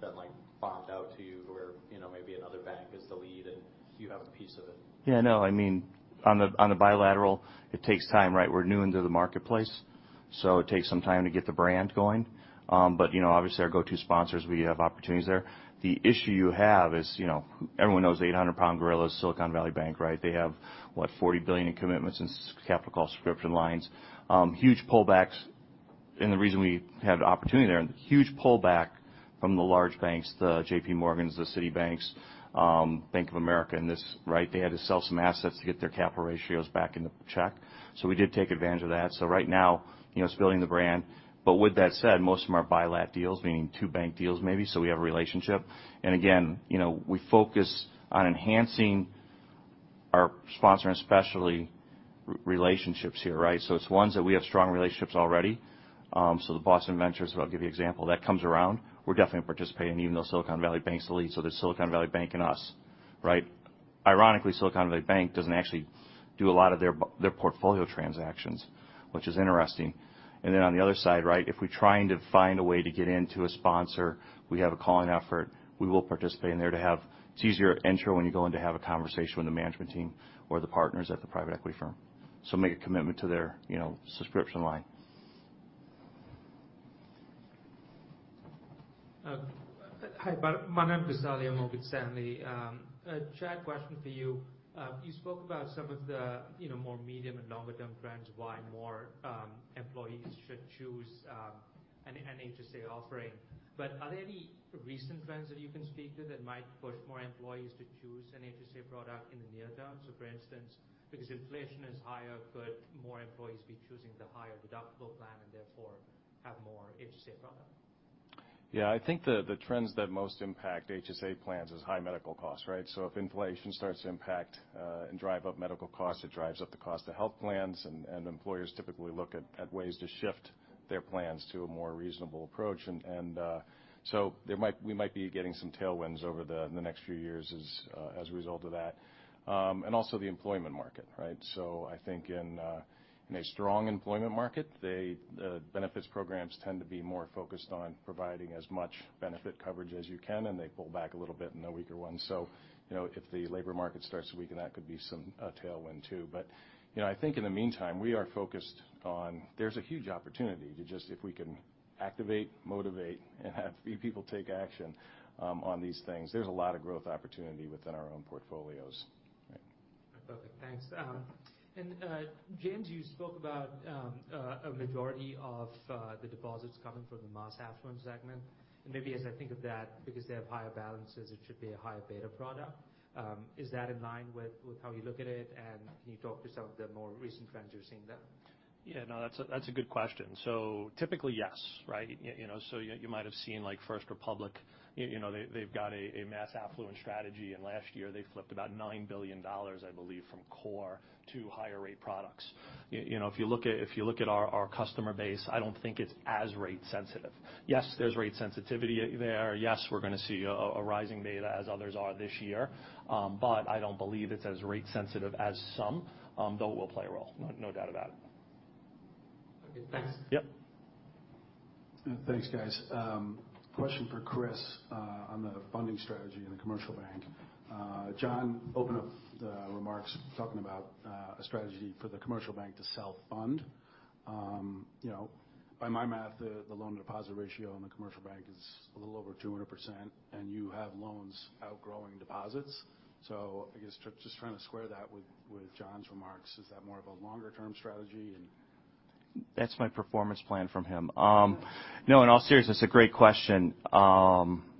been, like, bombed out to you where, you know, maybe another bank is the lead and you have a piece of it? Yeah, no. I mean, on the bilateral, it takes time, right? We're new into the marketplace, it takes some time to get the brand going. You know, obviously, our go-to sponsors, we have opportunities there. The issue you have is, you know, everyone knows the 800-pound gorilla is Silicon Valley Bank, right? They have, what, $40 billion in commitments in capital subscription lines. Huge pullbacks. The reason we had an opportunity there, and huge pullback from the large banks, the JP Morgans, the Citibank, Bank of America, and this, right? They had to sell some assets to get their capital ratios back into check. We did take advantage of that. Right now, you know, it's building the brand. With that said, most of them are bilat deals, meaning two bank deals, maybe, so we have a relationship. Again, you know, we focus on enhancing our Sponsor and Specialty relationships here, right? It's ones that we have strong relationships already. The Boston Ventures, I'll give you example that comes around. We're definitely participating even though Silicon Valley Bank is the lead. There's Silicon Valley Bank and us, right? Ironically, Silicon Valley Bank doesn't actually do a lot of their portfolio transactions, which is interesting. On the other side, right, if we're trying to find a way to get into a sponsor, we have a call in effort, we will participate in there to have. It's easier to enter when you go in to have a conversation with the management team or the partners at the private equity firm. Make a commitment to their, you know, subscription line. Hi, Manan Gosalia, Morgan Stanley. Chad, question for you. You spoke about some of the, you know, more medium and longer term trends, why more employees should choose an HSA offering. Are there any recent trends that you can speak to that might push more employees to choose an HSA product in the near term? For instance, because inflation is higher, could more employees be choosing the higher deductible plan and therefore have more HSA product? I think the trends that most impact HSA plans is high medical costs, right? If inflation starts to impact and drive up medical costs, it drives up the cost of health plans. Employers typically look at ways to shift their plans to a more reasonable approach. We might be getting tailwinds over the next few years as a result of that. Also the employment market, right? I think in a strong employment market, they benefits programs tend to be more focused on providing as much benefit coverage as you can, and they pull back a little bit in the weaker ones. You know, if the labor market starts to weaken, that could be a tailwind too. You know, I think in the meantime, we are focused on there's a huge opportunity to just if we can activate, motivate, and have the people take action on these things. There's a lot of growth opportunity within our own portfolios. Right. Perfect. Thanks. James, you spoke about a majority of the deposits coming from the mass affluent segment. Maybe as I think of that, because they have higher balances, it should be a higher beta product. Is that in line with how you look at it, and can you talk to some of the more recent trends you're seeing there? Yeah. No. That's a good question. Typically, yes, right? You know, you might have seen, like First Republic, you know, they've got a mass affluent strategy, and last year, they flipped about $9 billion, I believe, from core to higher rate products. You know, if you look at our customer base, I don't think it's as rate sensitive. Yes, there's rate sensitivity there. Yes, we're gonna see a rising beta as others are this year. I don't believe it's as rate sensitive as some, though it will play a role. No doubt about it. Okay, thanks. Yep. Thanks, guys. Question for Chris on the funding strategy in the Commercial Bank? John opened up the remarks talking about a strategy for the Commercial Bank to self-fund. You know, by my math, the loan deposit ratio on the Commercial Bank is a little over 200%, and you have loans outgrowing deposits. I guess just trying to square that with John's remarks. Is that more of a longer-term strategy and- That's my performance plan from him. In all seriousness, it's a great question.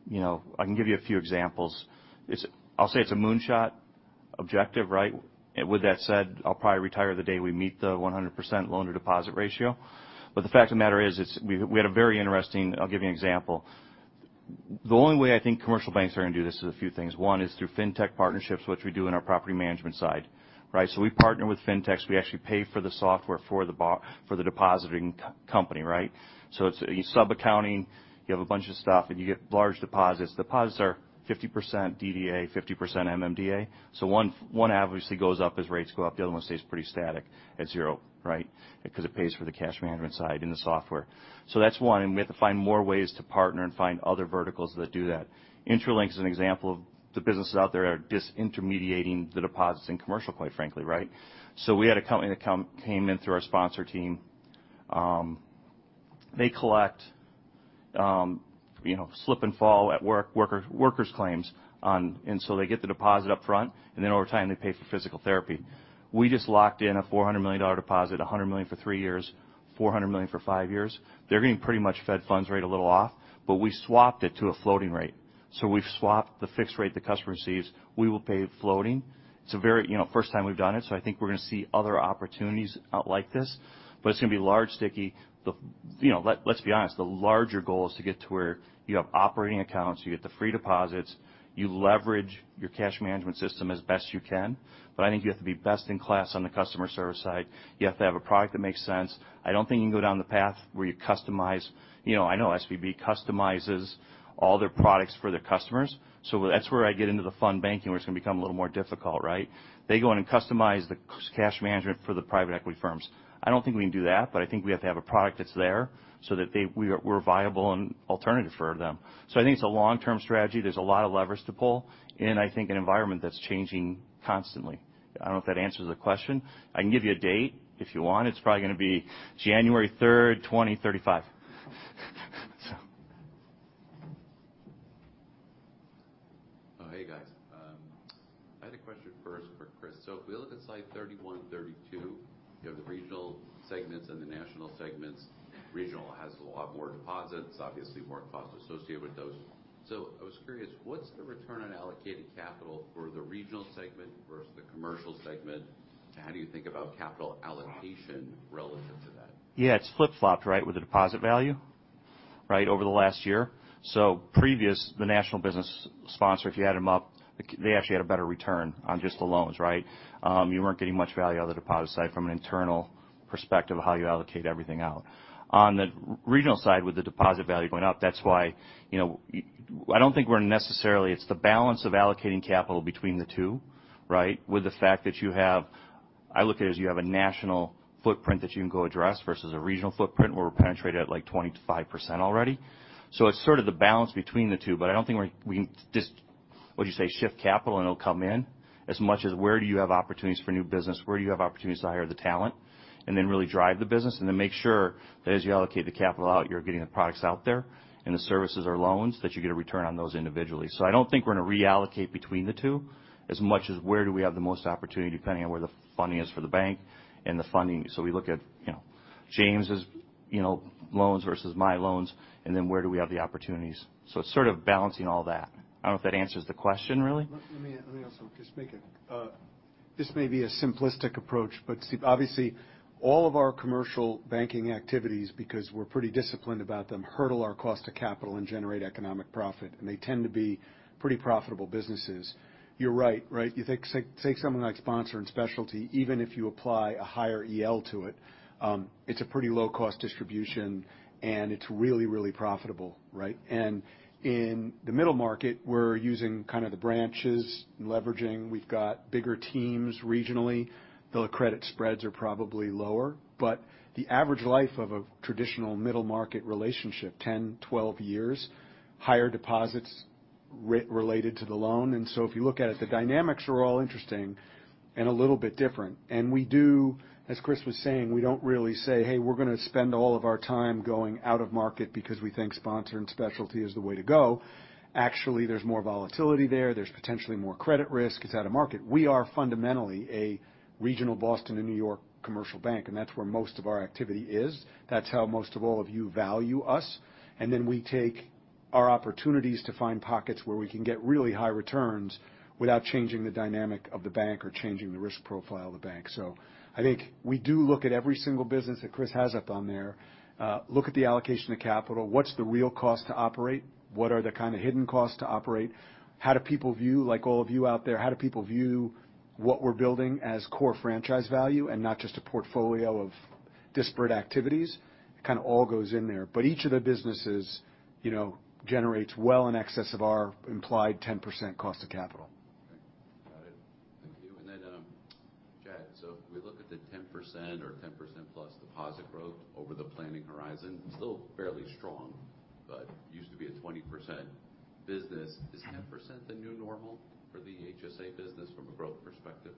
You know, I can give you a few examples. I'll say it's a moonshot objective, right? With that said, I'll probably retire the day we meet the 100% loan-to-deposit ratio. The fact of the matter is, we had a very interesting... I'll give you an example. The only way I think commercial banks are going to do this is a few things. One is through fintech partnerships, which we do in our property management side, right? We partner with fintechs. We actually pay for the software for the depositing company, right? It's sub-accounting. You have a bunch of stuff, and you get large deposits. Deposits are 50% DDA, 50% MMDA. One obviously goes up as rates go up. The other one stays pretty static at zero, right? Because it pays for the cash management side and the software. That's one, and we have to find more ways to partner and find other verticals that do that. Intralinks is an example of the businesses out there that are disintermediating the deposits in commercial, quite frankly, right? We had a company that came in through our sponsor team. They collect, you know, slip and fall at worker's claims on... They get the deposit up front, and then over time, they pay for physical therapy. We just locked in a $400 million deposit, $100 million for 3 years, $400 million for five years. They're getting pretty much Fed funds rate a little off, but we swapped it to a floating rate. We've swapped the fixed rate the customer receives. We will pay floating. It's a very, you know, first time we've done it, so I think we're going to see other opportunities out like this. It's going to be large, sticky. You know, let's be honest, the larger goal is to get to where you have operating accounts, you get the free deposits, you leverage your cash management system as best you can. I think you have to be best in class on the customer service side. You have to have a product that makes sense. I don't think you can go down the path where you customize. You know, I know SVB customizes all their products for their customers. That's where I get into the fund banking, where it's going to become a little more difficult, right? They go in and customize the cash management for the private equity firms. I don't think we can do that, but I think we have to have a product that's there so that we're a viable alternative for them. I think it's a long-term strategy. There's a lot of levers to pull in, I think, an environment that's changing constantly. I don't know if that answers the question. I can give you a date if you want. It's probably gonna be January 3rd, 2035. Hey guys. I had a question first for Chris. If we look at slide 31-32, you have the regional segments and the national segments. Regional has a lot more deposits, obviously more costs associated with those. I was curious, what's the return on allocated capital for the regional segment versus the commercial segment? How do you think about capital allocation relative to that? It's flip-flopped, right, with the deposit value, right? Over the last year. Previous, the national business sponsor, if you add them up, they actually had a better return on just the loans, right? You weren't getting much value out of the deposit side from an internal perspective of how you allocate everything out. On the regional side, with the deposit value going up, that's why, you know, I don't think we're necessarily... It's the balance of allocating capital between the two, right? With the fact that you have, I look at it as you have a national footprint that you can go address versus a regional footprint where we're penetrated at, like, 25% already. It's sort of the balance between the two. I don't think we're, we just, what you say, shift capital and it'll come in as much as where do you have opportunities for new business? Where do you have opportunities to hire the talent and then really drive the business? Make sure that as you allocate the capital out, you're getting the products out there and the services or loans that you get a return on those individually. I don't think we're going to reallocate between the two as much as where do we have the most opportunity, depending on where the funding is for the Bank and the funding. We look at, you know, James's, you know, loans versus my loans and then where do we have the opportunities. It's sort of balancing all that. I don't know if that answers the question really. Let me also just make a. This may be a simplistic approach, but see, obviously all of our commercial banking activities, because we're pretty disciplined about them, hurdle our cost of capital and generate economic profit, and they tend to be pretty profitable businesses. You're right. You take something like Sponsor and Specialty, even if you apply a higher EL to it's a pretty low-cost distribution and it's really, really profitable, right? In the middle market, we're using kind of the branches and leveraging. We've got bigger teams regionally, though the credit spreads are probably lower. The average life of a traditional middle market relationship, 10-12 years, higher deposits related to the loan. If you look at it, the dynamics are all interesting and a little bit different. We do, as Chris was saying, we don't really say, "Hey, we're going to spend all of our time going out of market because we think Sponsor and Specialty is the way to go." Actually, there's more volatility there. There's potentially more credit risk. It's out of market. We are fundamentally a regional Boston and New York commercial bank. That's where most of our activity is. That's how most of all of you value us. Then we take our opportunities to find pockets where we can get really high returns without changing the dynamic of the bank or changing the risk profile of the bank. I think we do look at every single business that Chris has up on there, look at the allocation of capital. What's the real cost to operate? What are the kind of hidden costs to operate? How do people view, like all of you out there, how do people view what we're building as core franchise value and not just a portfolio of disparate activities? It kind of all goes in there. Each of the businesses, you know, generates well in excess of our implied 10% cost of capital. Got it. Thank you. Chad, if we look at the 10% or 10%+ deposit growth over the planning horizon, still fairly strong, but used to be a 20% business. Is 10% the new normal for the HSA business from a growth perspective?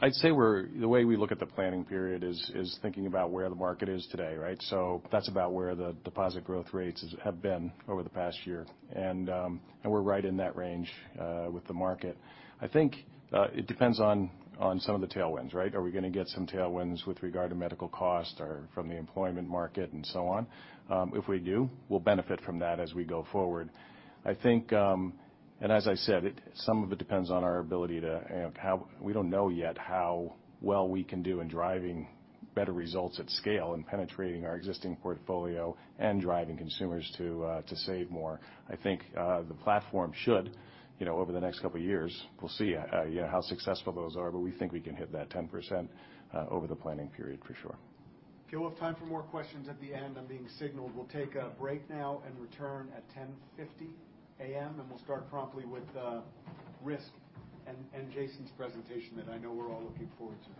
I'd say the way we look at the planning period is thinking about where the market is today, right? That's about where the deposit growth rates have been over the past year. We're right in that range with the market. I think it depends on some of the tailwinds, right? Are we gonna get some tailwinds with regard to medical costs or from the employment market and so on? If we do, we'll benefit from that as we go forward. I think as I said, some of it depends on our ability We don't know yet how well we can do in driving better results at scale and penetrating our existing portfolio and driving consumers to save more. I think, the platform should, you know, over the next couple of years, we'll see, you know, how successful those are, but we think we can hit that 10%, over the planning period for sure. Okay. We'll have time for more questions at the end. I'm being signaled. We'll take a break now and return at 10:50 A.M., we'll start promptly with risk and Jason's presentation that I know we're all looking forward to.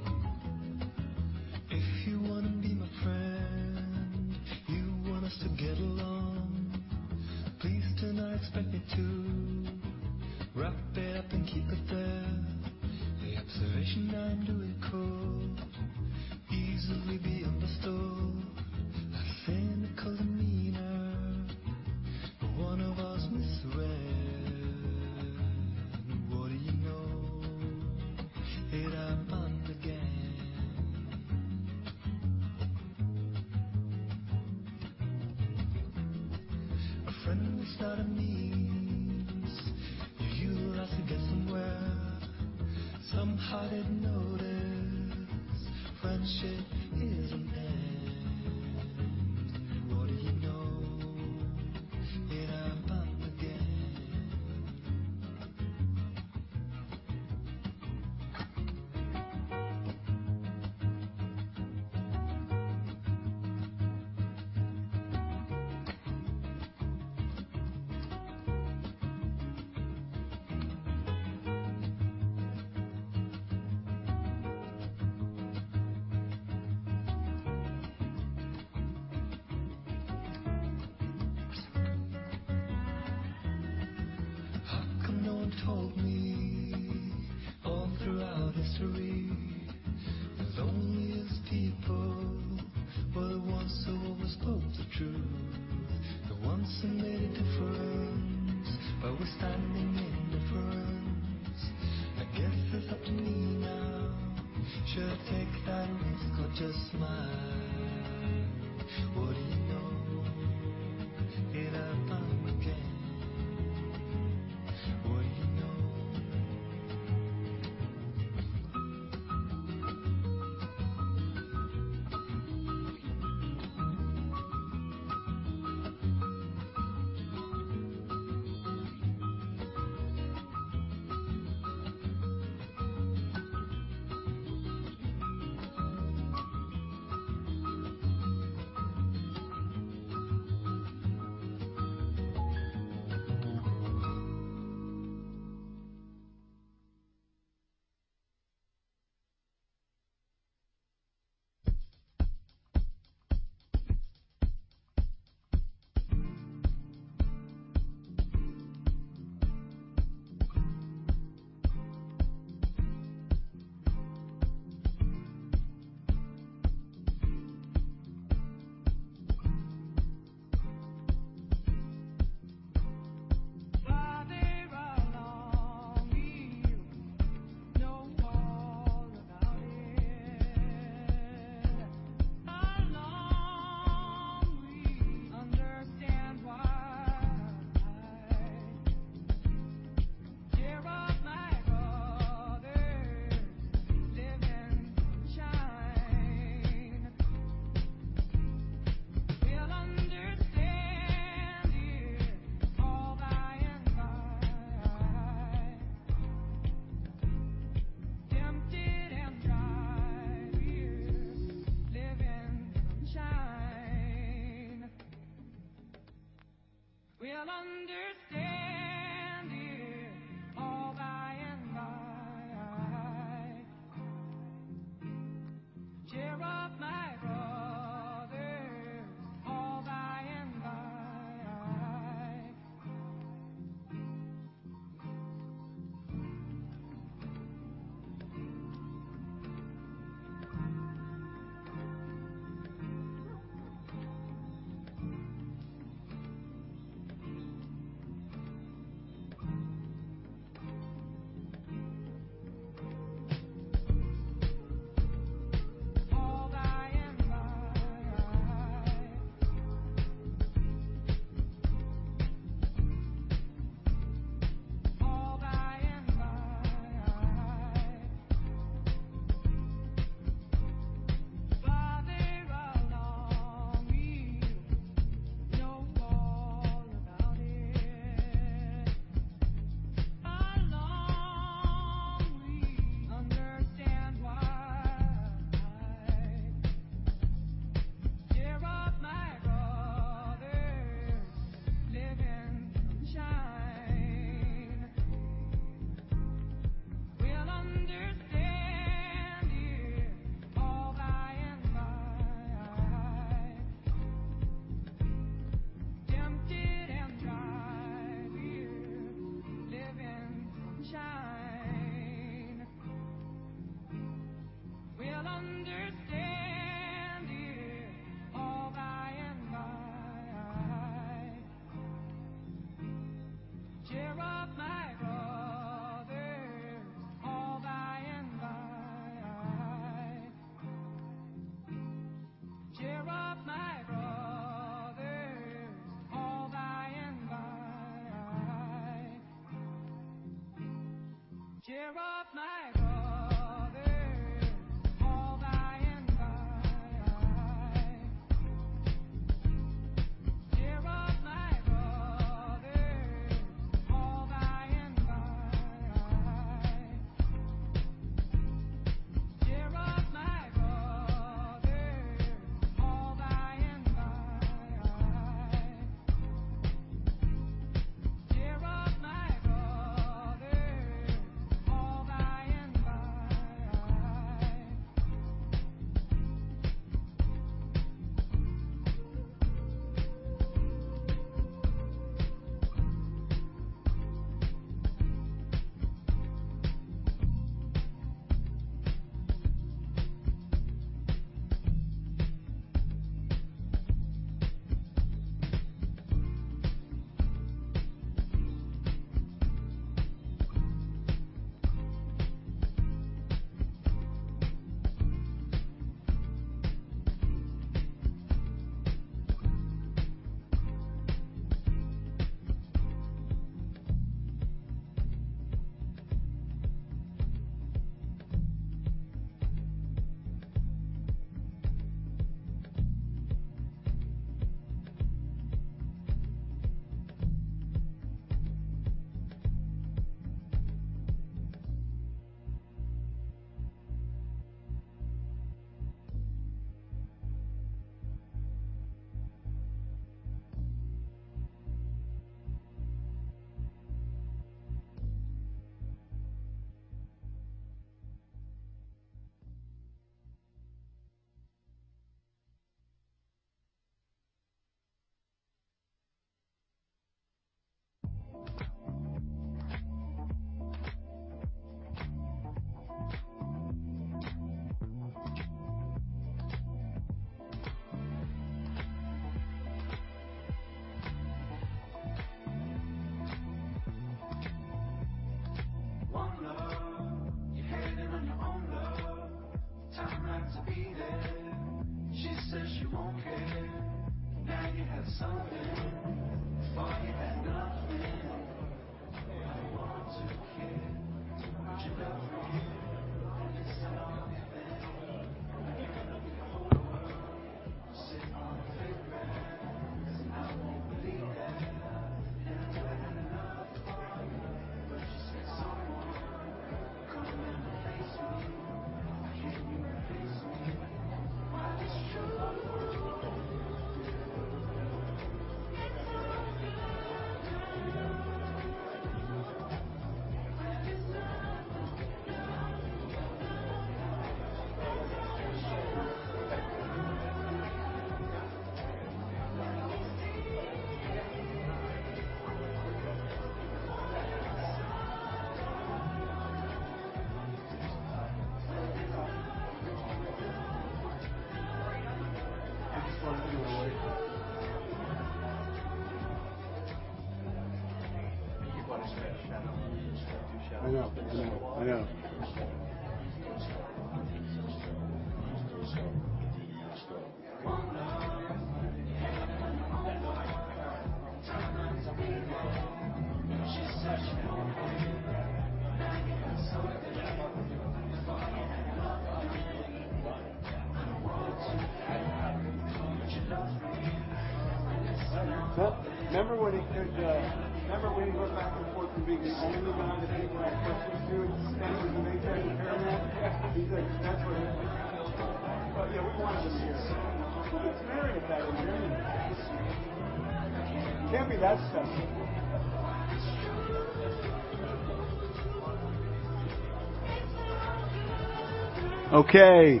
Okay.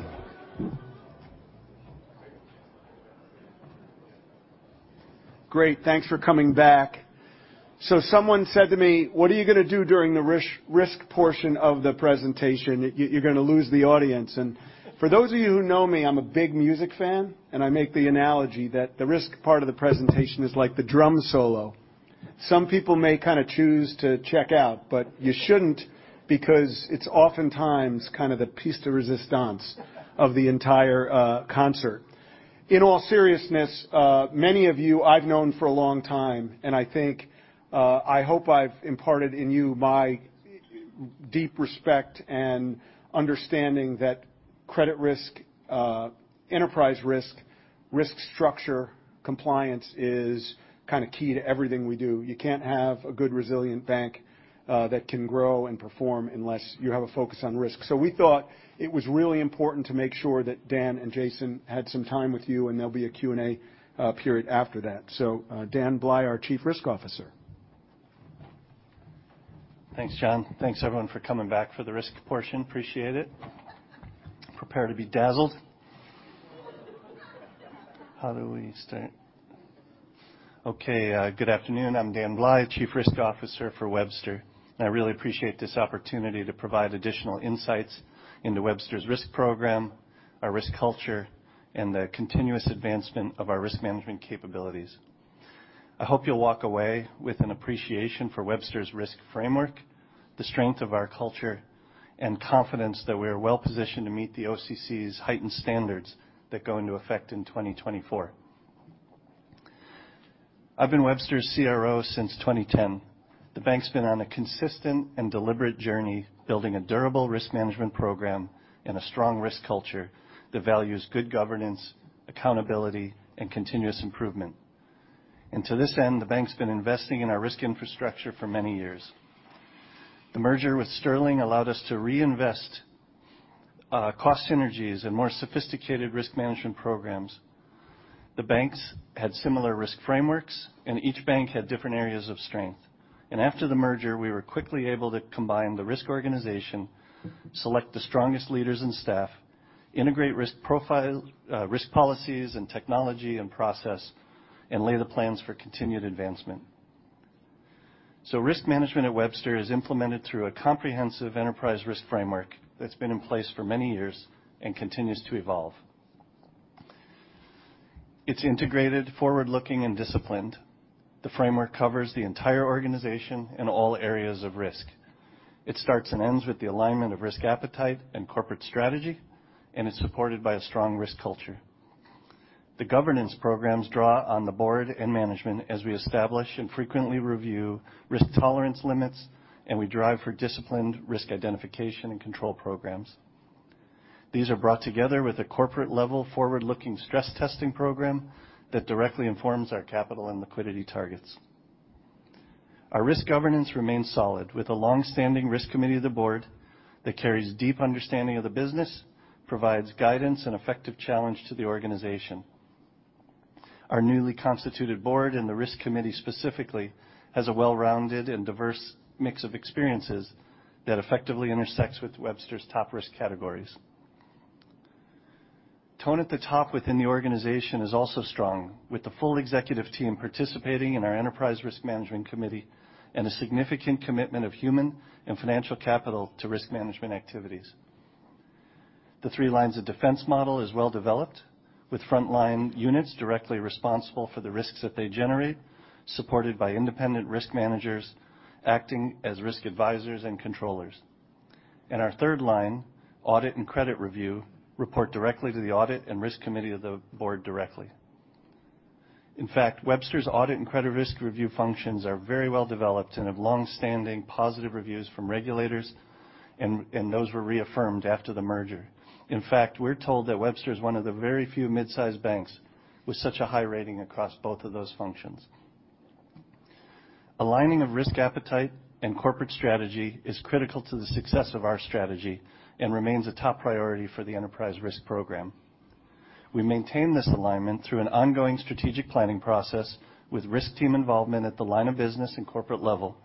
Great, thanks for coming back. Someone said to me, "What are you gonna do during the risk portion of the presentation? You're gonna lose the audience." For those of you who know me, I'm a big music fan, and I make the analogy that the risk part of the presentation is like the drum solo. Some people may kind of choose to check out, but you shouldn't, because it's oftentimes kind of the pièce de résistance of the entire concert. In all seriousness, many of you I've known for a long time, and I think I hope I've imparted in you my deep respect and understanding that credit risk, enterprise risk structure compliance is kind of key to everything we do. You can't have a good, resilient bank that can grow and perform unless you have a focus on risk. We thought it was really important to make sure that Dan and Jason had some time with you, and there'll be a Q&A period after that. Dan Bley, our Chief Risk Officer. Thanks, John. Thanks, everyone, for coming back for the risk portion. Appreciate it. Prepare to be dazzled. How do we start? Okay, good afternoon. I'm Dan Bley, Chief Risk Officer for Webster, and I really appreciate this opportunity to provide additional insights into Webster's risk program, our risk culture, and the continuous advancement of our risk management capabilities. I hope you'll walk away with an appreciation for Webster's risk framework, the strength of our culture, and confidence that we're well-positioned to meet the OCC's heightened standards that go into effect in 2024. I've been Webster's CRO since 2010. The bank's been on a consistent and deliberate journey building a durable risk management program and a strong risk culture that values good governance, accountability, and continuous improvement. To this end, the bank's been investing in our risk infrastructure for many years. The merger with Sterling allowed us to reinvest cost synergies and more sophisticated risk management programs. The banks had similar risk frameworks, each bank had different areas of strength. After the merger, we were quickly able to combine the risk organization, select the strongest leaders and staff, integrate risk profile, risk policies and technology and process, and lay the plans for continued advancement. Risk management at Webster is implemented through a comprehensive enterprise risk framework that's been in place for many years and continues to evolve. It's integrated, forward-looking, and disciplined. The framework covers the entire organization and all areas of risk. It starts and ends with the alignment of risk appetite and corporate strategy, it's supported by a strong risk culture. The governance programs draw on the board and management as we establish and frequently review risk tolerance limits, and we drive for disciplined risk identification and control programs. These are brought together with a corporate-level, forward-looking stress testing program that directly informs our capital and liquidity targets. Our risk governance remains solid, with a long-standing risk committee of the board that carries deep understanding of the business, provides guidance and effective challenge to the organization. Our newly constituted board and the risk committee specifically has a well-rounded and diverse mix of experiences that effectively intersects with Webster's top risk categories. Tone at the top within the organization is also strong, with the full executive team participating in our Enterprise Risk Management Committee and a significant commitment of human and financial capital to risk management activities. The three lines of defense model is well-developed, with frontline units directly responsible for the risks that they generate, supported by independent risk managers acting as risk advisors and controllers. Our third line, audit and credit review, report directly to the Audit and Risk Committee of the Board directly. In fact, Webster's audit and credit risk review functions are very well-developed and have long-standing positive reviews from regulators, and those were reaffirmed after the merger. In fact, we're told that Webster is one of the very few mid-sized banks with such a high rating across both of those functions. Aligning of risk appetite and corporate strategy is critical to the success of our strategy and remains a top priority for the enterprise risk program. We maintain this alignment through an ongoing strategic planning process with risk team involvement at the line of business and corporate level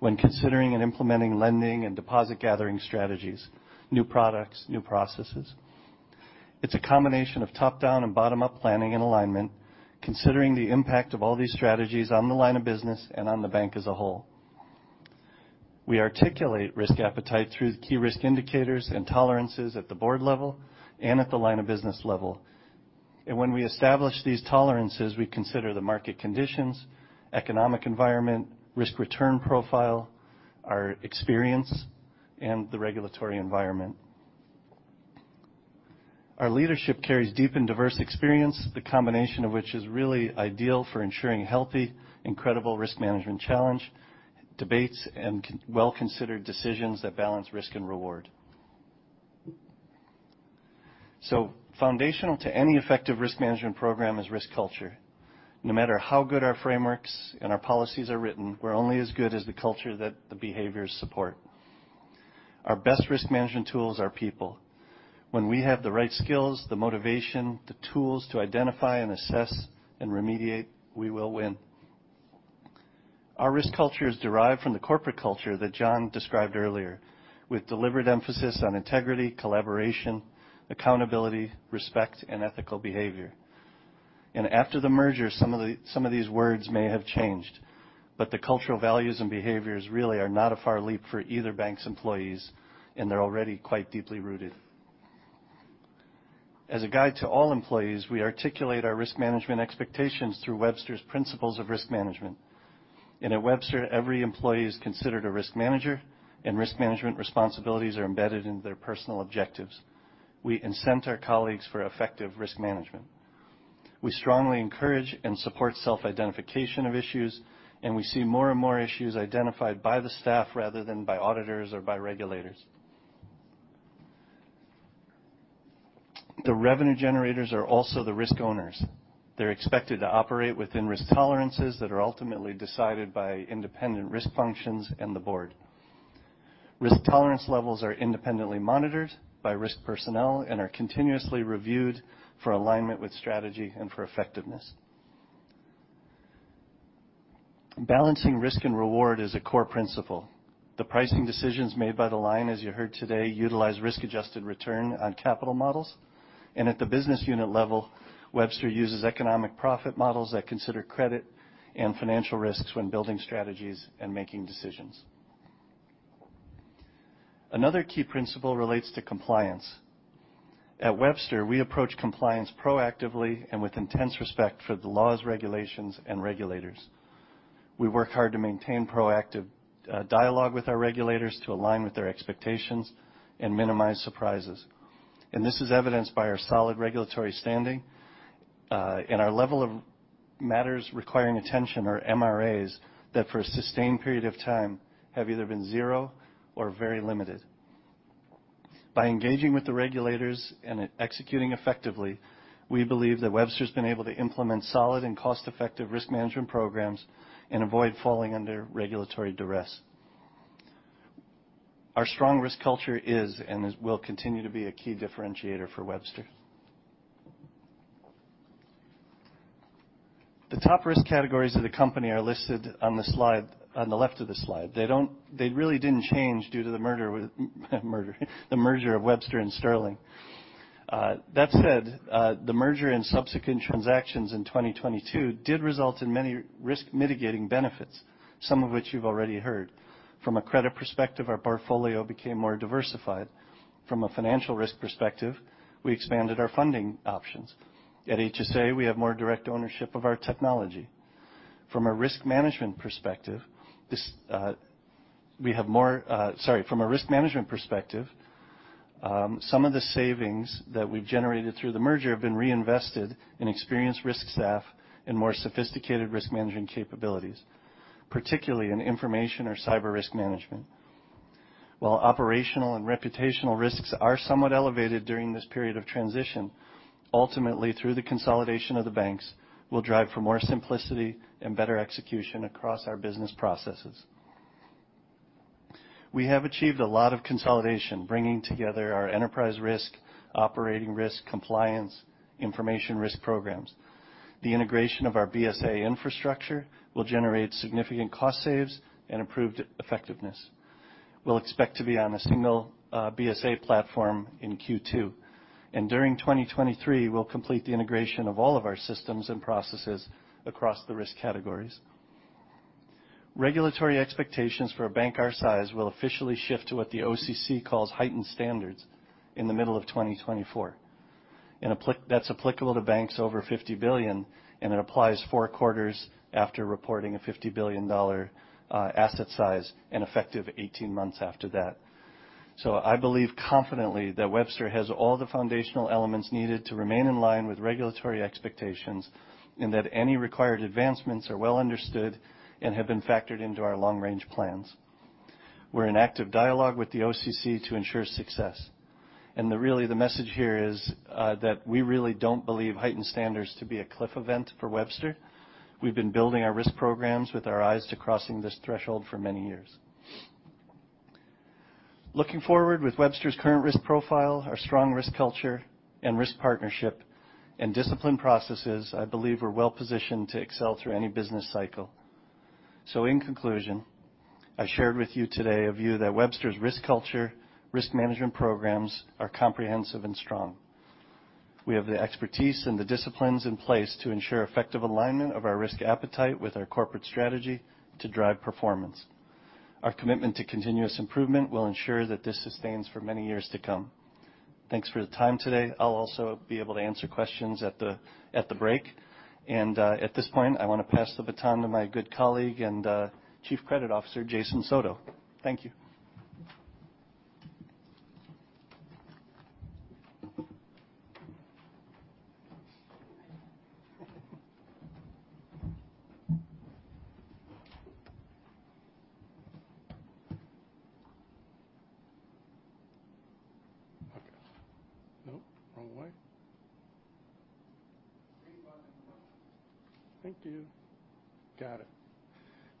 when considering and implementing lending and deposit-gathering strategies, new products, new processes. It's a combination of top-down and bottom-up planning and alignment, considering the impact of all these strategies on the line of business and on the bank as a whole. We articulate risk appetite through the key risk indicators and tolerances at the board level and at the line of business level. When we establish these tolerances, we consider the market conditions, economic environment, risk-return profile, our experience, and the regulatory environment. Our leadership carries deep and diverse experience, the combination of which is really ideal for ensuring healthy and credible risk management challenge, debates, and well-considered decisions that balance risk and reward. Foundational to any effective risk management program is risk culture. No matter how good our frameworks and our policies are written, we're only as good as the culture that the behaviors support. Our best risk management tools are people. When we have the right skills, the motivation, the tools to identify and assess and remediate, we will win. Our risk culture is derived from the corporate culture that John described earlier, with deliberate emphasis on integrity, collaboration, accountability, respect, and ethical behavior. After the merger, some of these words may have changed, but the cultural values and behaviors really are not a far leap for either bank's employees, and they're already quite deeply rooted. As a guide to all employees, we articulate our risk management expectations through Webster's principles of risk management. At Webster, every employee is considered a risk manager, and risk management responsibilities are embedded into their personal objectives. We incent our colleagues for effective risk management. We strongly encourage and support self-identification of issues. We see more and more issues identified by the staff rather than by auditors or by regulators. The revenue generators are also the risk owners. They're expected to operate within risk tolerances that are ultimately decided by independent risk functions and the board. Risk tolerance levels are independently monitored by risk personnel and are continuously reviewed for alignment with strategy and for effectiveness. Balancing risk and reward is a core principle. The pricing decisions made by the line, as you heard today, utilize risk-adjusted return on capital models. At the business unit level, Webster uses economic profit models that consider credit and financial risks when building strategies and making decisions. Another key principle relates to compliance. At Webster, we approach compliance proactively and with intense respect for the laws, regulations, and regulators. We work hard to maintain proactive dialogue with our regulators to align with their expectations and minimize surprises. This is evidenced by our solid regulatory standing, and our level of matters requiring attention, or MRAs, that for a sustained period of time have either been zero or very limited. By engaging with the regulators and executing effectively, we believe that Webster's been able to implement solid and cost-effective risk management programs and avoid falling under regulatory duress. Our strong risk culture will continue to be a key differentiator for Webster. The top risk categories of the company are listed on the left of the slide. They really didn't change due to the merger of Webster and Sterling. That said, the merger and subsequent transactions in 2022 did result in many risk mitigating benefits, some of which you've already heard. From a credit perspective, our portfolio became more diversified. From a financial risk perspective, we expanded our funding options. At HSA, we have more direct ownership of our technology. From a risk management perspective, some of the savings that we've generated through the merger have been reinvested in experienced risk staff and more sophisticated risk managing capabilities, particularly in information or cyber risk management. While operational and reputational risks are somewhat elevated during this period of transition, ultimately through the consolidation of the banks, we'll drive for more simplicity and better execution across our business processes. We have achieved a lot of consolidation, bringing together our enterprise risk, operating risk, compliance, information risk programs. The integration of our BSA infrastructure will generate significant cost saves and improved effectiveness. We'll expect to be on a single BSA platform in Q2. During 2023, we'll complete the integration of all of our systems and processes across the risk categories. Regulatory expectations for a bank our size will officially shift to what the OCC calls heightened standards in the middle of 2024. That's applicable to banks over $50 billion, and it applies four quarters after reporting a $50 billion dollar asset size and effective 18 months after that. I believe confidently that Webster has all the foundational elements needed to remain in line with regulatory expectations, and that any required advancements are well understood and have been factored into our long-range plans. We're in active dialogue with the OCC to ensure success. The really, the message here is that we really don't believe heightened standards to be a cliff event for Webster. We've been building our risk programs with our eyes to crossing this threshold for many years. Looking forward, with Webster's current risk profile, our strong risk culture and risk partnership and disciplined processes, I believe we're well positioned to excel through any business cycle. In conclusion, I shared with you today a view that Webster's risk culture, risk management programs are comprehensive and strong. We have the expertise and the disciplines in place to ensure effective alignment of our risk appetite with our corporate strategy to drive performance. Our commitment to continuous improvement will ensure that this sustains for many years to come. Thanks for the time today. I'll also be able to answer questions at the break. At this point, I want to pass the baton to my good colleague and Chief Credit Officer, Jason Soto. Thank you.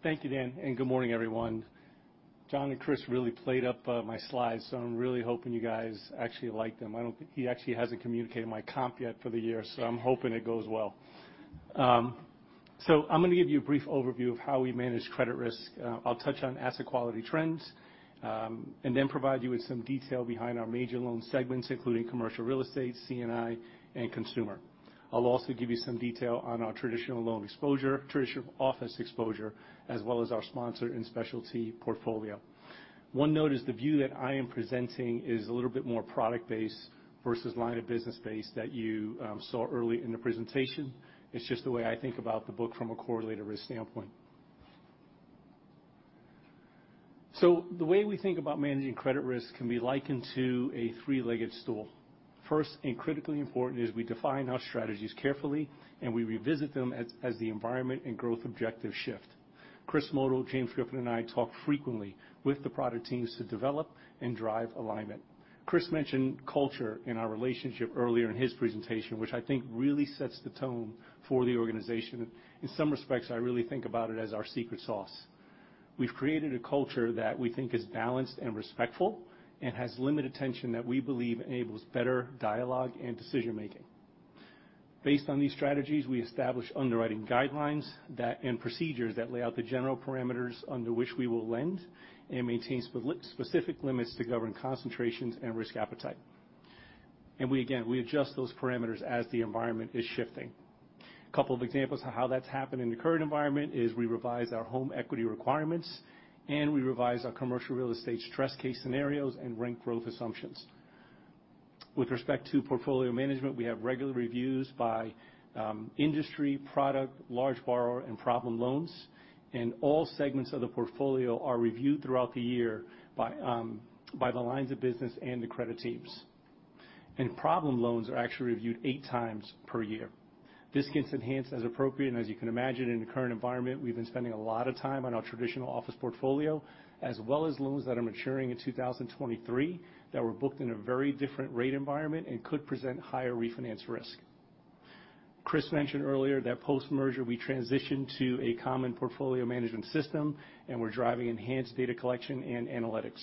Okay. Nope, wrong way. Green button. Thank you. Got it. Thank you, Dan. Good morning, everyone. John and Chris really played up my slides. I'm really hoping you guys actually like them. He actually hasn't communicated my comp yet for the year. I'm hoping it goes well. I'm gonna give you a brief overview of how we manage credit risk. I'll touch on asset quality trends, then provide you with some detail behind our major loan segments, including commercial real estate, C&I, and consumer. I'll also give you some detail on our traditional loan exposure, traditional office exposure, as well as our Sponsor and Specialty portfolio. One note is the view that I am presenting is a little bit more product-based versus line of business-based that you saw early in the presentation. It's just the way I think about the book from a correlated risk standpoint. The way we think about managing credit risk can be likened to a three-legged stool. First, and critically important, is we define our strategies carefully, and we revisit them as the environment and growth objectives shift. Chris Motl, James Griffin, and I talk frequently with the product teams to develop and drive alignment. Chris mentioned culture in our relationship earlier in his presentation, which I think really sets the tone for the organization. In some respects, I really think about it as our secret sauce. We've created a culture that we think is balanced and respectful and has limited tension that we believe enables better dialogue and decision-making. Based on these strategies, we establish underwriting guidelines that and procedures that lay out the general parameters under which we will lend and maintain specific limits to govern concentrations and risk appetite. We adjust those parameters as the environment is shifting. Couple of examples of how that's happened in the current environment is we revised our home equity requirements, and we revised our commercial real estate stress case scenarios and rent growth assumptions. With respect to portfolio management, we have regular reviews by industry, product, large borrower, and problem loans. All segments of the portfolio are reviewed throughout the year by the lines of business and the credit teams. Problem loans are actually reviewed eight times per year. This gets enhanced as appropriate. As you can imagine, in the current environment, we've been spending a lot of time on our traditional office portfolio, as well as loans that are maturing in 2023 that were booked in a very different rate environment and could present higher refinance risk. Chris Motl mentioned earlier that post-merger, we transitioned to a common portfolio management system, and we're driving enhanced data collection and analytics.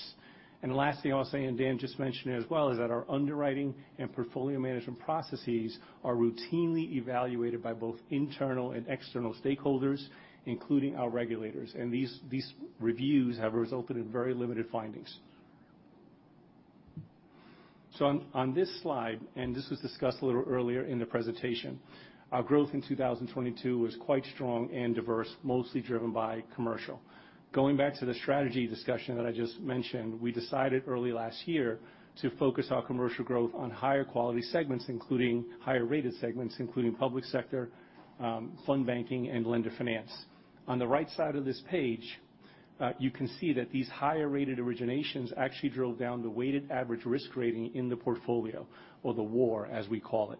The last thing I'll say, and Dan Bley just mentioned it as well, is that our underwriting and portfolio management processes are routinely evaluated by both internal and external stakeholders, including our regulators. These reviews have resulted in very limited findings. On this slide, and this was discussed a little earlier in the presentation, our growth in 2022 was quite strong and diverse, mostly driven by commercial. Going back to the strategy discussion that I just mentioned, we decided early last year to focus our commercial growth on higher quality segments, including higher rated segments, including public sector, fund banking, and lender finance. On the right side of this page, you can see that these higher rated originations actually drove down the weighted average risk rating in the portfolio or the WAR, as we call it.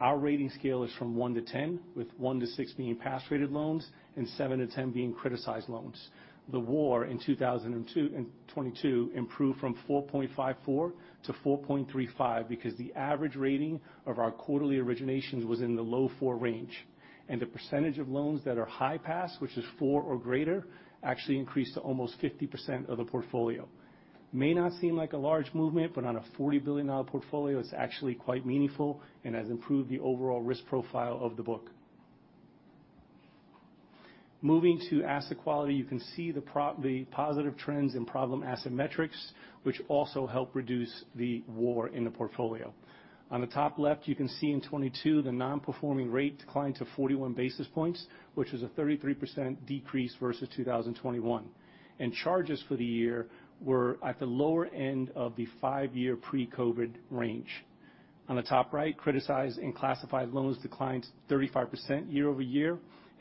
Our rating scale is from one to 10, with one-six being pass-rated loans and 7 to 10 being criticized loans. The WAR in 2022 improved from 4.54-4.35 because the average rating of our quarterly originations was in the low four range, and the percentage of loans that are high pass, which is four or greater, actually increased to almost 50% of the portfolio. May not seem like a large movement, but on a $40 billion portfolio, it's actually quite meaningful and has improved the overall risk profile of the book. Moving to asset quality, you can see the positive trends in problem asset metrics, which also help reduce the WAR in the portfolio. On the top left, you can see in 2022 the non-performing rate declined to 41 basis points, which is a 33% decrease versus 2021. Charges for the year were at the lower end of the five-year pre-COVID range. On the top right, criticized and classified loans declined 35% year-over-year.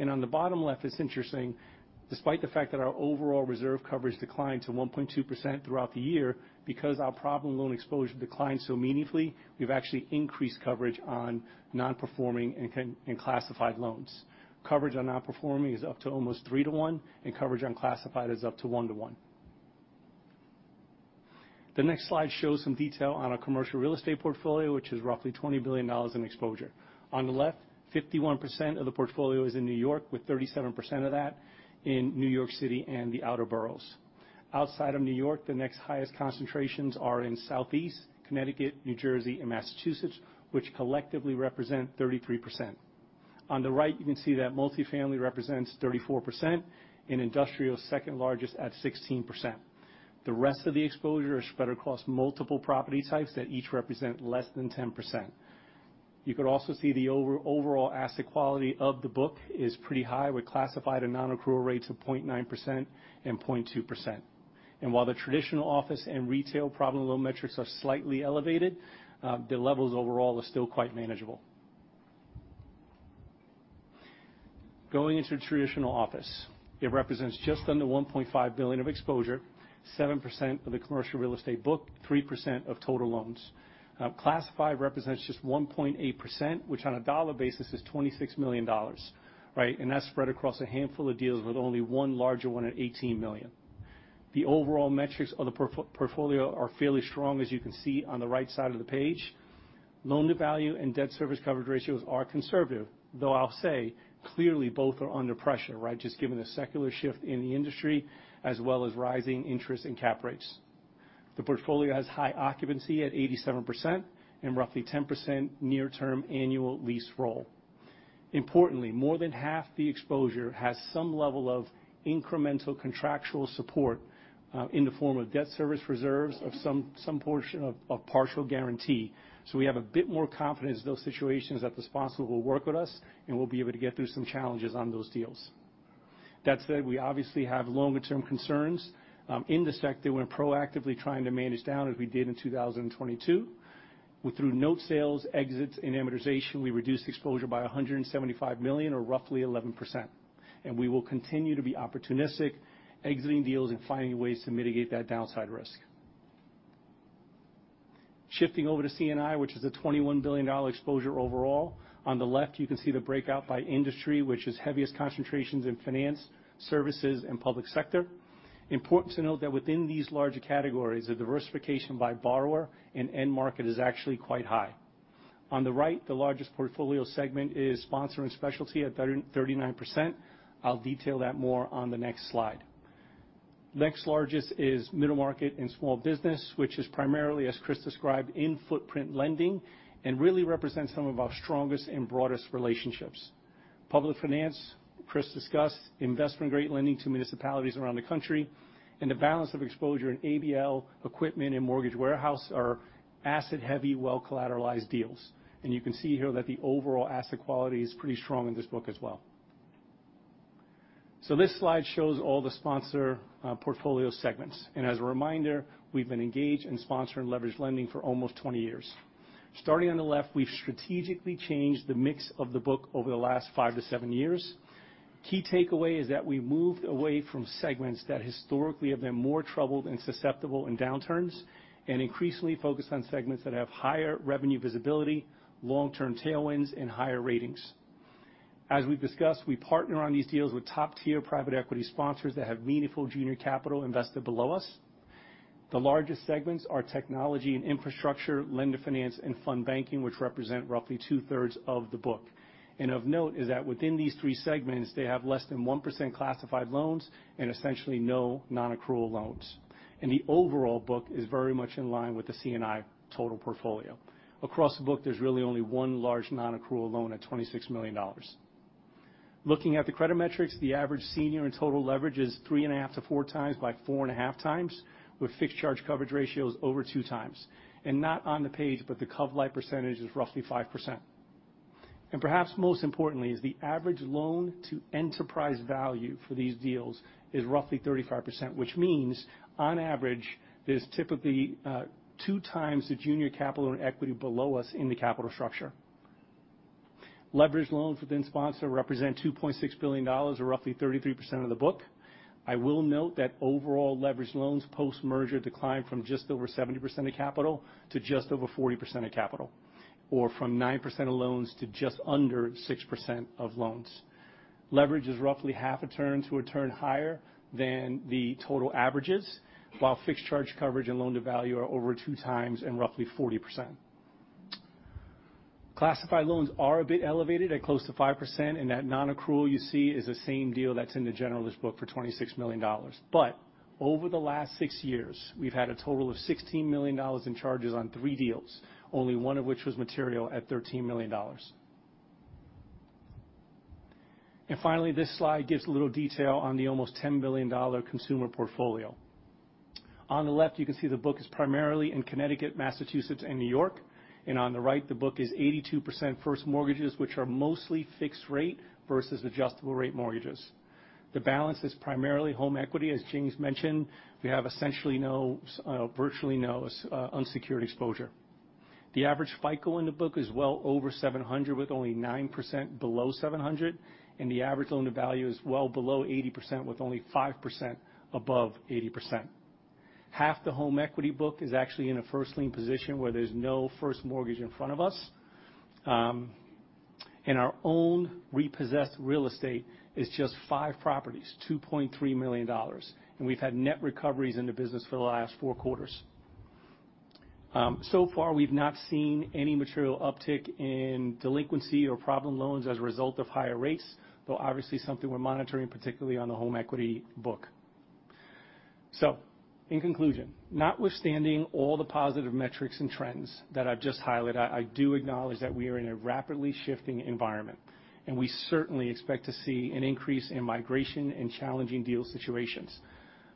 On the bottom left, it's interesting, despite the fact that our overall reserve coverage declined to 1.2% throughout the year because our problem loan exposure declined so meaningfully, we've actually increased coverage on non-performing and classified loans. Coverage on non-performing is up to almost three-one, and coverage on classified is up to one-one. The next slide shows some detail on our commercial real estate portfolio, which is roughly $20 billion in exposure. On the left, 51% of the portfolio is in New York, with 37% of that in New York City and the outer boroughs. Outside of New York, the next highest concentrations are in Southeast, Connecticut, New Jersey, and Massachusetts, which collectively represent 33%. On the right, you can see that multifamily represents 34% and industrial is second largest at 16%. The rest of the exposure is spread across multiple property types that each represent less than 10%. You could also see the overall asset quality of the book is pretty high. We classified a non-accrual rate to 0.9% and 0.2%. While the traditional office and retail problem loan metrics are slightly elevated, the levels overall are still quite manageable. Going into traditional office. It represents just under $1.5 billion of exposure, 7% of the commercial real estate book, 3% of total loans. Now classified represents just 1.8%, which on a dollar basis is $26 million, right? That's spread across a handful of deals with only one larger one at $18 million. The overall metrics of the portfolio are fairly strong, as you can see on the right side of the page. Loan-to-value and debt service coverage ratios are conservative, though I'll say clearly both are under pressure, right? Given the secular shift in the industry as well as rising interest and cap rates. The portfolio has high occupancy at 87% and roughly 10% near term annual lease roll. Importantly, more than half the exposure has some level of incremental contractual support in the form of debt service reserves of some portion of partial guarantee. We have a bit more confidence in those situations that the sponsor will work with us, and we'll be able to get through some challenges on those deals. That said, we obviously have longer term concerns in the sector we're proactively trying to manage down as we did in 2022. Through note sales, exits and amortization, we reduced exposure by $175 million or roughly 11%. We will continue to be opportunistic, exiting deals and finding ways to mitigate that downside risk. Shifting over to C&I, which is a $21 billion exposure overall. On the left, you can see the breakout by industry, which is heaviest concentrations in finance, services and public sector. Important to note that within these larger categories, the diversification by borrower and end market is actually quite high. On the right, the largest portfolio segment is sponsor and specialty at 39%. I'll detail that more on the next slide. Next largest is middle market and small business, which is primarily, as Chris described, in footprint lending and really represents some of our strongest and broadest relationships. Public finance, Chris discussed, investment-grade lending to municipalities around the country. The balance of exposure in ABL, equipment and mortgage warehouse are asset heavy, well-collateralized deals. You can see here that the overall asset quality is pretty strong in this book as well. This slide shows all the sponsor portfolio segments. As a reminder, we've been engaged in sponsor and leverage lending for almost 20 years. Starting on the left, we've strategically changed the mix of the book over the last five-seven years. Key takeaway is that we moved away from segments that historically have been more troubled and susceptible in downturns, and increasingly focused on segments that have higher revenue visibility, long-term tailwinds and higher ratings. As we've discussed, we partner on these deals with top-tier private equity sponsors that have meaningful junior capital invested below us. The largest segments are technology and infrastructure, lender finance and fund banking, which represent roughly 2/3 of the book. Of note is that within these three segments, they have less than 1% classified loans and essentially no non-accrual loans. The overall book is very much in line with the C&I total portfolio. Across the book, there's really only one large non-accrual loan at $26 million. Looking at the credit metrics, the average senior and total leverage is 3.5x-4x by 4.5x, with fixed charge coverage ratios over 2x. Not on the page, but the cov-lite percentage is roughly 5%. Perhaps most importantly is the average loan to enterprise value for these deals is roughly 35%, which means on average, there's typically 2x the junior capital and equity below us in the capital structure. Leveraged loans within Sponsor represent $2.6 billion or roughly 33% of the book. I will note that overall leveraged loans post-merger declined from just over 70% of capital to just over 40% of capital, or from 9% of loans to just under 6% of loans. Leverage is roughly 0.5x-1x higher than the total averages, while fixed charge coverage and loan to value are over 2x and roughly 40%. Classified loans are a bit elevated at close to 5%, and that non-accrual you see is the same deal that's in the generalist book for $2 million. Over the last six years, we've had a total of $16 million in charges on three deals, only one of which was material at $13 million. Finally, this slide gives a little detail on the almost $10 billion consumer portfolio. On the left, you can see the book is primarily in Connecticut, Massachusetts and New York. On the right, the book is 82% first mortgages, which are mostly fixed rate versus adjustable rate mortgages. The balance is primarily home equity. As James mentioned, we have essentially no, virtually no, unsecured exposure. The average FICO in the book is well over 700, with only 9% below 700, and the average loan to value is well below 80% with only 5% above 80%. Half the home equity book is actually in a first lien position where there's no first mortgage in front of us. Our own repossessed real estate is just five properties, $2.3 million. We've had net recoveries in the business for the last four quarters. So far we've not seen any material uptick in delinquency or problem loans as a result of higher rates, though obviously something we're monitoring, particularly on the home equity book. In conclusion, notwithstanding all the positive metrics and trends that I've just highlighted, I do acknowledge that we are in a rapidly shifting environment, and we certainly expect to see an increase in migration and challenging deal situations.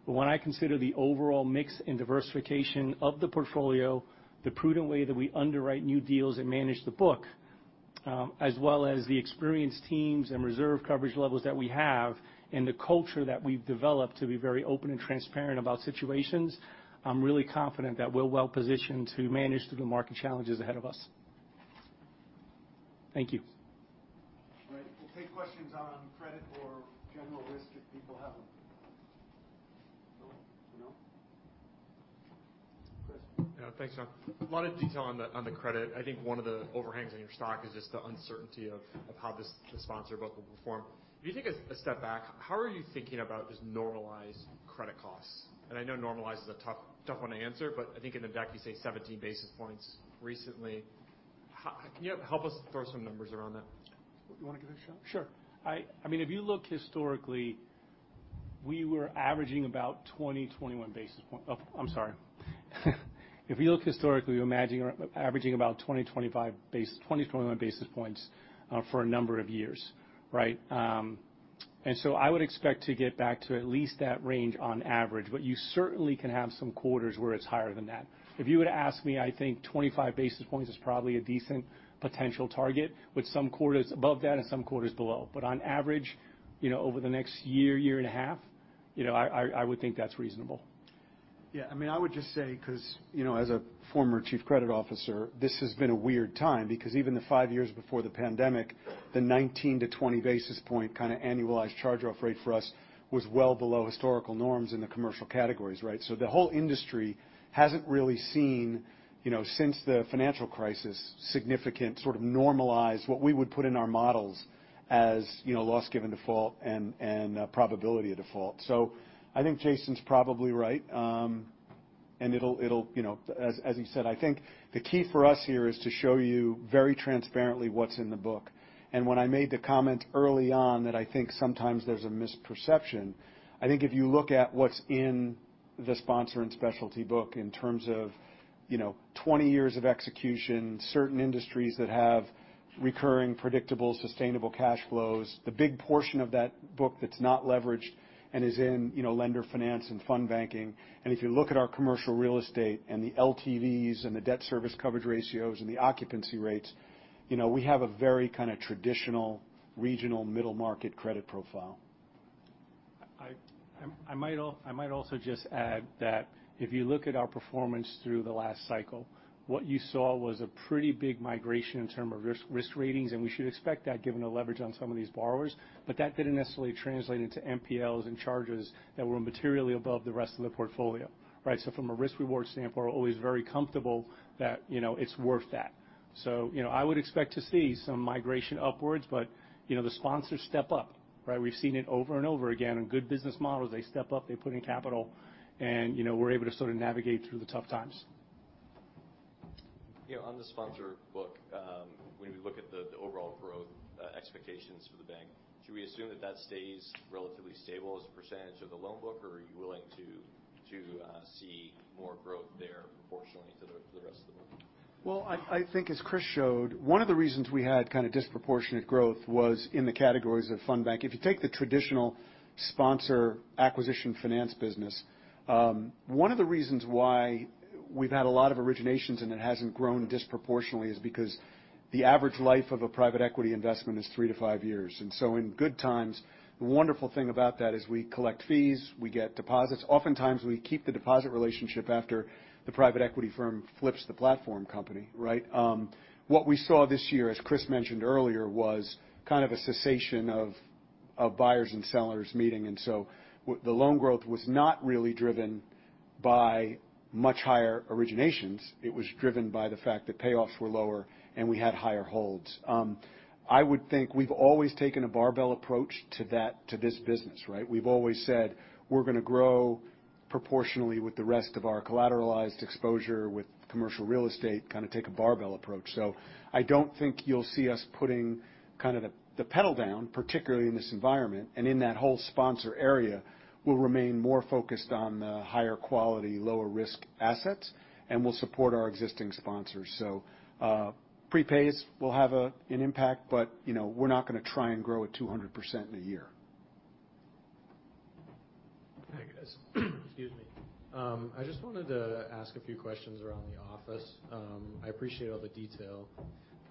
When I consider the overall mix and diversification of the portfolio, the prudent way that we underwrite new deals and manage the book, as well as the experienced teams and reserve coverage levels that we have and the culture that we've developed to be very open and transparent about situations, I'm really confident that we're well positioned to manage through the market challenges ahead of us. Thank you. All right. We'll take questions on credit or general risk if people have them. No, no? Chris. Yeah. Thanks, John. A lot of detail on the, on the credit. I think one of the overhangs on your stock is just the uncertainty of how this, the sponsor book will perform. If you take a step back, how are you thinking about just normalized credit costs? I know normalized is a tough one to answer, but I think in the deck you say 17 basis points recently. Can you help us throw some numbers around that? You wanna give it a shot? Sure. I mean, if you look historically, we were averaging about 20-21 basis point. I'm sorry. If you look historically, we're managing or averaging about 20-21 basis points for a number of years, right? I would expect to get back to at least that range on average, but you certainly can have some quarters where it's higher than that. If you were to ask me, I think 25 basis points is probably a decent potential target, with some quarters above that and some quarters below. On average, you know, over the next year and a half, you know, I would think that's reasonable. I mean, I would just say, 'cause, you know, as a former chief credit officer, this has been a weird time because even the five years before the pandemic, the 19-20 basis point kind of annualized charge-off rate for us was well below historical norms in the commercial categories, right? The whole industry hasn't really seen, you know, since the financial crisis, significant sort of normalized what we would put in our models as, you know, loss given default and probability of default. I think Jason's probably right. It'll, you know, as you said, I think the key for us here is to show you very transparently what's in the book. When I made the comment early on that I think sometimes there's a misperception, I think if you look at what's in the Sponsor and Specialty book in terms of, you know, 20 years of execution, certain industries that have recurring, predictable, sustainable cash flows, the big portion of that book that's not leveraged and is in, you know, lender finance and fund banking. If you look at our commercial real estate and the LTVs and the debt service coverage ratios and the occupancy rates, you know, we have a very kinda traditional regional middle market credit profile. I might also just add that if you look at our performance through the last cycle, what you saw was a pretty big migration in term of risk ratings, and we should expect that given the leverage on some of these borrowers. That didn't necessarily translate into NPLs and charges that were materially above the rest of the portfolio, right? From a risk reward standpoint, we're always very comfortable that, you know, it's worth that. You know, I would expect to see some migration upwards, but, you know, the sponsors step up, right? We've seen it over and over again. On good business models, they step up, they put in capital, and, you know, we're able to sort of navigate through the tough times. You know, on the sponsor book, when we look at the overall growth expectations for the bank, should we assume that that stays relatively stable as a percentage of the loan book, or are you willing to see more growth there proportionally to the rest of the book? Well, I think as Chris showed, one of the reasons we had kinda disproportionate growth was in the categories of fund bank. If you take the traditional sponsor acquisition finance business, one of the reasons why we've had a lot of originations and it hasn't grown disproportionately is because the average life of a private equity investment is three to five years. In good times, the wonderful thing about that is we collect fees, we get deposits. Oftentimes, we keep the deposit relationship after the private equity firm flips the platform company, right? What we saw this year, as Chris mentioned earlier, was kind of a cessation of buyers and sellers meeting. The loan growth was not really driven by much higher originations. It was driven by the fact that payoffs were lower and we had higher holds. I would think we've always taken a barbell approach to this business, right? We've always said we're gonna grow proportionally with the rest of our collateralized exposure with commercial real estate, kinda take a barbell approach. I don't think you'll see us putting kind of the pedal down, particularly in this environment. In that whole sponsor area, we'll remain more focused on the higher quality, lower risk assets, and we'll support our existing sponsors. Prepays will have an impact, but, you know, we're not gonna try and grow at 200% in a year. Hi, guys. Excuse me. I just wanted to ask a few questions around the office. I appreciate all the detail.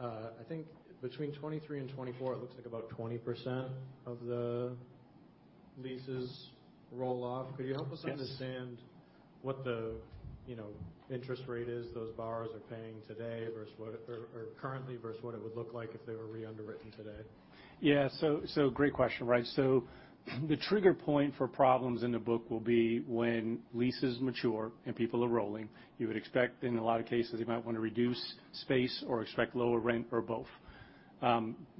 I think between 2023 and 2024, it looks like about 20% of the leases roll off. Yes. Could you help us understand what the, you know, interest rate is those borrowers are paying today versus what or currently versus what it would look like if they were re-underwritten today? Yeah. So great question, right? The trigger point for problems in the book will be when leases mature and people are rolling. You would expect, in a lot of cases, they might wanna reduce space or expect lower rent or both.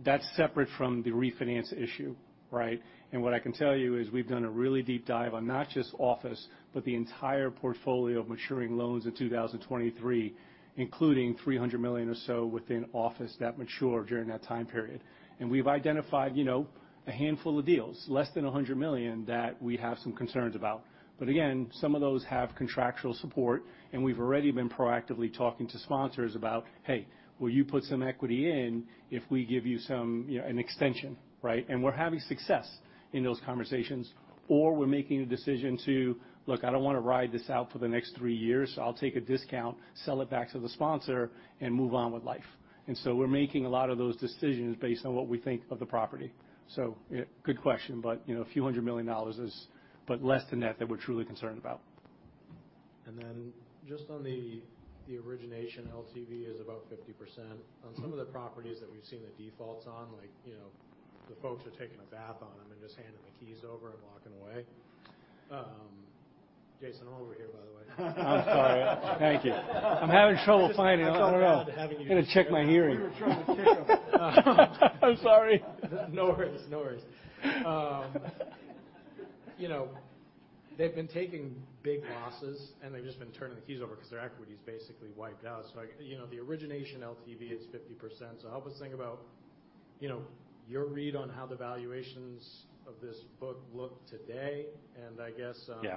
That's separate from the refinance issue, right? What I can tell you is we've done a really deep dive on not just office, but the entire portfolio of maturing loans in 2023, including $300 million or so within office that mature during that time period. We've identified, you know, a handful of deals, less than $100 million, that we have some concerns about. Again, some of those have contractual support, and we've already been proactively talking to sponsors about, "Hey, will you put some equity in if we give you some, you know, an extension," right? We're having success in those conversations. We're making a decision to, "Look, I don't wanna ride this out for the next three years. I'll take a discount, sell it back to the sponsor, and move on with life." We're making a lot of those decisions based on what we think of the property. Good question, but, you know, $few hundred million is. Less than that we're truly concerned about. Just on the origination, LTV is about 50%. Mm-hmm. On some of the properties that we've seen the defaults on, like, you know, the folks are taking a bath on them and just handing the keys over and walking away. Jason, I'm over here, by the way. I'm sorry. Thank you. I'm having trouble finding... I don't know. It's all bad to having you here. I'm gonna check my hearing. We were trying to trick him. I'm sorry. No worries. No worries. You know, they've been taking big losses, and they've just been turning the keys over because their equity is basically wiped out. You know, the origination LTV is 50%. Help us think about, you know, your read on how the valuations of this book look today. I guess. Yeah...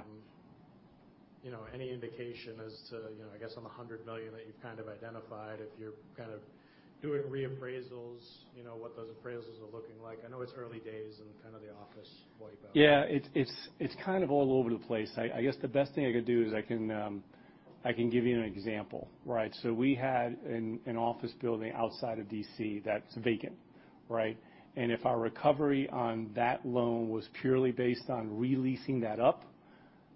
you know, any indication as to, you know, I guess on the $100 million that you've kind of identified, if you're kind of doing reappraisals, you know, what those appraisals are looking like. I know it's early days and kind of the office wipe out. Yeah. It's kind of all over the place. I guess the best thing I could do is I can give you an example, right? We had an office building outside of D.C. that's vacant, right? If our recovery on that loan was purely based on re-leasing that up,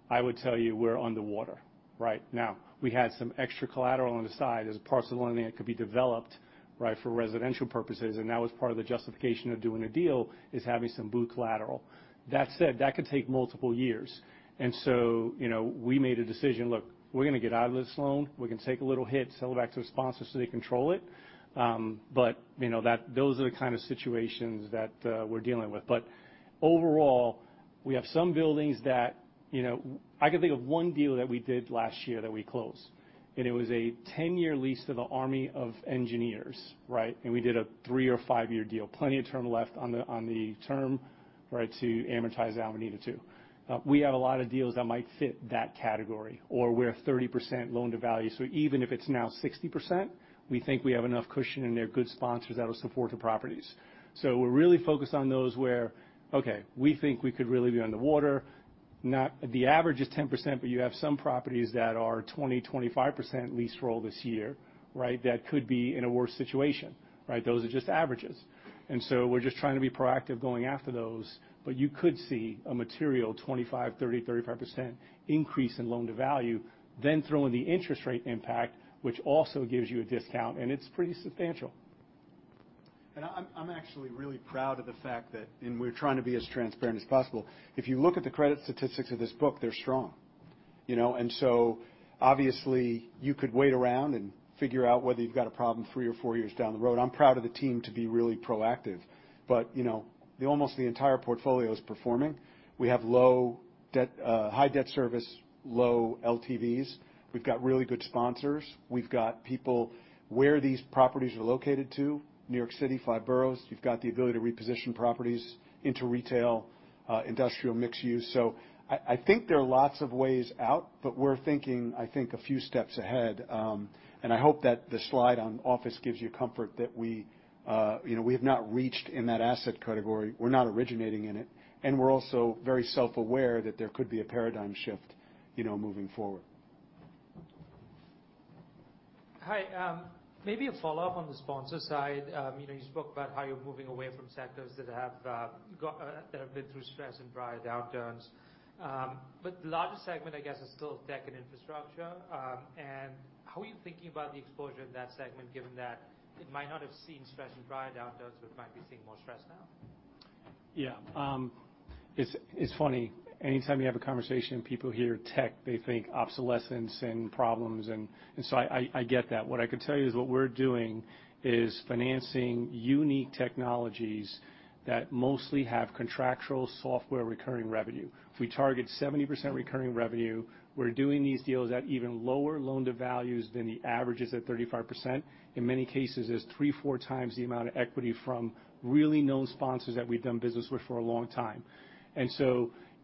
I would tell you we're underwater right now. We had some extra collateral on the side as a parcel of land that could be developed, right, for residential purposes, that was part of the justification of doing a deal, is having some boot collateral. That said, that could take multiple years. You know, we made a decision, look, we're gonna get out of this loan. We can take a little hit, sell it back to the sponsors so they control it. You know, that... those are the kind of situations that we're dealing with. Overall, we have some buildings that, you know. I can think of one deal that we did last year that we closed, and it was a 10-year lease to the army of engineers, right? We did a three or five-year deal. Plenty of term left on the term, right, to amortize out. We needed to. We have a lot of deals that might fit that category or we're 30% loan-to-value. Even if it's now 60%, we think we have enough cushion and they're good sponsors that will support the properties. We're really focused on those where, okay, we think we could really be underwater. Not. The average is 10%, but you have some properties that are 20%-25% lease roll this year, right? That could be in a worse situation, right? Those are just averages. We're just trying to be proactive going after those. You could see a material 25%, 30%, 35% increase in loan-to-value, then throw in the interest rate impact, which also gives you a discount, and it's pretty substantial. I'm actually really proud of the fact that, and we're trying to be as transparent as possible. If you look at the credit statistics of this book, they're strong, you know. Obviously you could wait around and figure out whether you've got a problem three or four years down the road. I'm proud of the team to be really proactive. You know, almost the entire portfolio is performing. We have high debt service, low LTVs. We've got really good sponsors. We've got people where these properties are located to, New York City, five boroughs. You've got the ability to reposition properties into retail, industrial mixed use. I think there are lots of ways out, but we're thinking, I think, a few steps ahead. I hope that the slide on office gives you comfort that we, you know, we have not reached in that asset category. We're not originating in it. We're also very self-aware that there could be a paradigm shift, you know, moving forward. Hi. Maybe a follow-up on the sponsor side. You know, you spoke about how you're moving away from sectors that have been through stress and prior downturns. The largest segment, I guess, is still tech and infrastructure. How are you thinking about the exposure in that segment, given that it might not have seen stress in prior downturns but might be seeing more stress now? Yeah. It's funny. Anytime you have a conversation and people hear tech, they think obsolescence and problems. I get that. What I can tell you is what we're doing is financing unique technologies that mostly have contractual software recurring revenue. If we target 70% recurring revenue, we're doing these deals at even lower loan-to-values than the averages at 35%. In many cases, there's three, four times the amount of equity from really known sponsors that we've done business with for a long time.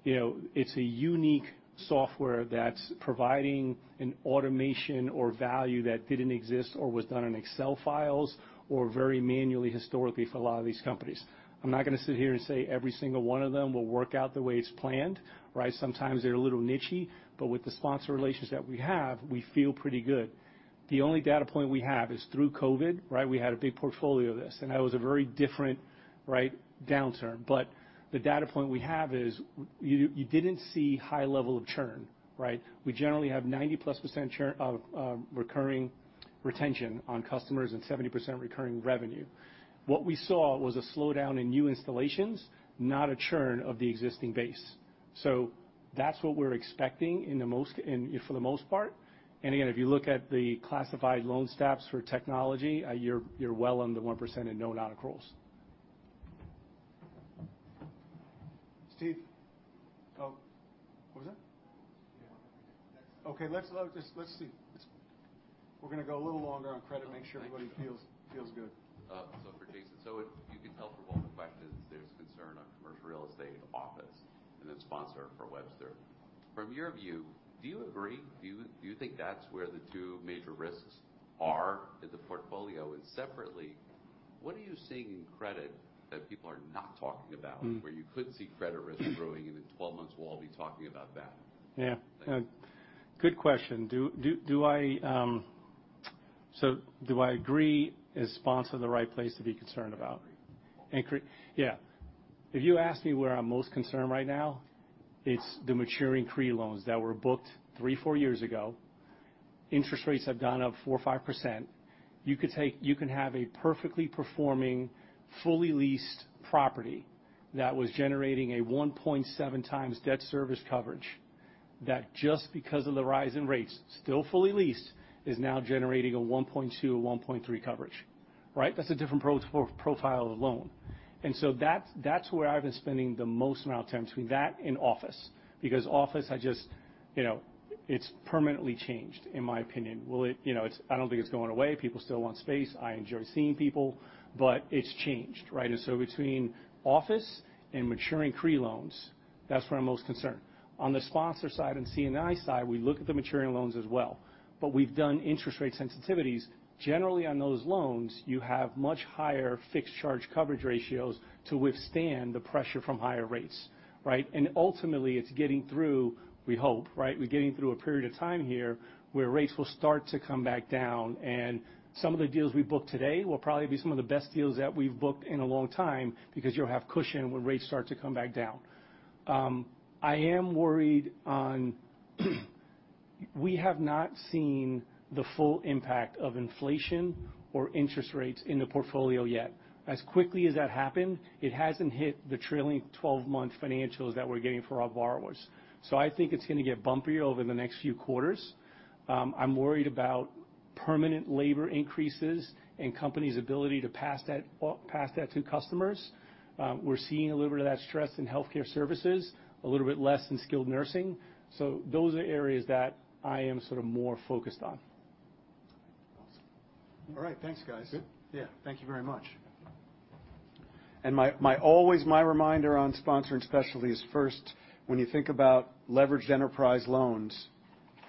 You know, it's a unique software that's providing an automation or value that didn't exist or was done in Excel files or very manually historically for a lot of these companies. I'm not gonna sit here and say every single one of them will work out the way it's planned, right? Sometimes they're a little nichey, but with the sponsor relations that we have, we feel pretty good. The only data point we have is through COVID, right? We had a big portfolio of this, that was a very different, right, downturn. The data point we have is you didn't see high level of churn, right? We generally have 90%+ churn of recurring retention on customers and 70% recurring revenue. What we saw was a slowdown in new installations, not a churn of the existing base. That's what we're expecting for the most part. Again, if you look at the classified loan stats for technology, you're well under 1% and no non-accruals. Steve. Oh. What was that? Yeah. Okay, let's see. We're gonna go a little longer on credit, make sure everybody feels good. For Jason. You can tell from all the questions there's concern on commercial real estate office and then sponsor for Webster. From your view, do you agree? Do you think that's where the two major risks are in the portfolio? Separately, what are you seeing in credit that people are not talking about... Mm-hmm where you could see credit risk growing and in 12 months we'll all be talking about that? Yeah. Thanks. Good question. Do I agree is Sponsor the right place to be concerned about? Agree. Yeah. If you ask me where I'm most concerned right now, it's the maturing CRE loans that were booked three-four years ago. Interest rates have gone up 4% or 5%. You can have a perfectly performing, fully leased property that was generating a 1.7x debt service coverage. That just because of the rise in rates, still fully leased, is now generating a 1.2 or 1.3 coverage, right? That's a different profile of the loan. That's where I've been spending the most amount of time between that and office, because office, I just, you know, It's permanently changed, in my opinion. Will it, you know, I don't think it's going away. People still want space. I enjoy seeing people, but it's changed, right? Between office and maturing CRE loans, that's where I'm most concerned. On the sponsor side and C&I side, we look at the maturing loans as well, but we've done interest rate sensitivities. Generally, on those loans, you have much higher fixed charge coverage ratios to withstand the pressure from higher rates, right? Ultimately, it's getting through, we hope, right? We're getting through a period of time here where rates will start to come back down, and some of the deals we book today will probably be some of the best deals that we've booked in a long time because you'll have cushion when rates start to come back down. I am worried We have not seen the full impact of inflation or interest rates in the portfolio yet. As quickly as that happened, it hasn't hit the trailing twelve-month financials that we're getting for our borrowers. I think it's going to get bumpier over the next few quarters. I'm worried about permanent labor increases and companies' ability to pass that to customers. We're seeing a little bit of that stress in healthcare services, a little bit less in skilled nursing. Those are areas that I am sort of more focused on. All right. Thanks, guys. Good? Yeah. Thank you very much. Always my reminder on Sponsor and Specialty is first, when you think about leveraged enterprise loans,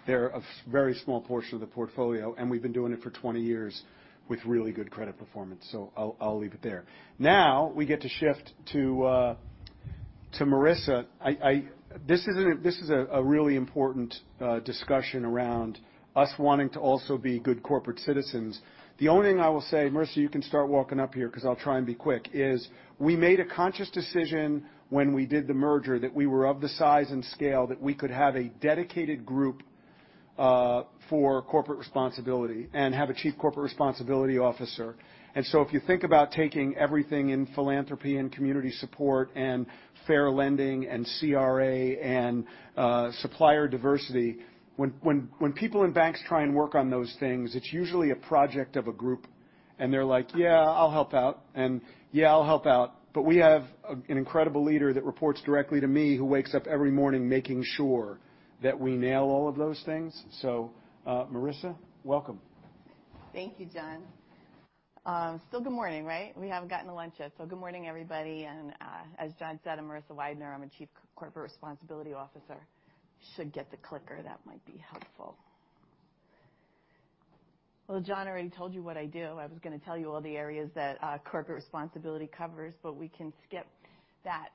they're a very small portion of the portfolio, and we've been doing it for 20 years with really good credit performance. I'll leave it there. Now we get to shift to Marissa. This is a really important discussion around us wanting to also be good corporate citizens. The only thing I will say, Marissa, you can start walking up here because I'll try and be quick, is we made a conscious decision when we did the merger that we were of the size and scale that we could have a dedicated group for corporate responsibility and have a Chief Corporate Responsibility Officer. If you think about taking everything in philanthropy and community support and fair lending and CRA and supplier diversity, when people in banks try and work on those things, it's usually a project of a group, and they're like, "Yeah, I'll help out," and, "Yeah, I'll help out." We have an incredible leader that reports directly to me who wakes up every morning making sure that we nail all of those things. Marissa, welcome. Thank you, John. Still good morning, right? We haven't gotten to lunch yet, good morning, everybody. As John said, I'm Marissa Weidner, I'm a Chief Corporate Responsibility Officer. Should get the clicker. That might be helpful. Well, John already told you what I do. I was going to tell you all the areas that corporate responsibility covers, but we can skip that.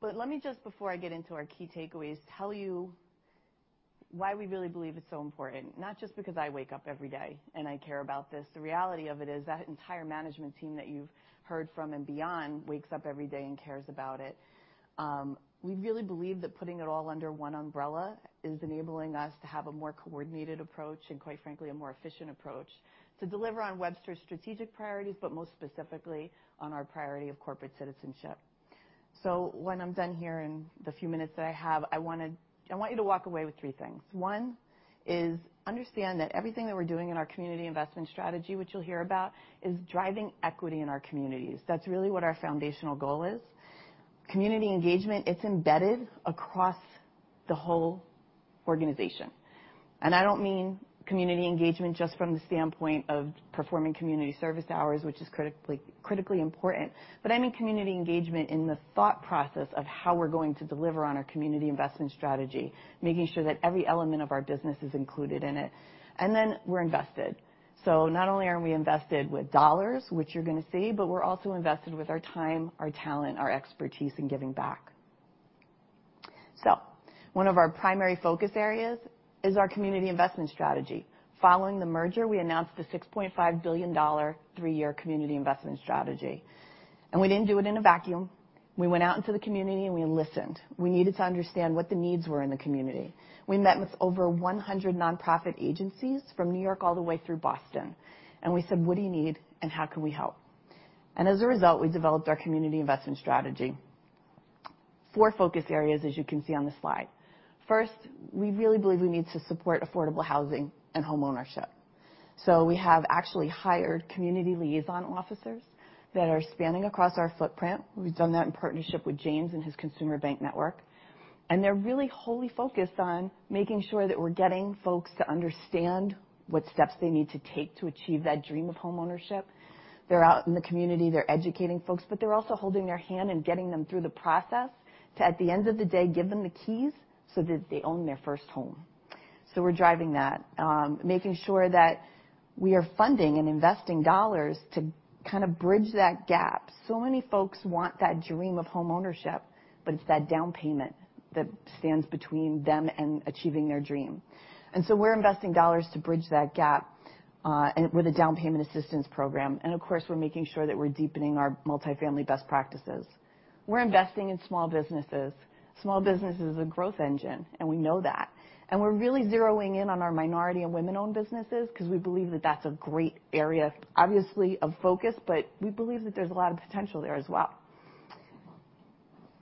Let me just, before I get into our key takeaways, tell you why we really believe it's so important, not just because I wake up every day and I care about this. The reality of it is that entire management team that you've heard from and beyond wakes up every day and cares about it. We really believe that putting it all under one umbrella is enabling us to have a more coordinated approach and quite frankly, a more efficient approach to deliver on Webster's strategic priorities, but most specifically on our priority of corporate citizenship. When I'm done here in the few minutes that I have, I want you to walk away with three things. One is understand that everything that we're doing in our community investment strategy, which you'll hear about, is driving equity in our communities. That's really what our foundational goal is. Community engagement, it's embedded across the whole organization. I don't mean community engagement just from the standpoint of performing community service hours, which is critically important, but I mean community engagement in the thought process of how we're going to deliver on our community investment strategy, making sure that every element of our business is included in it. Then we're invested. Not only are we invested with dollars, which you're going to see, but we're also invested with our time, our talent, our expertise in giving back. One of our primary focus areas is our community investment strategy. Following the merger, we announced a $6.5 billion three-year community investment strategy. We didn't do it in a vacuum. We went out into the community, and we listened. We needed to understand what the needs were in the community. We met with over 100 nonprofit agencies from New York all the way through Boston. We said, "What do you need, and how can we help?" As a result, we developed our community investment strategy. Four focus areas, as you can see on the slide. First, we really believe we need to support affordable housing and homeownership. We have actually hired community liaison officers that are spanning across our footprint. We've done that in partnership with James and his consumer bank network. They're really wholly focused on making sure that we're getting folks to understand what steps they need to take to achieve that dream of homeownership. They're out in the community, they're educating folks. They're also holding their hand and getting them through the process to, at the end of the day, give them the keys so that they own their first home. We're driving that, making sure that we are funding and investing dollars to kind of bridge that gap. Many folks want that dream of homeownership, but it's that down payment that stands between them and achieving their dream. We're investing dollars to bridge that gap, and with a down payment assistance program. Of course, we're making sure that we're deepening our multifamily best practices. We're investing in small businesses. Small business is a growth engine, and we know that. We're really zeroing in on our minority and women-owned businesses because we believe that that's a great area, obviously, of focus, but we believe that there's a lot of potential there as well.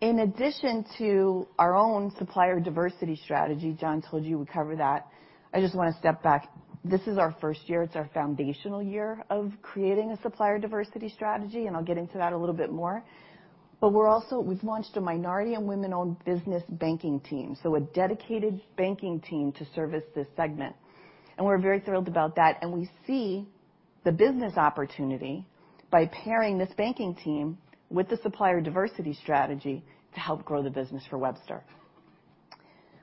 In addition to our own supplier diversity strategy, John told you we cover that, I just want to step back. This is our first year. It's our foundational year of creating a supplier diversity strategy, and I'll get into that a little bit more. We're also we've launched a minority and women-owned business banking team, so a dedicated banking team to service this segment. We're very thrilled about that. We see the business opportunity by pairing this banking team with the supplier diversity strategy to help grow the business for Webster.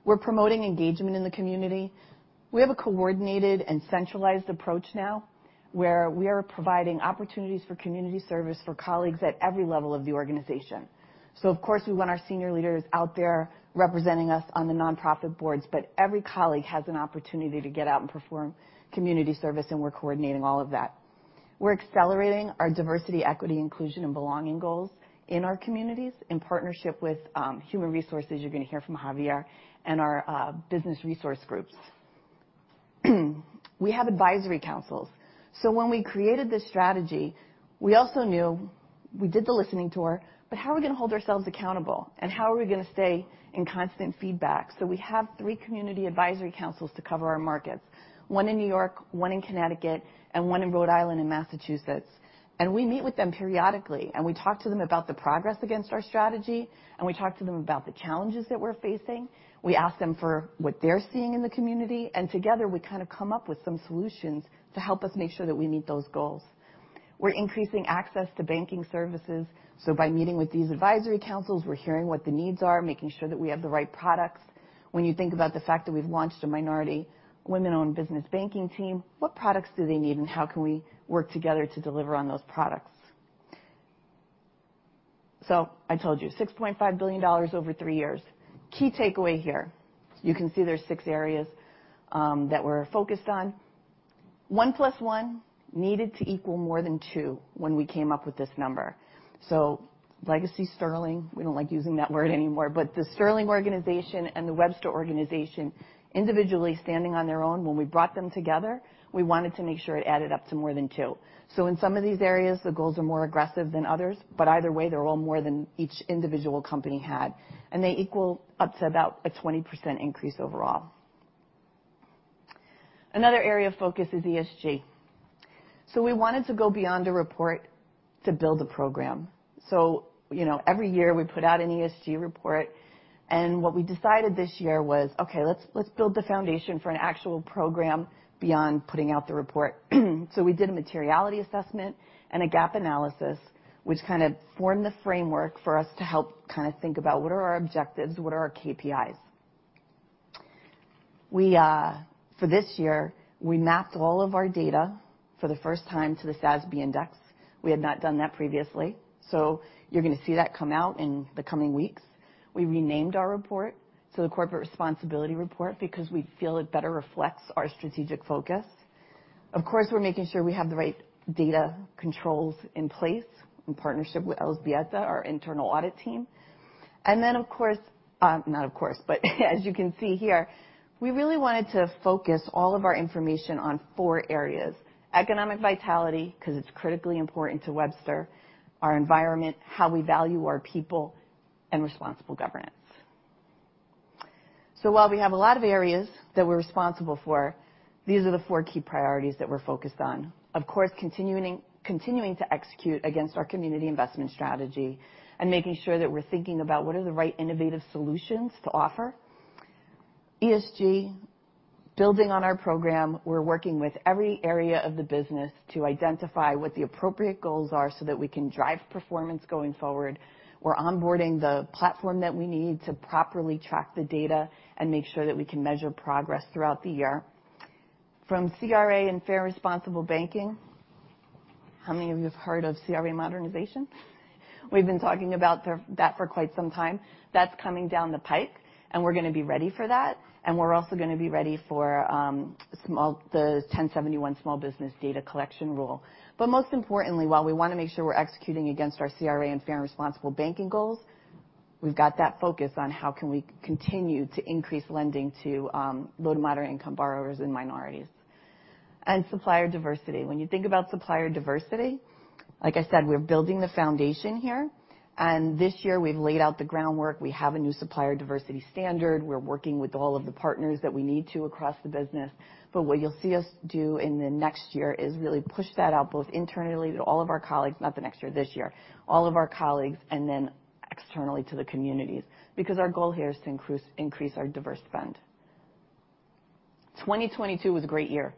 We're promoting engagement in the community. We have a coordinated and centralized approach now where we are providing opportunities for community service for colleagues at every level of the organization. Of course, we want our senior leaders out there representing us on the nonprofit boards, but every colleague has an opportunity to get out and perform community service, and we're coordinating all of that. We're accelerating our diversity, equity, inclusion, and belonging goals in our communities in partnership with human resources. You're going to hear from Javier and our business resource groups. We have advisory councils. When we created this strategy, we also knew we did the listening tour, but how are we going to hold ourselves accountable? How are we going to stay in constant feedback? We have three community advisory councils to cover our markets, one in New York, one in Connecticut, and one in Rhode Island and Massachusetts. We meet with them periodically, and we talk to them about the progress against our strategy, and we talk to them about the challenges that we're facing. We ask them for what they're seeing in the community, and together, we kind of come up with some solutions to help us make sure that we meet those goals. We're increasing access to banking services. By meeting with these advisory councils, we're hearing what the needs are, making sure that we have the right products. When you think about the fact that we've launched a minority women-owned business banking team, what products do they need, and how can we work together to deliver on those products? I told you, $6.5 billion over three years. Key takeaway here, you can see there's six areas that we're focused on. 1+1 needed to equal more than two when we came up with this number. Legacy Sterling, we don't like using that word anymore, but the Sterling organization and the Webster organization, individually standing on their own when we brought them together, we wanted to make sure it added up to more than two. In some of these areas, the goals are more aggressive than others, but either way, they're all more than each individual company had, and they equal up to about a 20% increase overall. Another area of focus is ESG. We wanted to go beyond a report to build a program. You know, every year we put out an ESG report, and what we decided this year was, okay, let's build the foundation for an actual program beyond putting out the report. We did a materiality assessment and a gap analysis, which kind of formed the framework for us to help kind of think about what are our objectives, what are our KPIs. We for this year, we mapped all of our data for the first time to the SASB Index. We had not done that previously. You're going to see that come out in the coming weeks. We renamed our report to the Corporate Responsibility Report because we feel it better reflects our strategic focus. Of course, we're making sure we have the right data controls in place in partnership with Elzbieta, our internal audit team. Then, of course, not of course, but as you can see here, we really wanted to focus all of our information on four areas: economic vitality, 'cause it's critically important to Webster, our environment, how we value our people, and responsible governance. While we have a lot of areas that we're responsible for, these are the four key priorities that we're focused on. Of course, continuing to execute against our community investment strategy and making sure that we're thinking about what are the right innovative solutions to offer. ESG, building on our program, we're working with every area of the business to identify what the appropriate goals are so that we can drive performance going forward. We're onboarding the platform that we need to properly track the data and make sure that we can measure progress throughout the year. From CRA and fair responsible banking. How many of you have heard of CRA modernization? We've been talking about that for quite some time. That's coming down the pipe, and we're going to be ready for that. We're also going to be ready for the Section 1071 small business data collection rule. Most importantly, while we want to make sure we're executing against our CRA and fair and responsible banking goals, we've got that focus on how can we continue to increase lending to low to moderate-income borrowers and minorities. Supplier diversity. When you think about supplier diversity, like I said, we're building the foundation here. This year, we've laid out the groundwork. We have a new supplier diversity standard. We're working with all of the partners that we need to across the business. What you'll see us do in the next year is really push that out both internally to all of our colleagues, not the next year, this year, all of our colleagues, and then externally to the communities because our goal here is to increase our diverse spend. 2022 was a great year.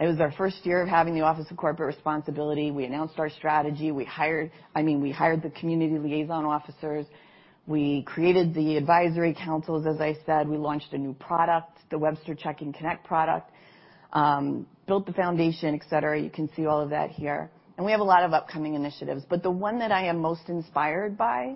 It was our first year of having the Office of Corporate Responsibility. We announced our strategy. I mean, we hired the community liaison officers. We created the advisory councils, as I said. We launched a new product, the Webster Connect Checking product, built the foundation, et cetera. You can see all of that here. And we have a lot of upcoming initiatives. But the one that I am most inspired by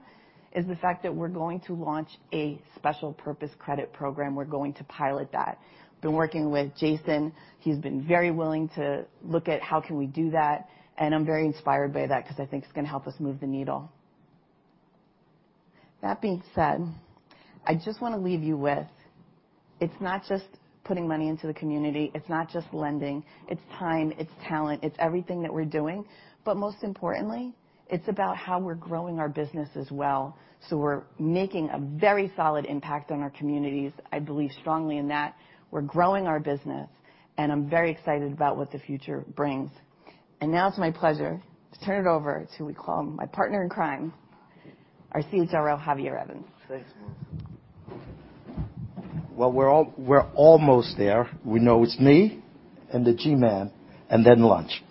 is the fact that we're going to launch a Special Purpose Credit Program. We're going to pilot that. Been working with Jason. He's been very willing to look at how can we do that, and I'm very inspired by that because I think it's going to help us move the needle. That being said, I just want to leave you with...It's not just putting money into the community. It's not just lending. It's time. It's talent. It's everything that we're doing. But most importantly, it's about how we're growing our business as well, so we're making a very solid impact on our communities. I believe strongly in that. We're growing our business, and I'm very excited about what the future brings. Now it's my pleasure to turn it over to who we call my partner in crime, our CHRO, Javier Evans. Thanks, Melissa. Well, we're almost there. We know it's me and the G-man and then lunch.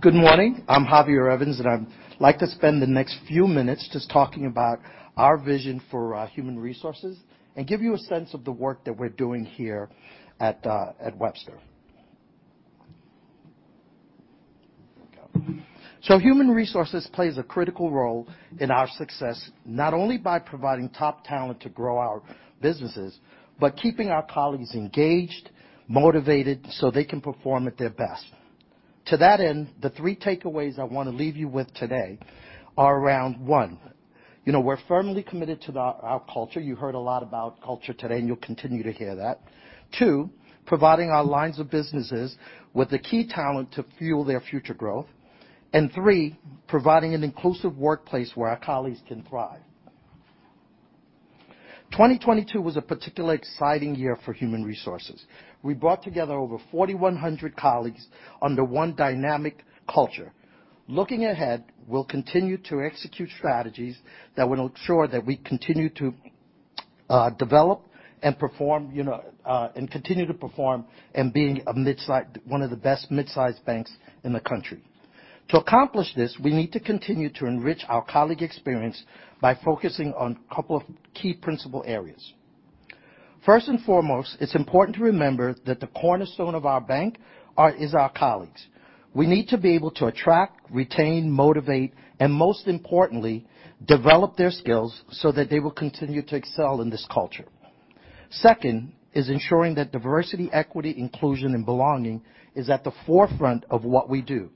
Good morning. I'm Javier Evans, and I'd like to spend the next few minutes just talking about our vision for human resources and give you a sense of the work that we're doing here at Webster. Here we go. Human resources plays a critical role in our success, not only by providing top talent to grow our businesses, but keeping our colleagues engaged, motivated, so they can perform at their best. To that end, the three takeaways I wanna leave you with today are around, one, you know, we're firmly committed to our culture. You heard a lot about culture today, and you'll continue to hear that. Two, providing our lines of businesses with the key talent to fuel their future growth. Three, providing an inclusive workplace where our colleagues can thrive. 2022 was a particularly exciting year for human resources. We brought together over 4,100 colleagues under one dynamic culture. Looking ahead, we'll continue to execute strategies that will ensure that we continue to develop and perform, you know, and continue to perform and being one of the best mid-sized banks in the country. To accomplish this, we need to continue to enrich our colleague experience by focusing on a couple of key principle areas. First and foremost, it's important to remember that the cornerstone of our bank is our colleagues. We need to be able to attract, retain, motivate, and most importantly, develop their skills so that they will continue to excel in this culture. Second is ensuring that diversity, equity, inclusion, and belonging is at the forefront of what we do.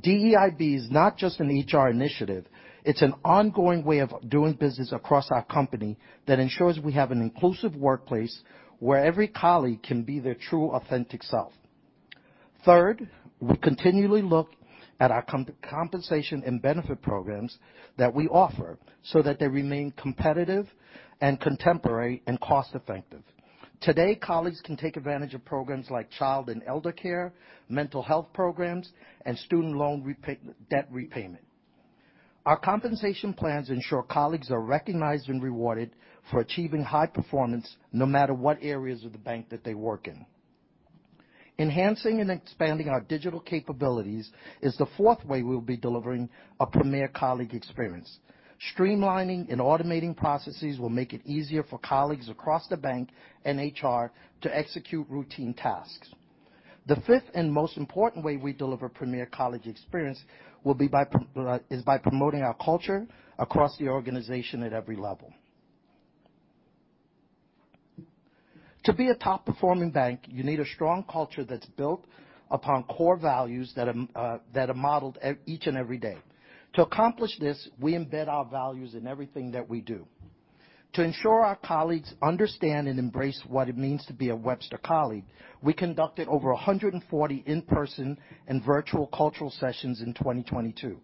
DEIB is not just an HR initiative. It's an ongoing way of doing business across our company that ensures we have an inclusive workplace where every colleague can be their true authentic self. Third, we continually look at our compensation and benefit programs that we offer so that they remain competitive and contemporary and cost-effective. Today, colleagues can take advantage of programs like child and elder care, mental health programs, and student loan debt repayment. Our compensation plans ensure colleagues are recognized and rewarded for achieving high performance, no matter what areas of the Bank that they work in. Enhancing and expanding our digital capabilities is the fourth way we'll be delivering a premier colleague experience. Streamlining and automating processes will make it easier for colleagues across the Bank and HR to execute routine tasks. The fifth and most important way we deliver premier colleague experience will be by promoting our culture across the organization at every level. To be a top-performing bank, you need a strong culture that's built upon core values that are modeled each and every day. To accomplish this, we embed our values in everything that we do. To ensure our colleagues understand and embrace what it means to be a Webster colleague, we conducted over 140 in-person and virtual cultural sessions in 2022.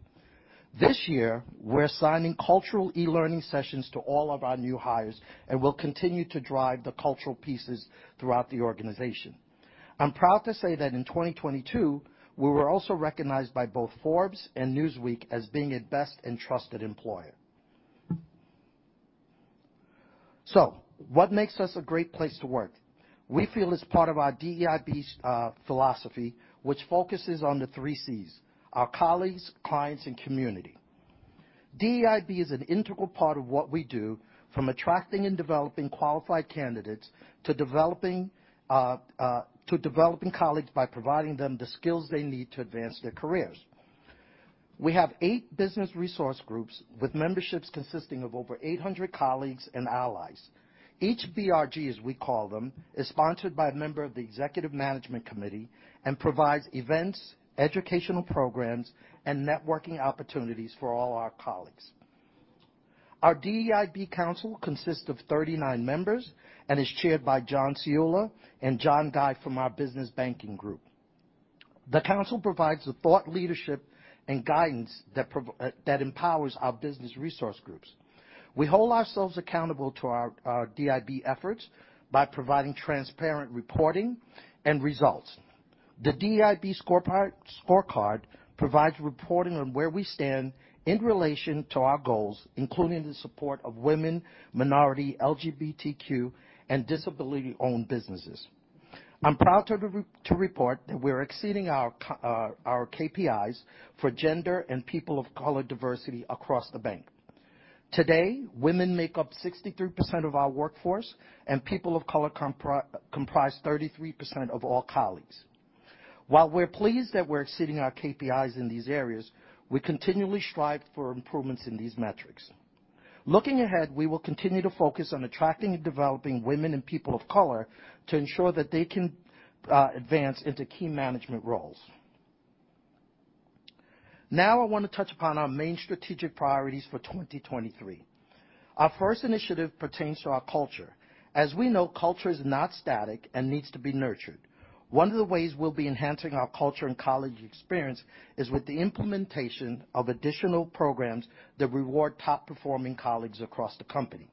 This year, we're assigning cultural e-learning sessions to all of our new hires, and we'll continue to drive the cultural pieces throughout the organization. I'm proud to say that in 2022, we were also recognized by both Forbes and Newsweek as being a best and trusted employer. What makes us a great place to work? We feel it's part of our DEIB philosophy, which focuses on the 3-Cs, our colleagues, clients, and community. DEIB is an integral part of what we do, from attracting and developing qualified candidates to developing colleagues by providing them the skills they need to advance their careers. We have eight Business Resource Groups with memberships consisting of over 800 colleagues and allies. Each BRG, as we call them, is sponsored by a member of the Executive Management Committee and provides events, educational programs, and networking opportunities for all our colleagues. Our DEIB Council consists of 39 members and is chaired by John Ciulla and John Guy from our Business Banking Group. The council provides the thought leadership and guidance that empowers our Business Resource Groups. We hold ourselves accountable to our DEIB efforts by providing transparent reporting and results. The DEIB scorecard provides reporting on where we stand in relation to our goals, including the support of women, minority, LGBTQ, and disability-owned businesses. I'm proud to report that we're exceeding our KPIs for gender and people of color diversity across the bank. Today, women make up 63% of our workforce, and people of color comprise 33% of all colleagues. While we're pleased that we're exceeding our KPIs in these areas, we continually strive for improvements in these metrics. Looking ahead, we will continue to focus on attracting and developing women and people of color to ensure that they can advance into key management roles. I want to touch upon our main strategic priorities for 2023. Our first initiative pertains to our culture. As we know, culture is not static and needs to be nurtured. One of the ways we'll be enhancing our culture and colleague experience is with the implementation of additional programs that reward top-performing colleagues across the company.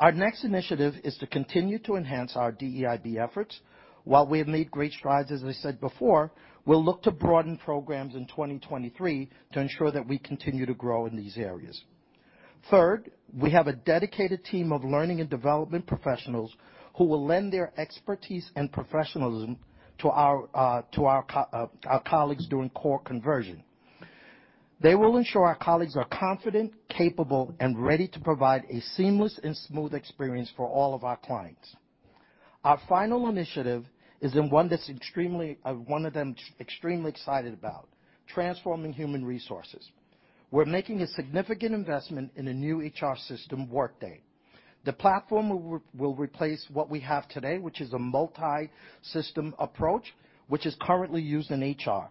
Our next initiative is to continue to enhance our DEIB efforts. While we have made great strides, as I said before, we'll look to broaden programs in 2023 to ensure that we continue to grow in these areas. Third, we have a dedicated team of learning and development professionals who will lend their expertise and professionalism to our colleagues during core conversion. They will ensure our colleagues are confident, capable, and ready to provide a seamless and smooth experience for all of our clients. Our final initiative is in one that's extremely, one of them extremely excited about, transforming human resources. We're making a significant investment in a new HR system, Workday. The platform will replace what we have today, which is a multi-system approach, which is currently used in HR.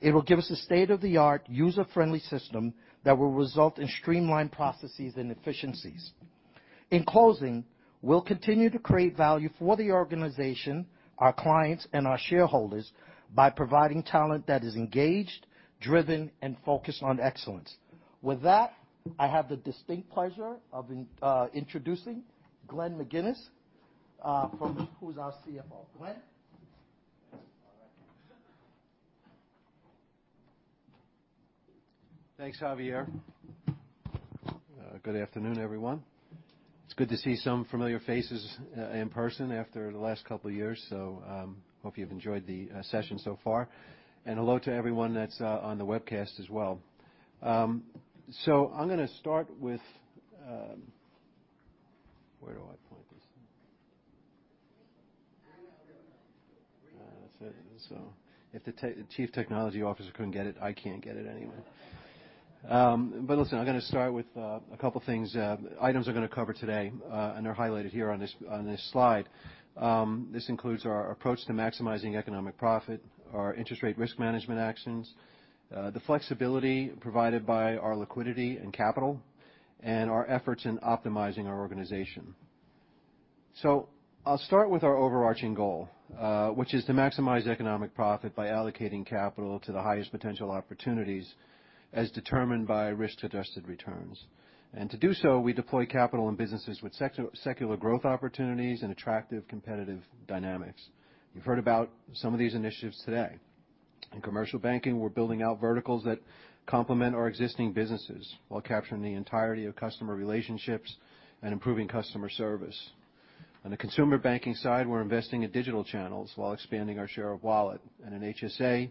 It will give us a state-of-the-art, user-friendly system that will result in streamlined processes and efficiencies. In closing, we'll continue to create value for the organization, our clients, and our shareholders by providing talent that is engaged, driven, and focused on excellence. With that, I have the distinct pleasure of introducing Glenn MacInnes, from, who's our CFO. Glenn? All right. Thanks, Javier. Good afternoon, everyone. It's good to see some familiar faces in person after the last couple of years. Hope you've enjoyed the session so far. Hello to everyone that's on the webcast as well. I'm gonna start with... Where do I point this thing? That's it. If the Chief Technology Officer couldn't get it, I can't get it anyway. Listen, I'm gonna start with a couple things, items we're gonna cover today, and they're highlighted here on this slide. This includes our approach to maximizing economic profit, our interest rate risk management actions, the flexibility provided by our liquidity and capital, and our efforts in optimizing our organization. I'll start with our overarching goal, which is to maximize economic profit by allocating capital to the highest potential opportunities as determined by risk-adjusted returns. To do so, we deploy capital in businesses with secular growth opportunities and attractive competitive dynamics. You've heard about some of these initiatives today. In commercial banking, we're building out verticals that complement our existing businesses while capturing the entirety of customer relationships and improving customer service. On the consumer banking side, we're investing in digital channels while expanding our share of wallet. In HSA,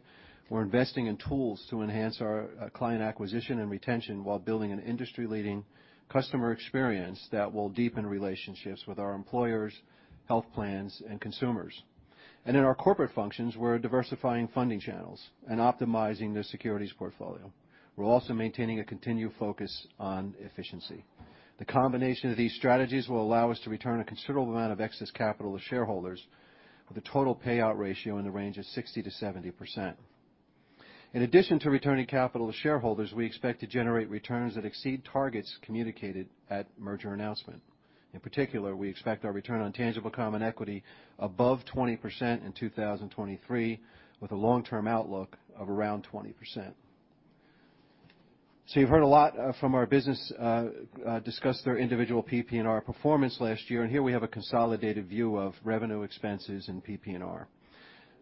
we're investing in tools to enhance our client acquisition and retention while building an industry-leading customer experience that will deepen relationships with our employers, health plans, and consumers. In our corporate functions, we're diversifying funding channels and optimizing the securities portfolio. We're also maintaining a continued focus on efficiency. The combination of these strategies will allow us to return a considerable amount of excess capital to shareholders with a total payout ratio in the range of 60%-70%. In addition to returning capital to shareholders, we expect to generate returns that exceed targets communicated at merger announcement. In particular, we expect our return on tangible common equity above 20% in 2023, with a long-term outlook of around 20%. You've heard a lot from our business discuss their individual PP&R performance last year, and here we have a consolidated view of revenue expenses in PP&R.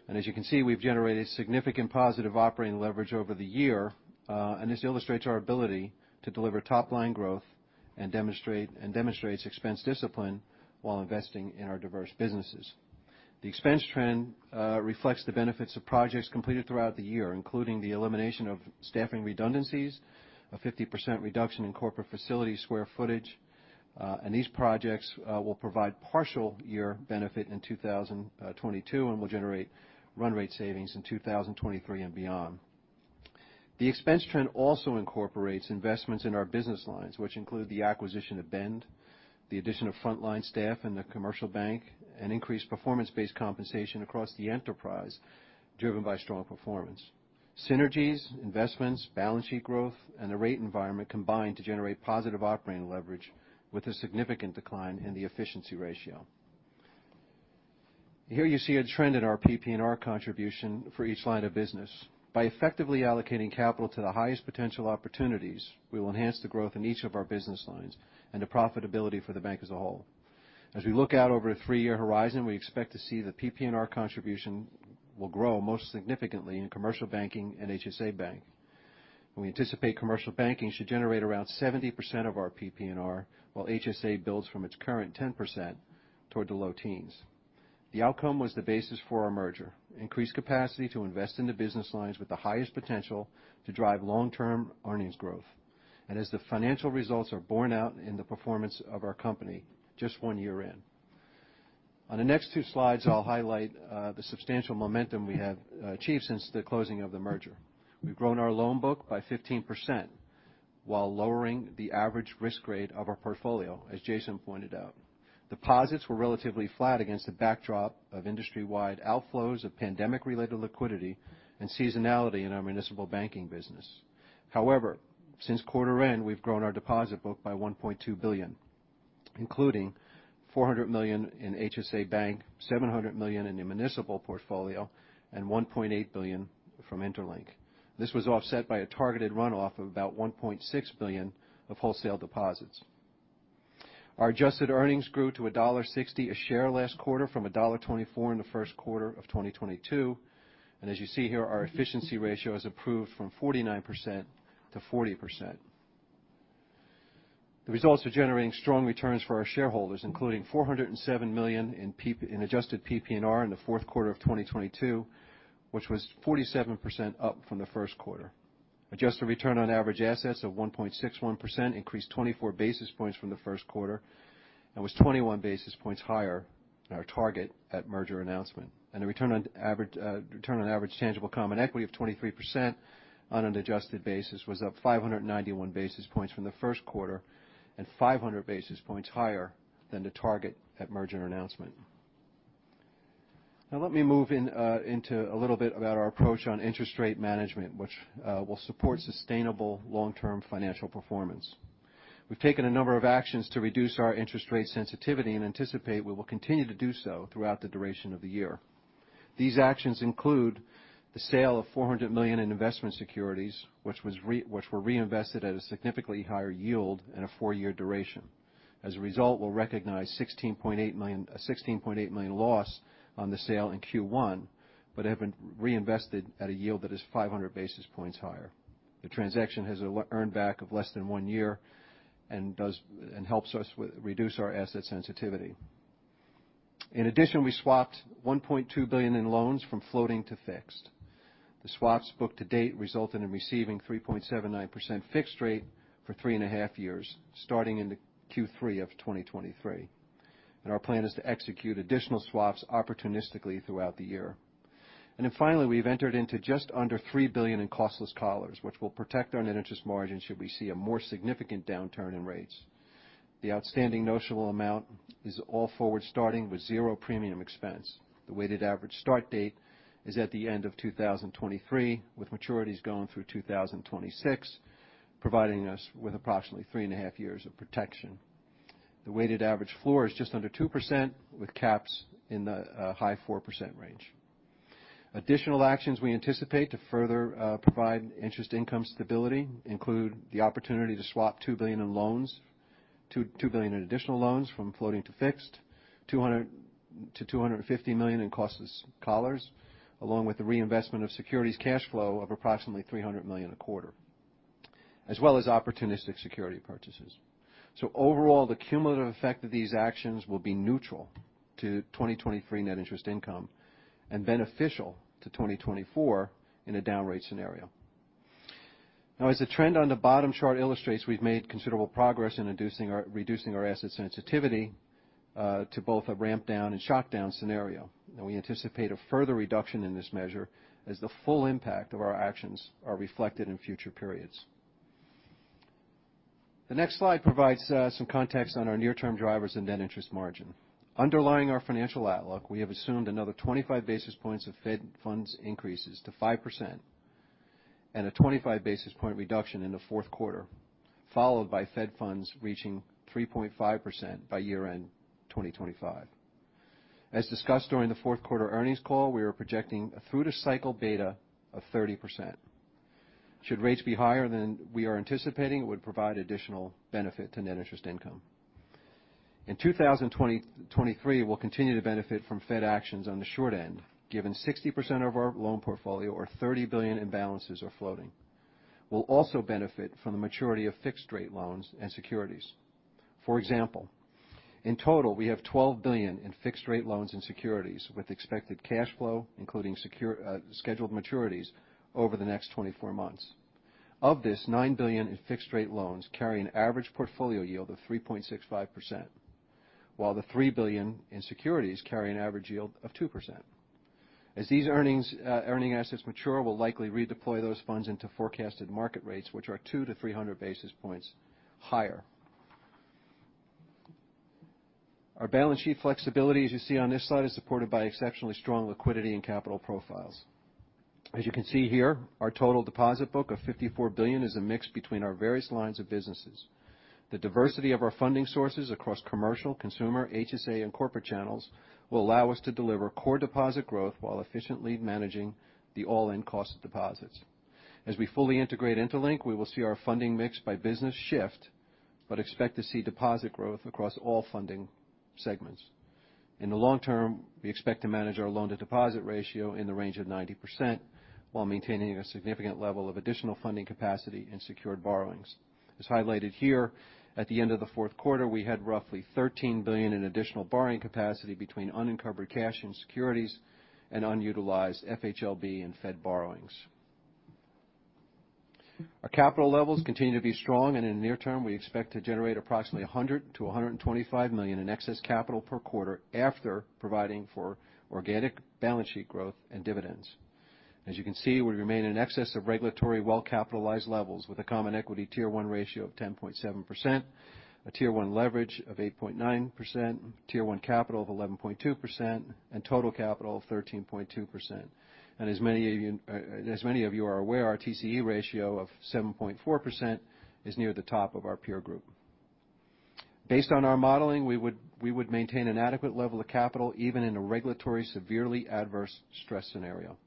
As you can see, we've generated significant positive operating leverage over the year, and this illustrates our ability to deliver top-line growth and demonstrates expense discipline while investing in our diverse businesses. The expense trend reflects the benefits of projects completed throughout the year, including the elimination of staffing redundancies, a 50% reduction in corporate facility square footage. These projects will provide partial year benefit in 2022 and will generate run rate savings in 2023 and beyond. The expense trend also incorporates investments in our business lines, which include the acquisition of Bend, the addition of frontline staff in the commercial bank, and increased performance-based compensation across the enterprise driven by strong performance. Synergies, investments, balance sheet growth, and the rate environment combine to generate positive operating leverage with a significant decline in the efficiency ratio. Here you see a trend in our PPNR contribution for each line of business. By effectively allocating capital to the highest potential opportunities, we will enhance the growth in each of our business lines and the profitability for the bank as a whole. As we look out over a three-year horizon, we expect to see the PPNR contribution will grow most significantly in Commercial Banking and HSA Bank. We anticipate Commercial Banking should generate around 70% of our PPNR, while HSA builds from its current 10% toward the low teens. The outcome was the basis for our merger, increased capacity to invest in the business lines with the highest potential to drive long-term earnings growth. As the financial results are borne out in the performance of our company just one year in. On the next two slides, I'll highlight the substantial momentum we have achieved since the closing of the merger. We've grown our loan book by 15%. While lowering the average risk rate of our portfolio, as Jason pointed out. Deposits were relatively flat against the backdrop of industry-wide outflows of pandemic-related liquidity and seasonality in our municipal banking business. Since quarter end, we've grown our deposit book by $1.2 billion, including $400 million in HSA Bank, $700 million in the municipal portfolio, and $1.8 billion from interLINK. This was offset by a targeted runoff of about $1.6 billion of wholesale deposits. Our adjusted earnings grew to $1.60 a share last quarter from $1.24 in the first quarter of 2022. As you see here, our efficiency ratio has improved from 49%-40%. The results are generating strong returns for our shareholders, including $407 million in adjusted PPNR in the fourth quarter of 2022, which was 47% up from the first quarter. Adjusted return on average assets of 1.61% increased 24 basis points from the first quarter and was 21 basis points higher than our target at merger announcement. The return on average tangible common equity of 23% on an adjusted basis was up 591 basis points from the first quarter and 500 basis points higher than the target at merger announcement. Let me move into a little bit about our approach on interest rate management, which will support sustainable long-term financial performance. We've taken a number of actions to reduce our interest rate sensitivity and anticipate we will continue to do so throughout the duration of the year. These actions include the sale of $400 million in investment securities, which were reinvested at a significantly higher yield and a 4-year duration. As a result, we'll recognize a $16.8 million loss on the sale in Q1 but have been reinvested at a yield that is 500 basis points higher. The transaction has an earn back of less than 1 year and helps us with reduce our asset sensitivity. In addition, we swapped $1.2 billion in loans from floating to fixed. The swaps booked to date resulted in receiving 3.79% fixed rate for 3.5 years, starting in the Q3 of 2023. Our plan is to execute additional swaps opportunistically throughout the year. Finally, we've entered into just under $3 billion in costless collars, which will protect our net interest margin should we see a more significant downturn in rates. The outstanding notional amount is all forward, starting with zero premium expense. The weighted average start date is at the end of 2023, with maturities going through 2026, providing us with approximately 3.5 years of protection. The weighted average floor is just under 2%, with caps in the high 4% range. Additional actions we anticipate to further provide interest income stability include the opportunity to swap $2 billion in loans, $2 billion in additional loans from floating to fixed, $200 million-$250 million in costless collars, along with the reinvestment of securities cash flow of approximately $300 million a quarter, as well as opportunistic security purchases. Overall, the cumulative effect of these actions will be neutral to 2023 net interest income and beneficial to 2024 in a down rate scenario. As the trend on the bottom chart illustrates, we've made considerable progress in reducing our asset sensitivity to both a ramp down and shock down scenario. We anticipate a further reduction in this measure as the full impact of our actions are reflected in future periods. The next slide provides some context on our near-term drivers and net interest margin. Underlying our financial outlook, we have assumed another 25 basis points of Fed funds increases to 5% and a 25 basis point reduction in the fourth quarter, followed by Fed funds reaching 3.5% by year-end 2025. As discussed during the fourth quarter earnings call, we are projecting a through-to-cycle beta of 30%. Should rates be higher than we are anticipating, it would provide additional benefit to net interest income. In 2023, we'll continue to benefit from Fed actions on the short end, given 60% of our loan portfolio or $30 billion in balances are floating. We'll also benefit from the maturity of fixed rate loans and securities. For example, in total, we have $12 billion in fixed rate loans and securities, with expected cash flow including secure, scheduled maturities over the next 24 months. Of this, $9 billion in fixed rate loans carry an average portfolio yield of 3.65%, while the $3 billion in securities carry an average yield of 2%. As these earning assets mature, we'll likely redeploy those funds into forecasted market rates, which are 200-300 basis points higher. Our balance sheet flexibility, as you see on this slide, is supported by exceptionally strong liquidity and capital profiles. As you can see here, our total deposit book of $54 billion is a mix between our various lines of businesses. The diversity of our funding sources across commercial, consumer, HSA, and corporate channels will allow us to deliver core deposit growth while efficiently managing the all-in cost of deposits. As we fully integrate interLINK, we will see our funding mix by business shift but expect to see deposit growth across all funding segments. In the long term, we expect to manage our loan-to-deposit ratio in the range of 90% while maintaining a significant level of additional funding capacity and secured borrowings. As highlighted here, at the end of the fourth quarter, we had roughly $13 billion in additional borrowing capacity between unencumbered cash and securities and unutilized FHLB and Fed borrowings. Our capital levels continue to be strong, and in the near term, we expect to generate approximately $100 million-$125 million in excess capital per quarter after providing for organic balance sheet growth and dividends. As you can see, we remain in excess of regulatory well-capitalized levels with a common equity Tier 1 ratio of 10.7%, a Tier 1 leverage of 8.9%, Tier 1 capital of 11.2%, and total capital of 13.2%. As many of you are aware, our TCE ratio of 7.4% is near the top of our peer group. Based on our modeling, we would maintain an adequate level of capital even in a regulatory severely adverse stress scenario.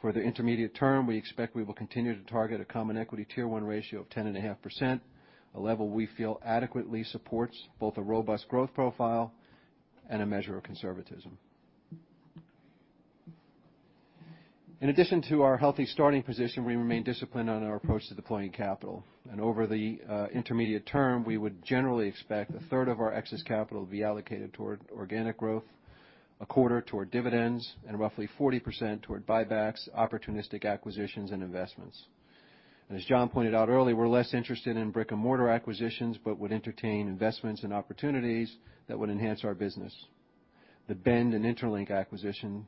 For the intermediate term, we expect we will continue to target a common equity Tier 1 ratio of 10.5%, a level we feel adequately supports both a robust growth profile and a measure of conservatism. In addition to our healthy starting position, we remain disciplined on our approach to deploying capital. Over the intermediate term, we would generally expect a third of our excess capital to be allocated toward organic growth, a quarter toward dividends, and roughly 40% toward buybacks, opportunistic acquisitions, and investments. As John pointed out earlier, we're less interested in brick-and-mortar acquisitions but would entertain investments and opportunities that would enhance our business. The Bend and interLINK acquisition,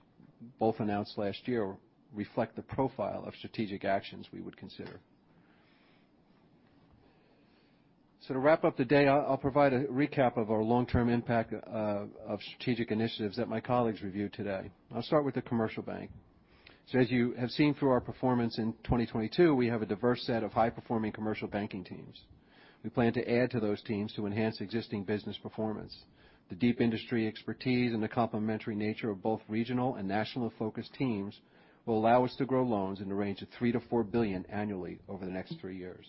both announced last year, reflect the profile of strategic actions we would consider. To wrap up the day, I'll provide a recap of our long-term impact of strategic initiatives that my colleagues reviewed today. I'll start with the commercial bank. As you have seen through our performance in 2022, we have a diverse set of high-performing commercial banking teams. We plan to add to those teams to enhance existing business performance. The deep industry expertise and the complementary nature of both regional and national-focused teams will allow us to grow loans in the range of $3 billion-$4 billion annually over the next three years.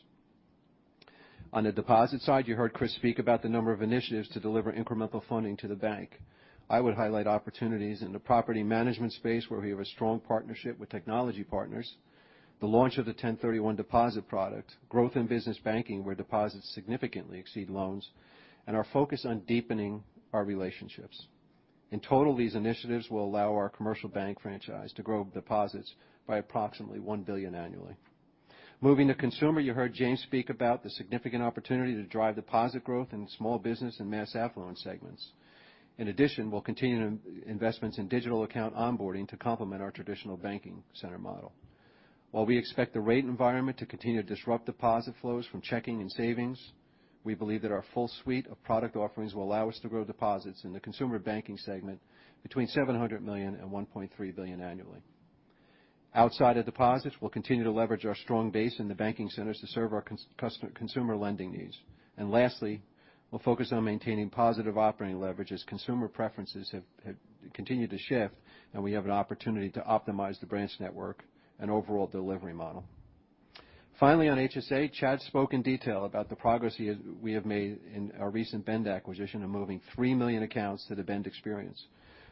On the deposit side, you heard Chris speak about the number of initiatives to deliver incremental funding to the bank. I would highlight opportunities in the property management space where we have a strong partnership with technology partners, the launch of the 1031 deposit product, growth in business banking where deposits significantly exceed loans, and our focus on deepening our relationships. In total, these initiatives will allow our commercial bank franchise to grow deposits by approximately $1 billion annually. Moving to consumer, you heard James speak about the significant opportunity to drive deposit growth in small business and mass affluent segments. In addition, we'll continue investments in digital account onboarding to complement our traditional banking center model. While we expect the rate environment to continue to disrupt deposit flows from checking and savings, we believe that our full suite of product offerings will allow us to grow deposits in the consumer banking segment between $700 million and $1.3 billion annually. Outside of deposits, we'll continue to leverage our strong base in the banking centers to serve our consumer lending needs. Lastly, we'll focus on maintaining positive operating leverage as consumer preferences have continued to shift, and we have an opportunity to optimize the branch network and overall delivery model. Finally, on HSA, Chad spoke in detail about the progress we have made in our recent Bend acquisition and moving 3 million accounts to the Bend experience.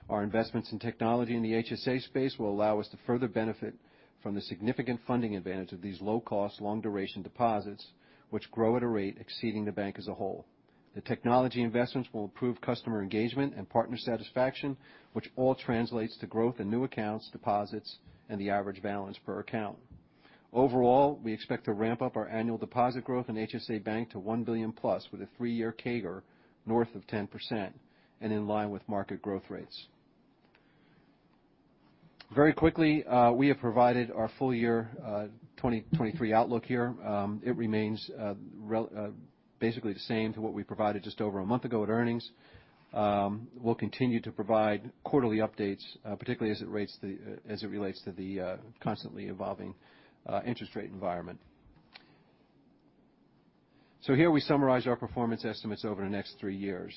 Our investments in technology in the HSA space will allow us to further benefit from the significant funding advantage of these low-cost, long-duration deposits, which grow at a rate exceeding the bank as a whole. The technology investments will improve customer engagement and partner satisfaction, which all translates to growth in new accounts, deposits, and the average balance per account. Overall, we expect to ramp up our annual deposit growth in HSA Bank to $1 billion-plus with a three-year CAGR north of 10% and in line with market growth rates. Very quickly, we have provided our full year 2023 outlook here. It remains basically the same to what we provided just over a month ago at earnings. We'll continue to provide quarterly updates, particularly as it relates to the constantly evolving interest rate environment. Here we summarize our performance estimates over the next three years.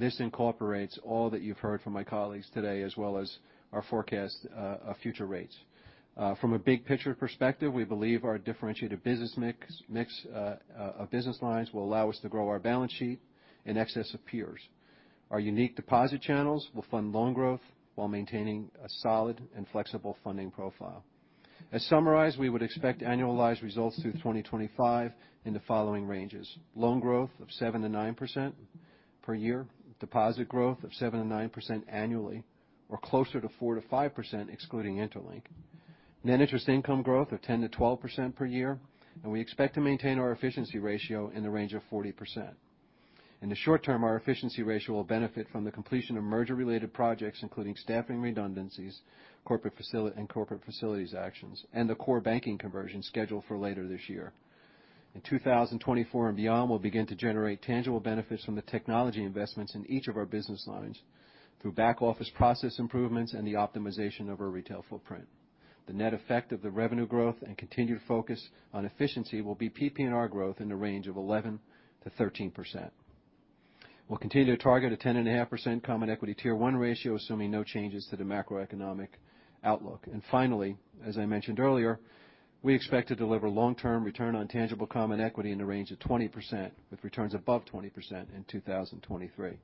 This incorporates all that you've heard from my colleagues today as well as our forecast future rates. From a big picture perspective, we believe our differentiated business mix of business lines will allow us to grow our balance sheet in excess of peers. Our unique deposit channels will fund loan growth while maintaining a solid and flexible funding profile. As summarized, we would expect annualized results through 2025 in the following ranges: loan growth of 7%-9% per year, deposit growth of 7%-9% annually, or closer to 4%-5% excluding Interlink, net interest income growth of 10%-12% per year, and we expect to maintain our efficiency ratio in the range of 40%. In the short term, our efficiency ratio will benefit from the completion of merger-related projects, including staffing redundancies, and corporate facilities actions, and the core banking conversion scheduled for later this year. In 2024 and beyond, we'll begin to generate tangible benefits from the technology investments in each of our business lines through back-office process improvements and the optimization of our retail footprint. The net effect of the revenue growth and continued focus on efficiency will be PPNR growth in the range of 11%-13%. We'll continue to target a 10.5% common equity Tier 1 ratio, assuming no changes to the macroeconomic outlook. Finally, as I mentioned earlier, we expect to deliver long-term return on tangible common equity in the range of 20%, with returns above 20% in 2023.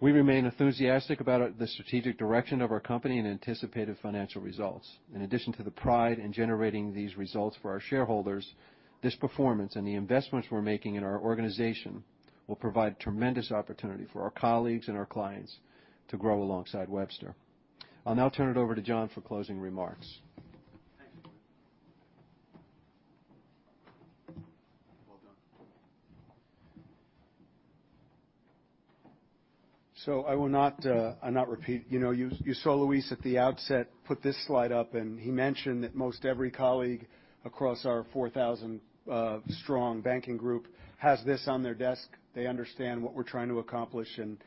We remain enthusiastic about the strategic direction of our company and anticipated financial results. In addition to the pride in generating these results for our shareholders, this performance and the investments we're making in our organization will provide tremendous opportunity for our colleagues and our clients to grow alongside Webster. I'll now turn it over to John for closing remarks. I will not, I'll not repeat. You know, you saw Luis at the outset put this slide up, and he mentioned that most every colleague across our 4,000 strong banking group has this on their desk. They understand what we're trying to accomplish, and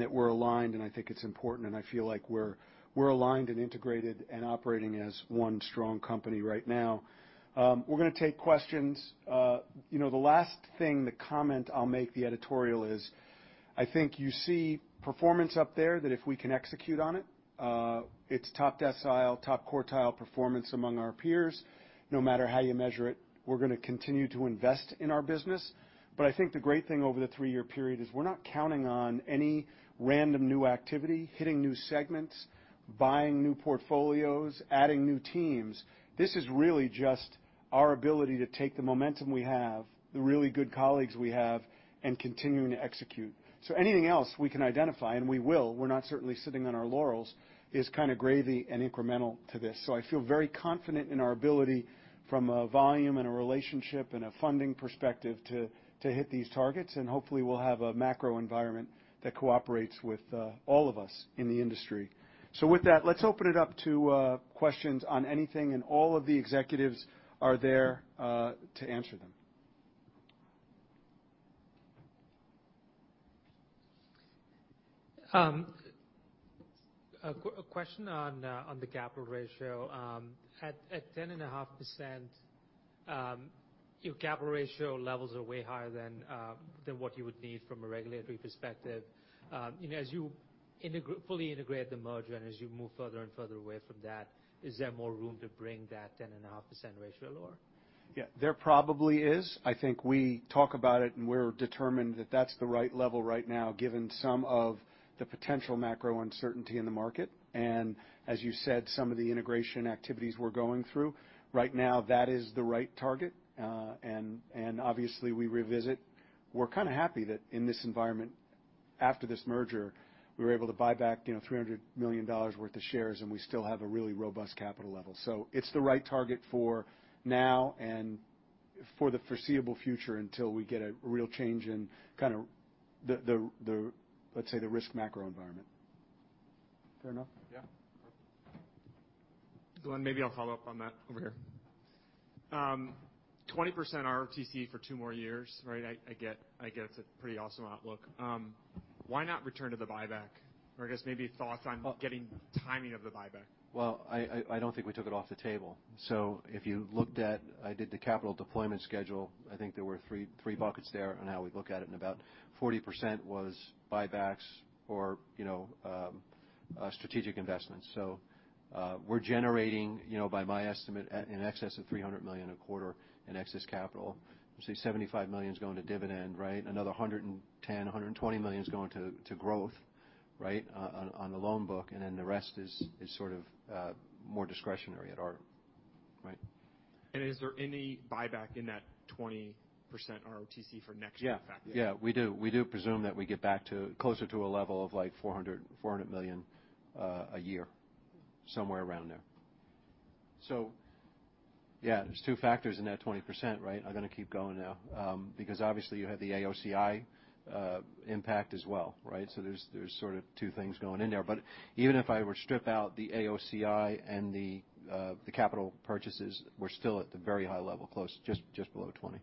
that we're aligned, and I think it's important, and I feel like we're aligned and integrated and operating as one strong company right now. We're gonna take questions. You know, the last thing, the comment I'll make, the editorial is, I think you see performance up there that if we can execute on it's top decile, top quartile performance among our peers. No matter how you measure it, we're gonna continue to invest in our business. I think the great thing over the three-year period is we're not counting on any random new activity, hitting new segments, buying new portfolios, adding new teams. This is really just our ability to take the momentum we have, the really good colleagues we have, and continuing to execute. Anything else we can identify, and we will, we're not certainly sitting on our laurels, is kind of gravy and incremental to this. I feel very confident in our ability from a volume and a relationship and a funding perspective to hit these targets, and hopefully we'll have a macro environment that cooperates with all of us in the industry. With that, let's open it up to questions on anything, and all of the executives are there to answer them. A question on the capital ratio. At 10.5%, your capital ratio levels are way higher than what you would need from a regulatory perspective. You know, as you fully integrate the merger and as you move further and further away from that, is there more room to bring that 10.5% ratio lower? Yeah, there probably is. I think we talk about it, and we're determined that that's the right level right now, given some of the potential macro uncertainty in the market, and as you said, some of the integration activities we're going through. Right now, that is the right target, and obviously, we revisit. We're kind of happy that in this environment, after this merger, we were able to buy back, you know, $300 million worth of shares, and we still have a really robust capital level. It's the right target for now and for the foreseeable future until we get a real change in kind of the, let's say, the risk macro environment. Fair enough? Yeah. Perfect. Glenn, maybe I'll follow up on that over here. 20% ROTCE for two more years, right? I get it's a pretty awesome outlook. Why not return to the buyback? Or I guess maybe thoughts on getting timing of the buyback. Well, I don't think we took it off the table. If you looked at I did the capital deployment schedule, I think there were three buckets there on how we look at it, and about 40% was buybacks or, you know, strategic investments. We're generating, you know, by my estimate, in excess of $300 million a quarter in excess capital. Say $75 million's going to dividend, right? Another $110 million-$120 million is going to growth, right, on the loan book, and then the rest is sort of more discretionary at our... Right? Is there any buyback in that 20% ROTCE for next year factored? Yeah. Yeah, we do. We do presume that we get back to closer to a level of, like, $400 million a year, somewhere around there. Yeah, there's two factors in that 20%, right? I'm gonna keep going now. Because obviously you have the AOCI impact as well, right? There's sort of two things going in there. Even if I were to strip out the AOCI and the capital purchases, we're still at the very high level, close, just below 20.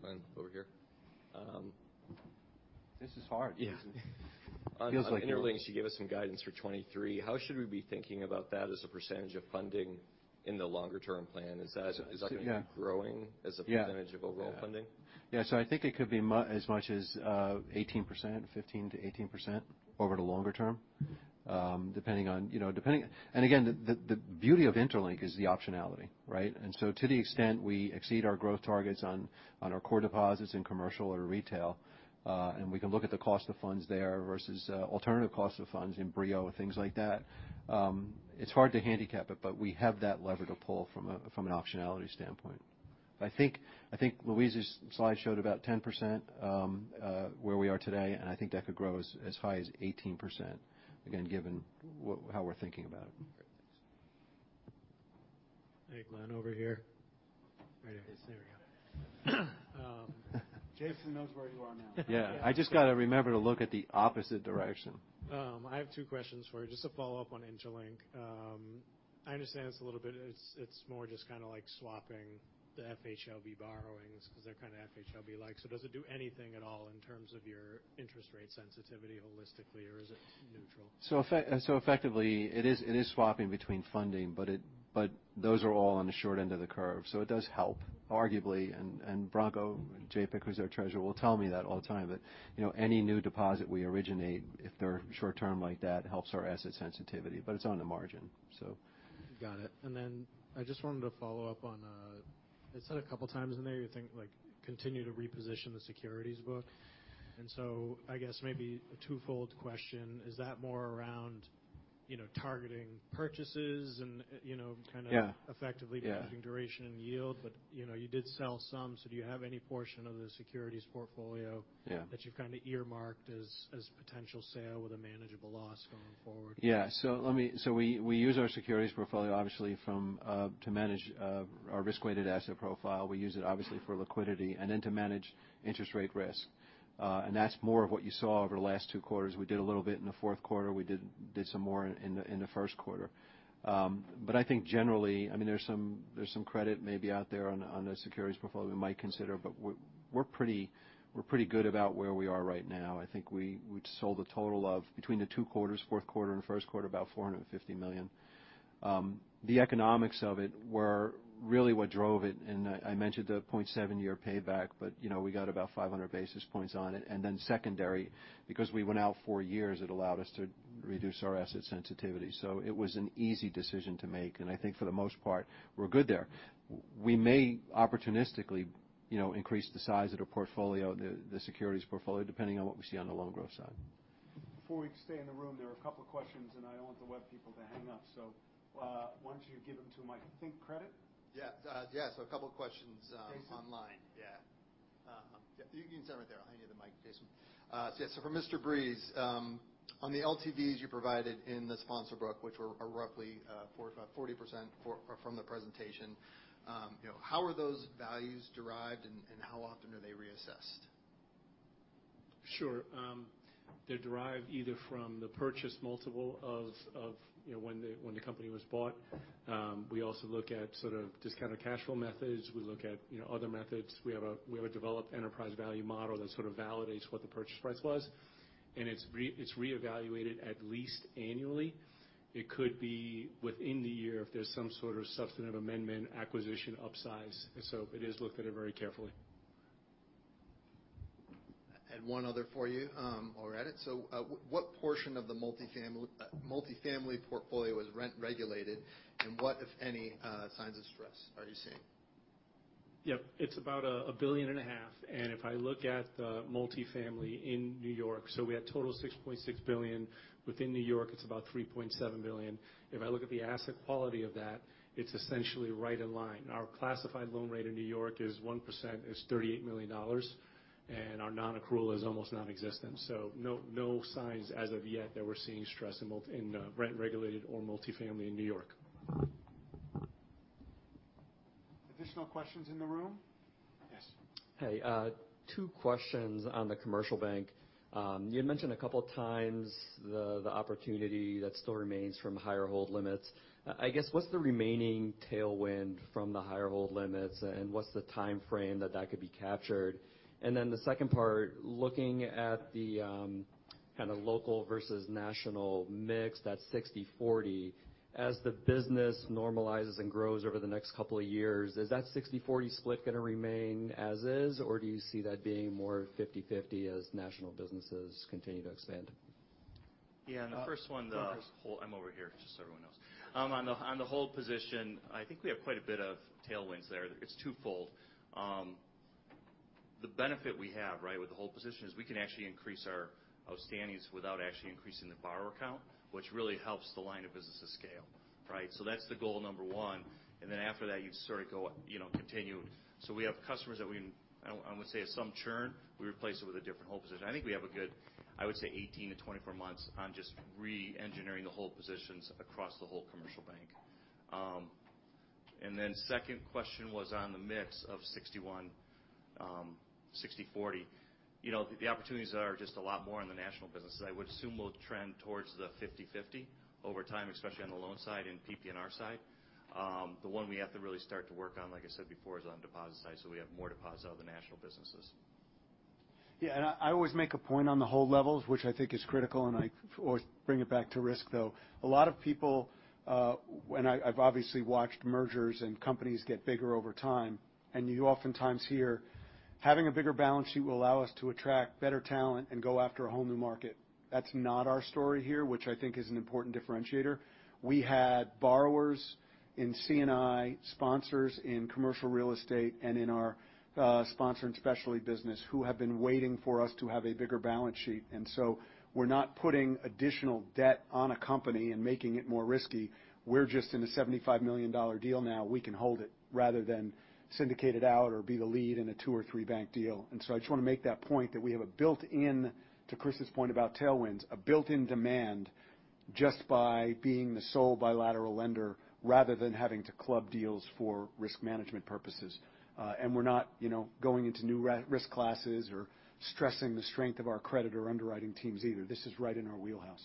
Glenn, over here. This is hard. Yeah. Feels like it. On interLINK, you gave us some guidance for 2023. How should we be thinking about that as a % of funding in the longer-term plan? Is that? Yeah. Is that gonna be growing as a percentage? Yeah. of overall funding? I think it could be as much as 18%, 15%-18% over the longer term, depending on, you know. Again, the beauty of interLINK is the optionality, right? To the extent we exceed our growth targets on our core deposits in commercial or retail, and we can look at the cost of funds there versus alternative cost of funds in BrioDirect and things like that, it's hard to handicap it, but we have that lever to pull from an optionality standpoint. I think Luis' slide showed about 10% where we are today, and I think that could grow as high as 18%, again, given how we're thinking about it. Great. Thanks. Hey, Glenn, over here. Right here. There we go. Jason knows where you are now. Yeah. I just gotta remember to look at the opposite direction. I have two questions for you, just to follow up on interLINK. I understand it's a little bit, it's more just kinda like swapping the FHLB borrowings because they're kind of FHLB-like. Does it do anything at all in terms of your interest rate sensitivity holistically, or is it neutral? Effectively it is swapping between funding, but those are all on the short end of the curve, so it does help, arguably. Branko Djapic, who's our treasurer, will tell me that all the time, that, you know, any new deposit we originate, if they're short term like that, helps our asset sensitivity, but it's on the margin. Got it. I just wanted to follow up on, it said a couple times in there, you think, like, continue to reposition the securities book. I guess maybe a twofold question, is that more around? You know, targeting purchases and, you know. Yeah. -kind of effectively- Yeah. managing duration and yield. You know, you did sell some, so do you have any portion of the securities portfolio. Yeah. that you've kind of earmarked as potential sale with a manageable loss going forward? Yeah. We use our securities portfolio obviously from to manage our risk-weighted asset profile. We use it obviously for liquidity and then to manage interest rate risk. That's more of what you saw over the last two quarters. We did a little bit in the fourth quarter. We did some more in the first quarter. I mean, there's some credit maybe out there on the securities portfolio we might consider, but we're pretty good about where we are right now. I think we sold a total of, between the two quarters, fourth quarter and first quarter, about $450 million. The economics of it were really what drove it. I mentioned the 0.7-year payback, you know, we got about 500 basis points on it. Secondary, because we went out four years, it allowed us to reduce our asset sensitivity. It was an easy decision to make. I think for the most part, we're good there. We may opportunistically, you know, increase the size of the portfolio, the securities portfolio, depending on what we see on the loan growth side. Before we stay in the room, there are a couple of questions, and I don't want the web people to hang up. Why don't you give them to Mike, I think credit. Yeah. yeah. A couple of questions, Jason. online. Yeah. You can start right there. I'll hand you the mic, Jason. For Matthew Breese, on the LTVs you provided in the sponsor book, roughly about 40% from the presentation, you know, how are those values derived and how often are they reassessed? Sure. They're derived either from the purchase multiple of, you know, when the company was bought. We also look at sort of discounted cash flow methods. We look at, you know, other methods. We have a, we have a developed enterprise value model that sort of validates what the purchase price was. It's reevaluated at least annually. It could be within the year if there's some sort of substantive amendment, acquisition, upsize. It is looked at it very carefully. One other for you, while we're at it. What portion of the multifamily portfolio is rent regulated? What, if any, signs of stress are you seeing? Yep. It's about a billion and a half. If I look at the multifamily in New York, we had total $6.6 billion. Within New York, it's about $3.7 billion. If I look at the asset quality of that, it's essentially right in line. Our classified loan rate in New York is 1%, is $38 million, and our non-accrual is almost nonexistent. No signs as of yet that we're seeing stress in rent regulated or multifamily in New York. Additional questions in the room? Yes. Hey. Two questions on the commercial bank. You had mentioned a couple of times the opportunity that still remains from higher hold limits. I guess, what's the remaining tailwind from the higher hold limits, and what's the timeframe that that could be captured? The second part, looking at the kind of local versus national mix, that 60/40, as the business normalizes and grows over the next couple of years, is that 60/40 split going to remain as is, or do you see that being more 50/50 as national businesses continue to expand? Yeah. The first one, the whole- I'm over here, just so everyone knows. On the hold position, I think we have quite a bit of tailwinds there. It's twofold. The benefit we have, right, with the hold position is we can actually increase our outstandings without actually increasing the borrower count, which really helps the line of business to scale. Right? That's the goal number one. After that, you sort of go, you know, continue. We have customers that I would say have some churn. We replace it with a different hold position. I think we have a good, I would say 18-24 months on just reengineering the hold positions across the whole commercial bank. Second question was on the mix of 61, 60/40. You know, the opportunities are just a lot more in the national businesses. I would assume we'll trend towards the 50/50 over time, especially on the loan side and PPNR side. The one we have to really start to work on, like I said before, is on deposit side, so we have more deposits out of the national businesses. I always make a point on the hold levels, which I think is critical, and I always bring it back to risk, though. A lot of people, I've obviously watched mergers and companies get bigger over time, and you oftentimes hear, "Having a bigger balance sheet will allow us to attract better talent and go after a whole new market." That's not our story here, which I think is an important differentiator. We had borrowers in C&I, sponsors in commercial real estate, and in our Sponsor and Specialty business who have been waiting for us to have a bigger balance sheet. We're not putting additional debt on a company and making it more risky. We're just in a $75 million deal now. We can hold it rather than syndicate it out or be the lead in a two or three-bank deal. I just want to make that point that we have a built-in, to Chris's point about tailwinds, a built-in demand just by being the sole bilateral lender rather than having to club deals for risk management purposes. And we're not, you know, going into new risk classes or stressing the strength of our credit or underwriting teams either. This is right in our wheelhouse.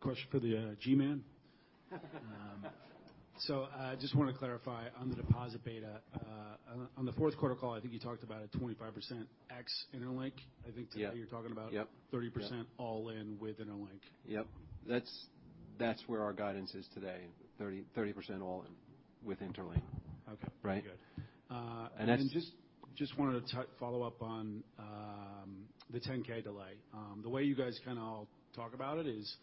Question for the G man. Just want to clarify on the deposit beta. On the on the fourth quarter call, I think you talked about a 25% ex-interLINK. Yeah. I think today you're talking about- Yep. 30% all in with interLINK. Yep. That's where our guidance is today, 30% all in with interLINK. Okay. Right. Good. And that's- Just wanted to follow up on the 10-K delay. The way you guys kind of all talk about it is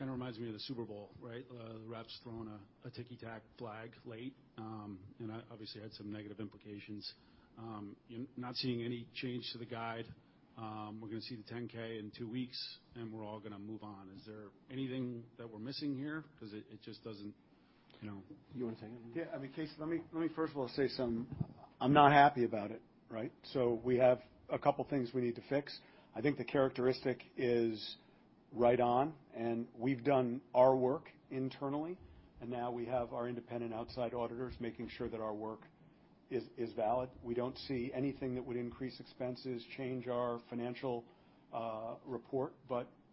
Kind of reminds me of the Super Bowl, right? The refs throwing a ticky-tack flag late. Obviously had some negative implications. Not seeing any change to the guide. We're gonna see the 10-K in two weeks. We're all gonna move on. Is there anything that we're missing here? Because it just doesn't, you know. You wanna take it? I mean, Chris, let me first of all say I'm not happy about it, right? We have two things we need to fix. I think the characteristic is right on, we've done our work internally, and now we have our independent outside auditors making sure that our work is valid. We don't see anything that would increase expenses, change our financial report,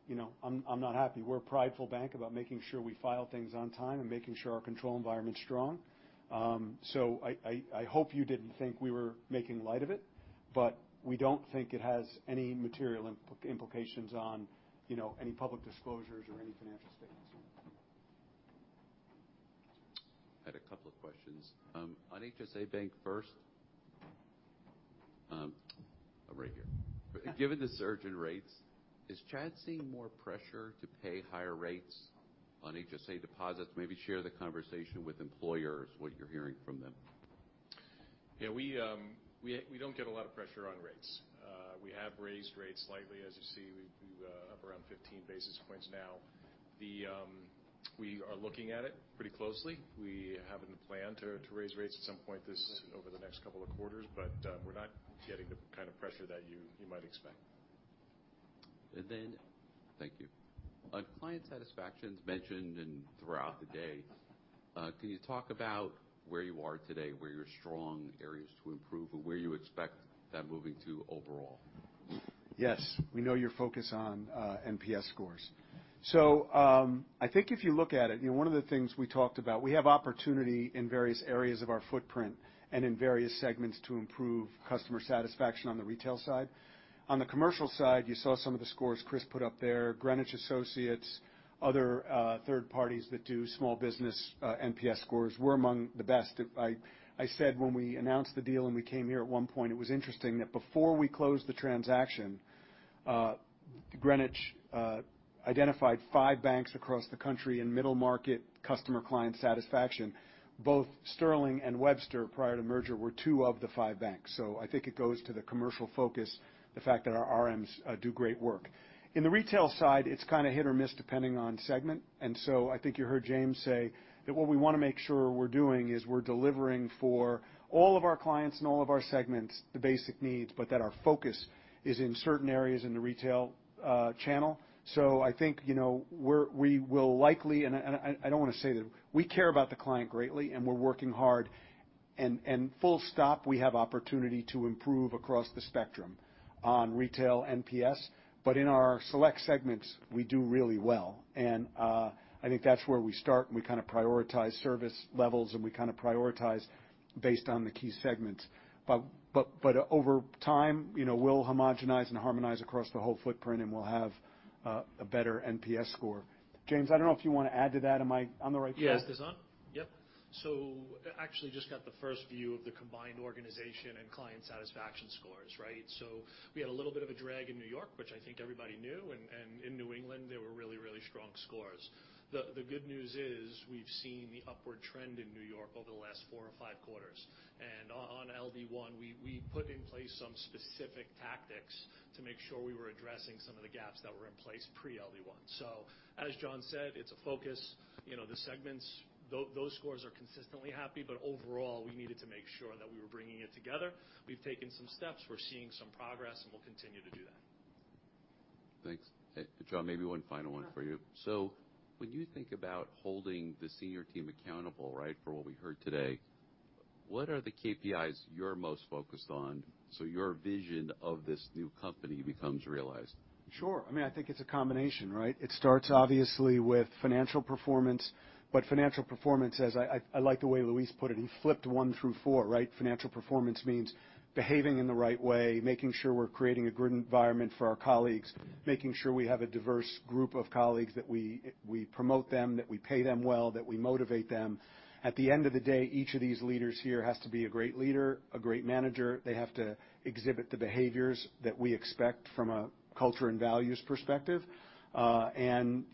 you know, I'm not happy. We're a prideful bank about making sure we file things on time and making sure our control environment's strong. I hope you didn't think we were making light of it, we don't think it has any material implications on, you know, any public disclosures or any financial statements. I had a couple of questions. On HSA Bank first, I'm right here. Given the surge in rates, is Chad seeing more pressure to pay higher rates on HSA deposits? Maybe share the conversation with employers, what you're hearing from them. We don't get a lot of pressure on rates. We have raised rates slightly, as you see. We up around 15 basis points now. We are looking at it pretty closely. We have it in the plan to raise rates at some point this, over the next couple of quarters, we're not getting the kind of pressure that you might expect. Thank you. On client satisfaction's mentioned and throughout the day. Can you talk about where you are today, where you're strong, areas to improve, or where you expect that moving to overall? Yes. We know you're focused on NPS scores. I think if you look at it, you know, one of the things we talked about, we have opportunity in various areas of our footprint and in various segments to improve customer satisfaction on the retail side. On the commercial side, you saw some of the scores Chris put up there. Greenwich Associates, other third parties that do small business NPS scores, we're among the best. I said when we announced the deal and we came here at one point, it was interesting that before we closed the transaction, Greenwich identified five banks across the country in middle market customer client satisfaction. Both Sterling and Webster prior to merger were two of the five banks. I think it goes to the commercial focus, the fact that our RMs do great work. In the retail side, it's kinda hit or miss depending on segment. I think you heard James say that what we wanna make sure we're doing is we're delivering for all of our clients and all of our segments the basic needs, but that our focus is in certain areas in the retail channel. I think, you know, we will likely, and I don't wanna say that. We care about the client greatly, and we're working hard. And full stop, we have opportunity to improve across the spectrum on retail NPS. In our select segments, we do really well. I think that's where we start, and we kinda prioritize service levels, and we kinda prioritize based on the key segments. Over time, you know, we'll homogenize and harmonize across the whole footprint, and we'll have a better NPS score. James, I don't know if you wanna add to that. Am I on the right track? Yes. This on? Yep. Actually just got the first view of the combined organization and client satisfaction scores, right? We had a little bit of a drag in New York, which I think everybody knew. In New England, they were really strong scores. The good news is we've seen the upward trend in New York over the last four or five quarters. On LB1, we put in place some specific tactics to make sure we were addressing some of the gaps that were in place pre LB1. As John said, it's a focus. You know, the segments, those scores are consistently happy, but overall, we needed to make sure that we were bringing it together. We've taken some steps. We're seeing some progress, and we'll continue to do that. Thanks. John, maybe one final one for you. When you think about holding the senior team accountable, right, for what we heard today, what are the KPIs you're most focused on so your vision of this new company becomes realized? Sure. I mean, I think it's a combination, right. It starts obviously with financial performance, but financial performance as I like the way Luis put it. He flipped one through four, right. Financial performance means behaving in the right way, making sure we're creating a good environment for our colleagues, making sure we have a diverse group of colleagues that we promote them, that we pay them well, that we motivate them. At the end of the day, each of these leaders here has to be a great leader, a great manager. They have to exhibit the behaviors that we expect from a culture and values perspective. You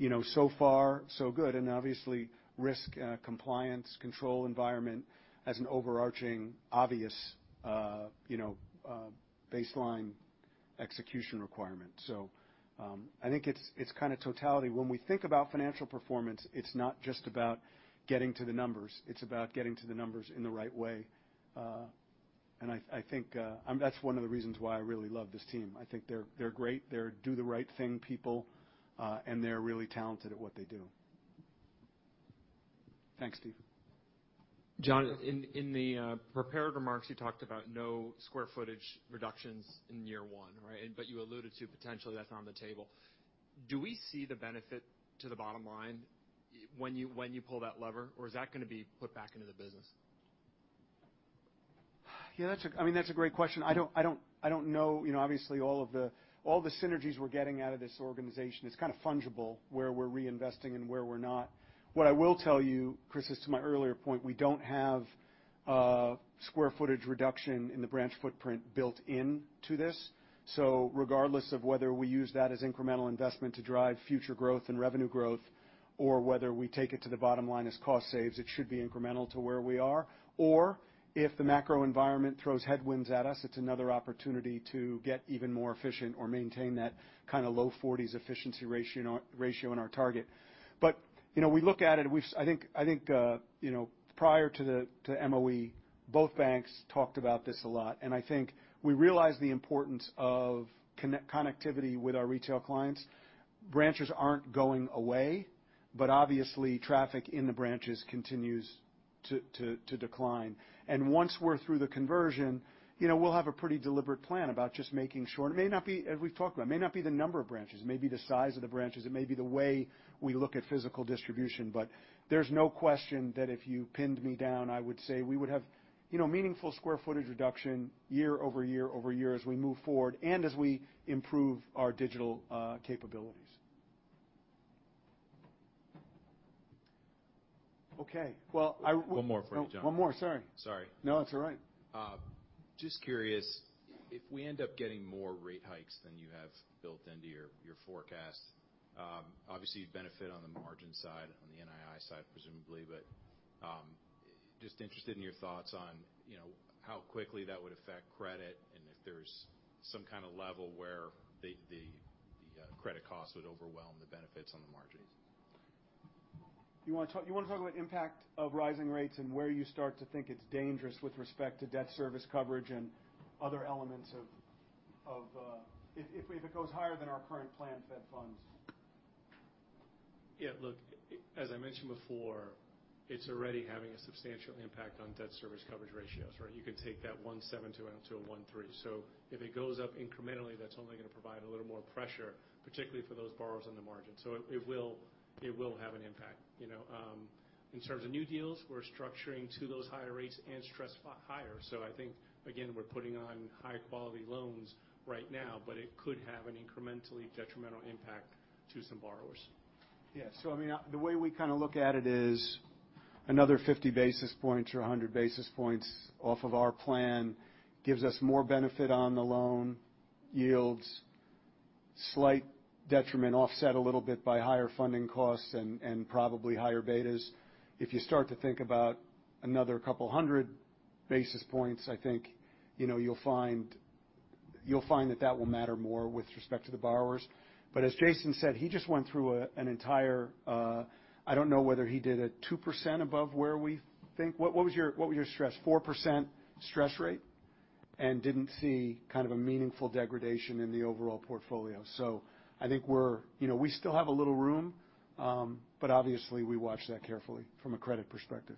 know, so far so good. Obviously, risk, compliance, control environment as an overarching obvious, you know, baseline execution requirement. I think it's kinda totality. When we think about financial performance, it's not just about getting to the numbers. It's about getting to the numbers in the right way. I think that's one of the reasons why I really love this team. I think they're great. They're do the right thing people, they're really talented at what they do. Thanks, Steve. John, in the prepared remarks, you talked about no square footage reductions in year one, right? You alluded to potentially that's on the table. Do we see the benefit to the bottom line when you pull that lever, or is that gonna be put back into the business? Yeah, I mean, that's a great question. I don't know. You know, obviously, all the synergies we're getting out of this organization, it's kind of fungible where we're reinvesting and where we're not. What I will tell you, Chris, is to my earlier point, we don't have square footage reduction in the branch footprint built into this. Regardless of whether we use that as incremental investment to drive future growth and revenue growth, or whether we take it to the bottom line as cost saves, it should be incremental to where we are. If the macro environment throws headwinds at us, it's another opportunity to get even more efficient or maintain that kind of low 40s efficiency ratio in our target. you know, we look at it, I think, you know, prior to the, to MOE, both banks talked about this a lot. I think we realize the importance of connectivity with our retail clients. Branches aren't going away, but obviously, traffic in the branches continues to decline. Once we're through the conversion, you know, we'll have a pretty deliberate plan about just making sure... It may not be, as we've talked about, it may not be the number of branches, it may be the size of the branches, it may be the way we look at physical distribution. There's no question that if you pinned me down, I would say we would have, you know, meaningful square footage reduction year-over-year-over-year as we move forward and as we improve our digital capabilities. Okay. Well, I. One more for you, John. One more. Sorry. Sorry. No, that's all right. Just curious, if we end up getting more rate hikes than you have built into your forecast, obviously, you'd benefit on the margin side, on the NII side, presumably. Just interested in your thoughts on, you know, how quickly that would affect credit, and if there's some kind of level where the credit costs would overwhelm the benefits on the margin. You wanna talk about impact of rising rates and where you start to think it's dangerous with respect to debt service coverage and other elements of If it goes higher than our current planned Fed funds? Look, as I mentioned before, it's already having a substantial impact on debt service coverage ratios, right? You can take that 1.7 to out to a 1.3. If it goes up incrementally, that's only gonna provide a little more pressure, particularly for those borrowers on the margin. So it will have an impact, you know. In terms of new deals, we're structuring to those higher rates and stress higher. I think, again, we're putting on high quality loans right now, but it could have an incrementally detrimental impact to some borrowers. I mean, the way we kind of look at it is another 50 basis points or 100 basis points off of our plan gives us more benefit on the loan yields, slight detriment offset a little bit by higher funding costs and probably higher betas. If you start to think about another couple 100 basis points, I think, you know, you'll find that that will matter more with respect to the borrowers. As Jason said, he just went through an entire, I don't know whether he did a 2% above where we think. What was your stress? 4% stress rate? Didn't see kind of a meaningful degradation in the overall portfolio. I think, you know, we still have a little room, but obviously, we watch that carefully from a credit perspective.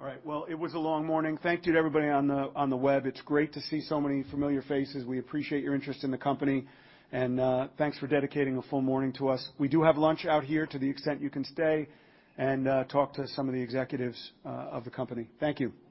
All right. Well, it was a long morning. Thank you to everybody on the web. It's great to see so many familiar faces. We appreciate your interest in the company. Thanks for dedicating a full morning to us. We do have lunch out here to the extent you can stay and talk to some of the executives of the company. Thank you.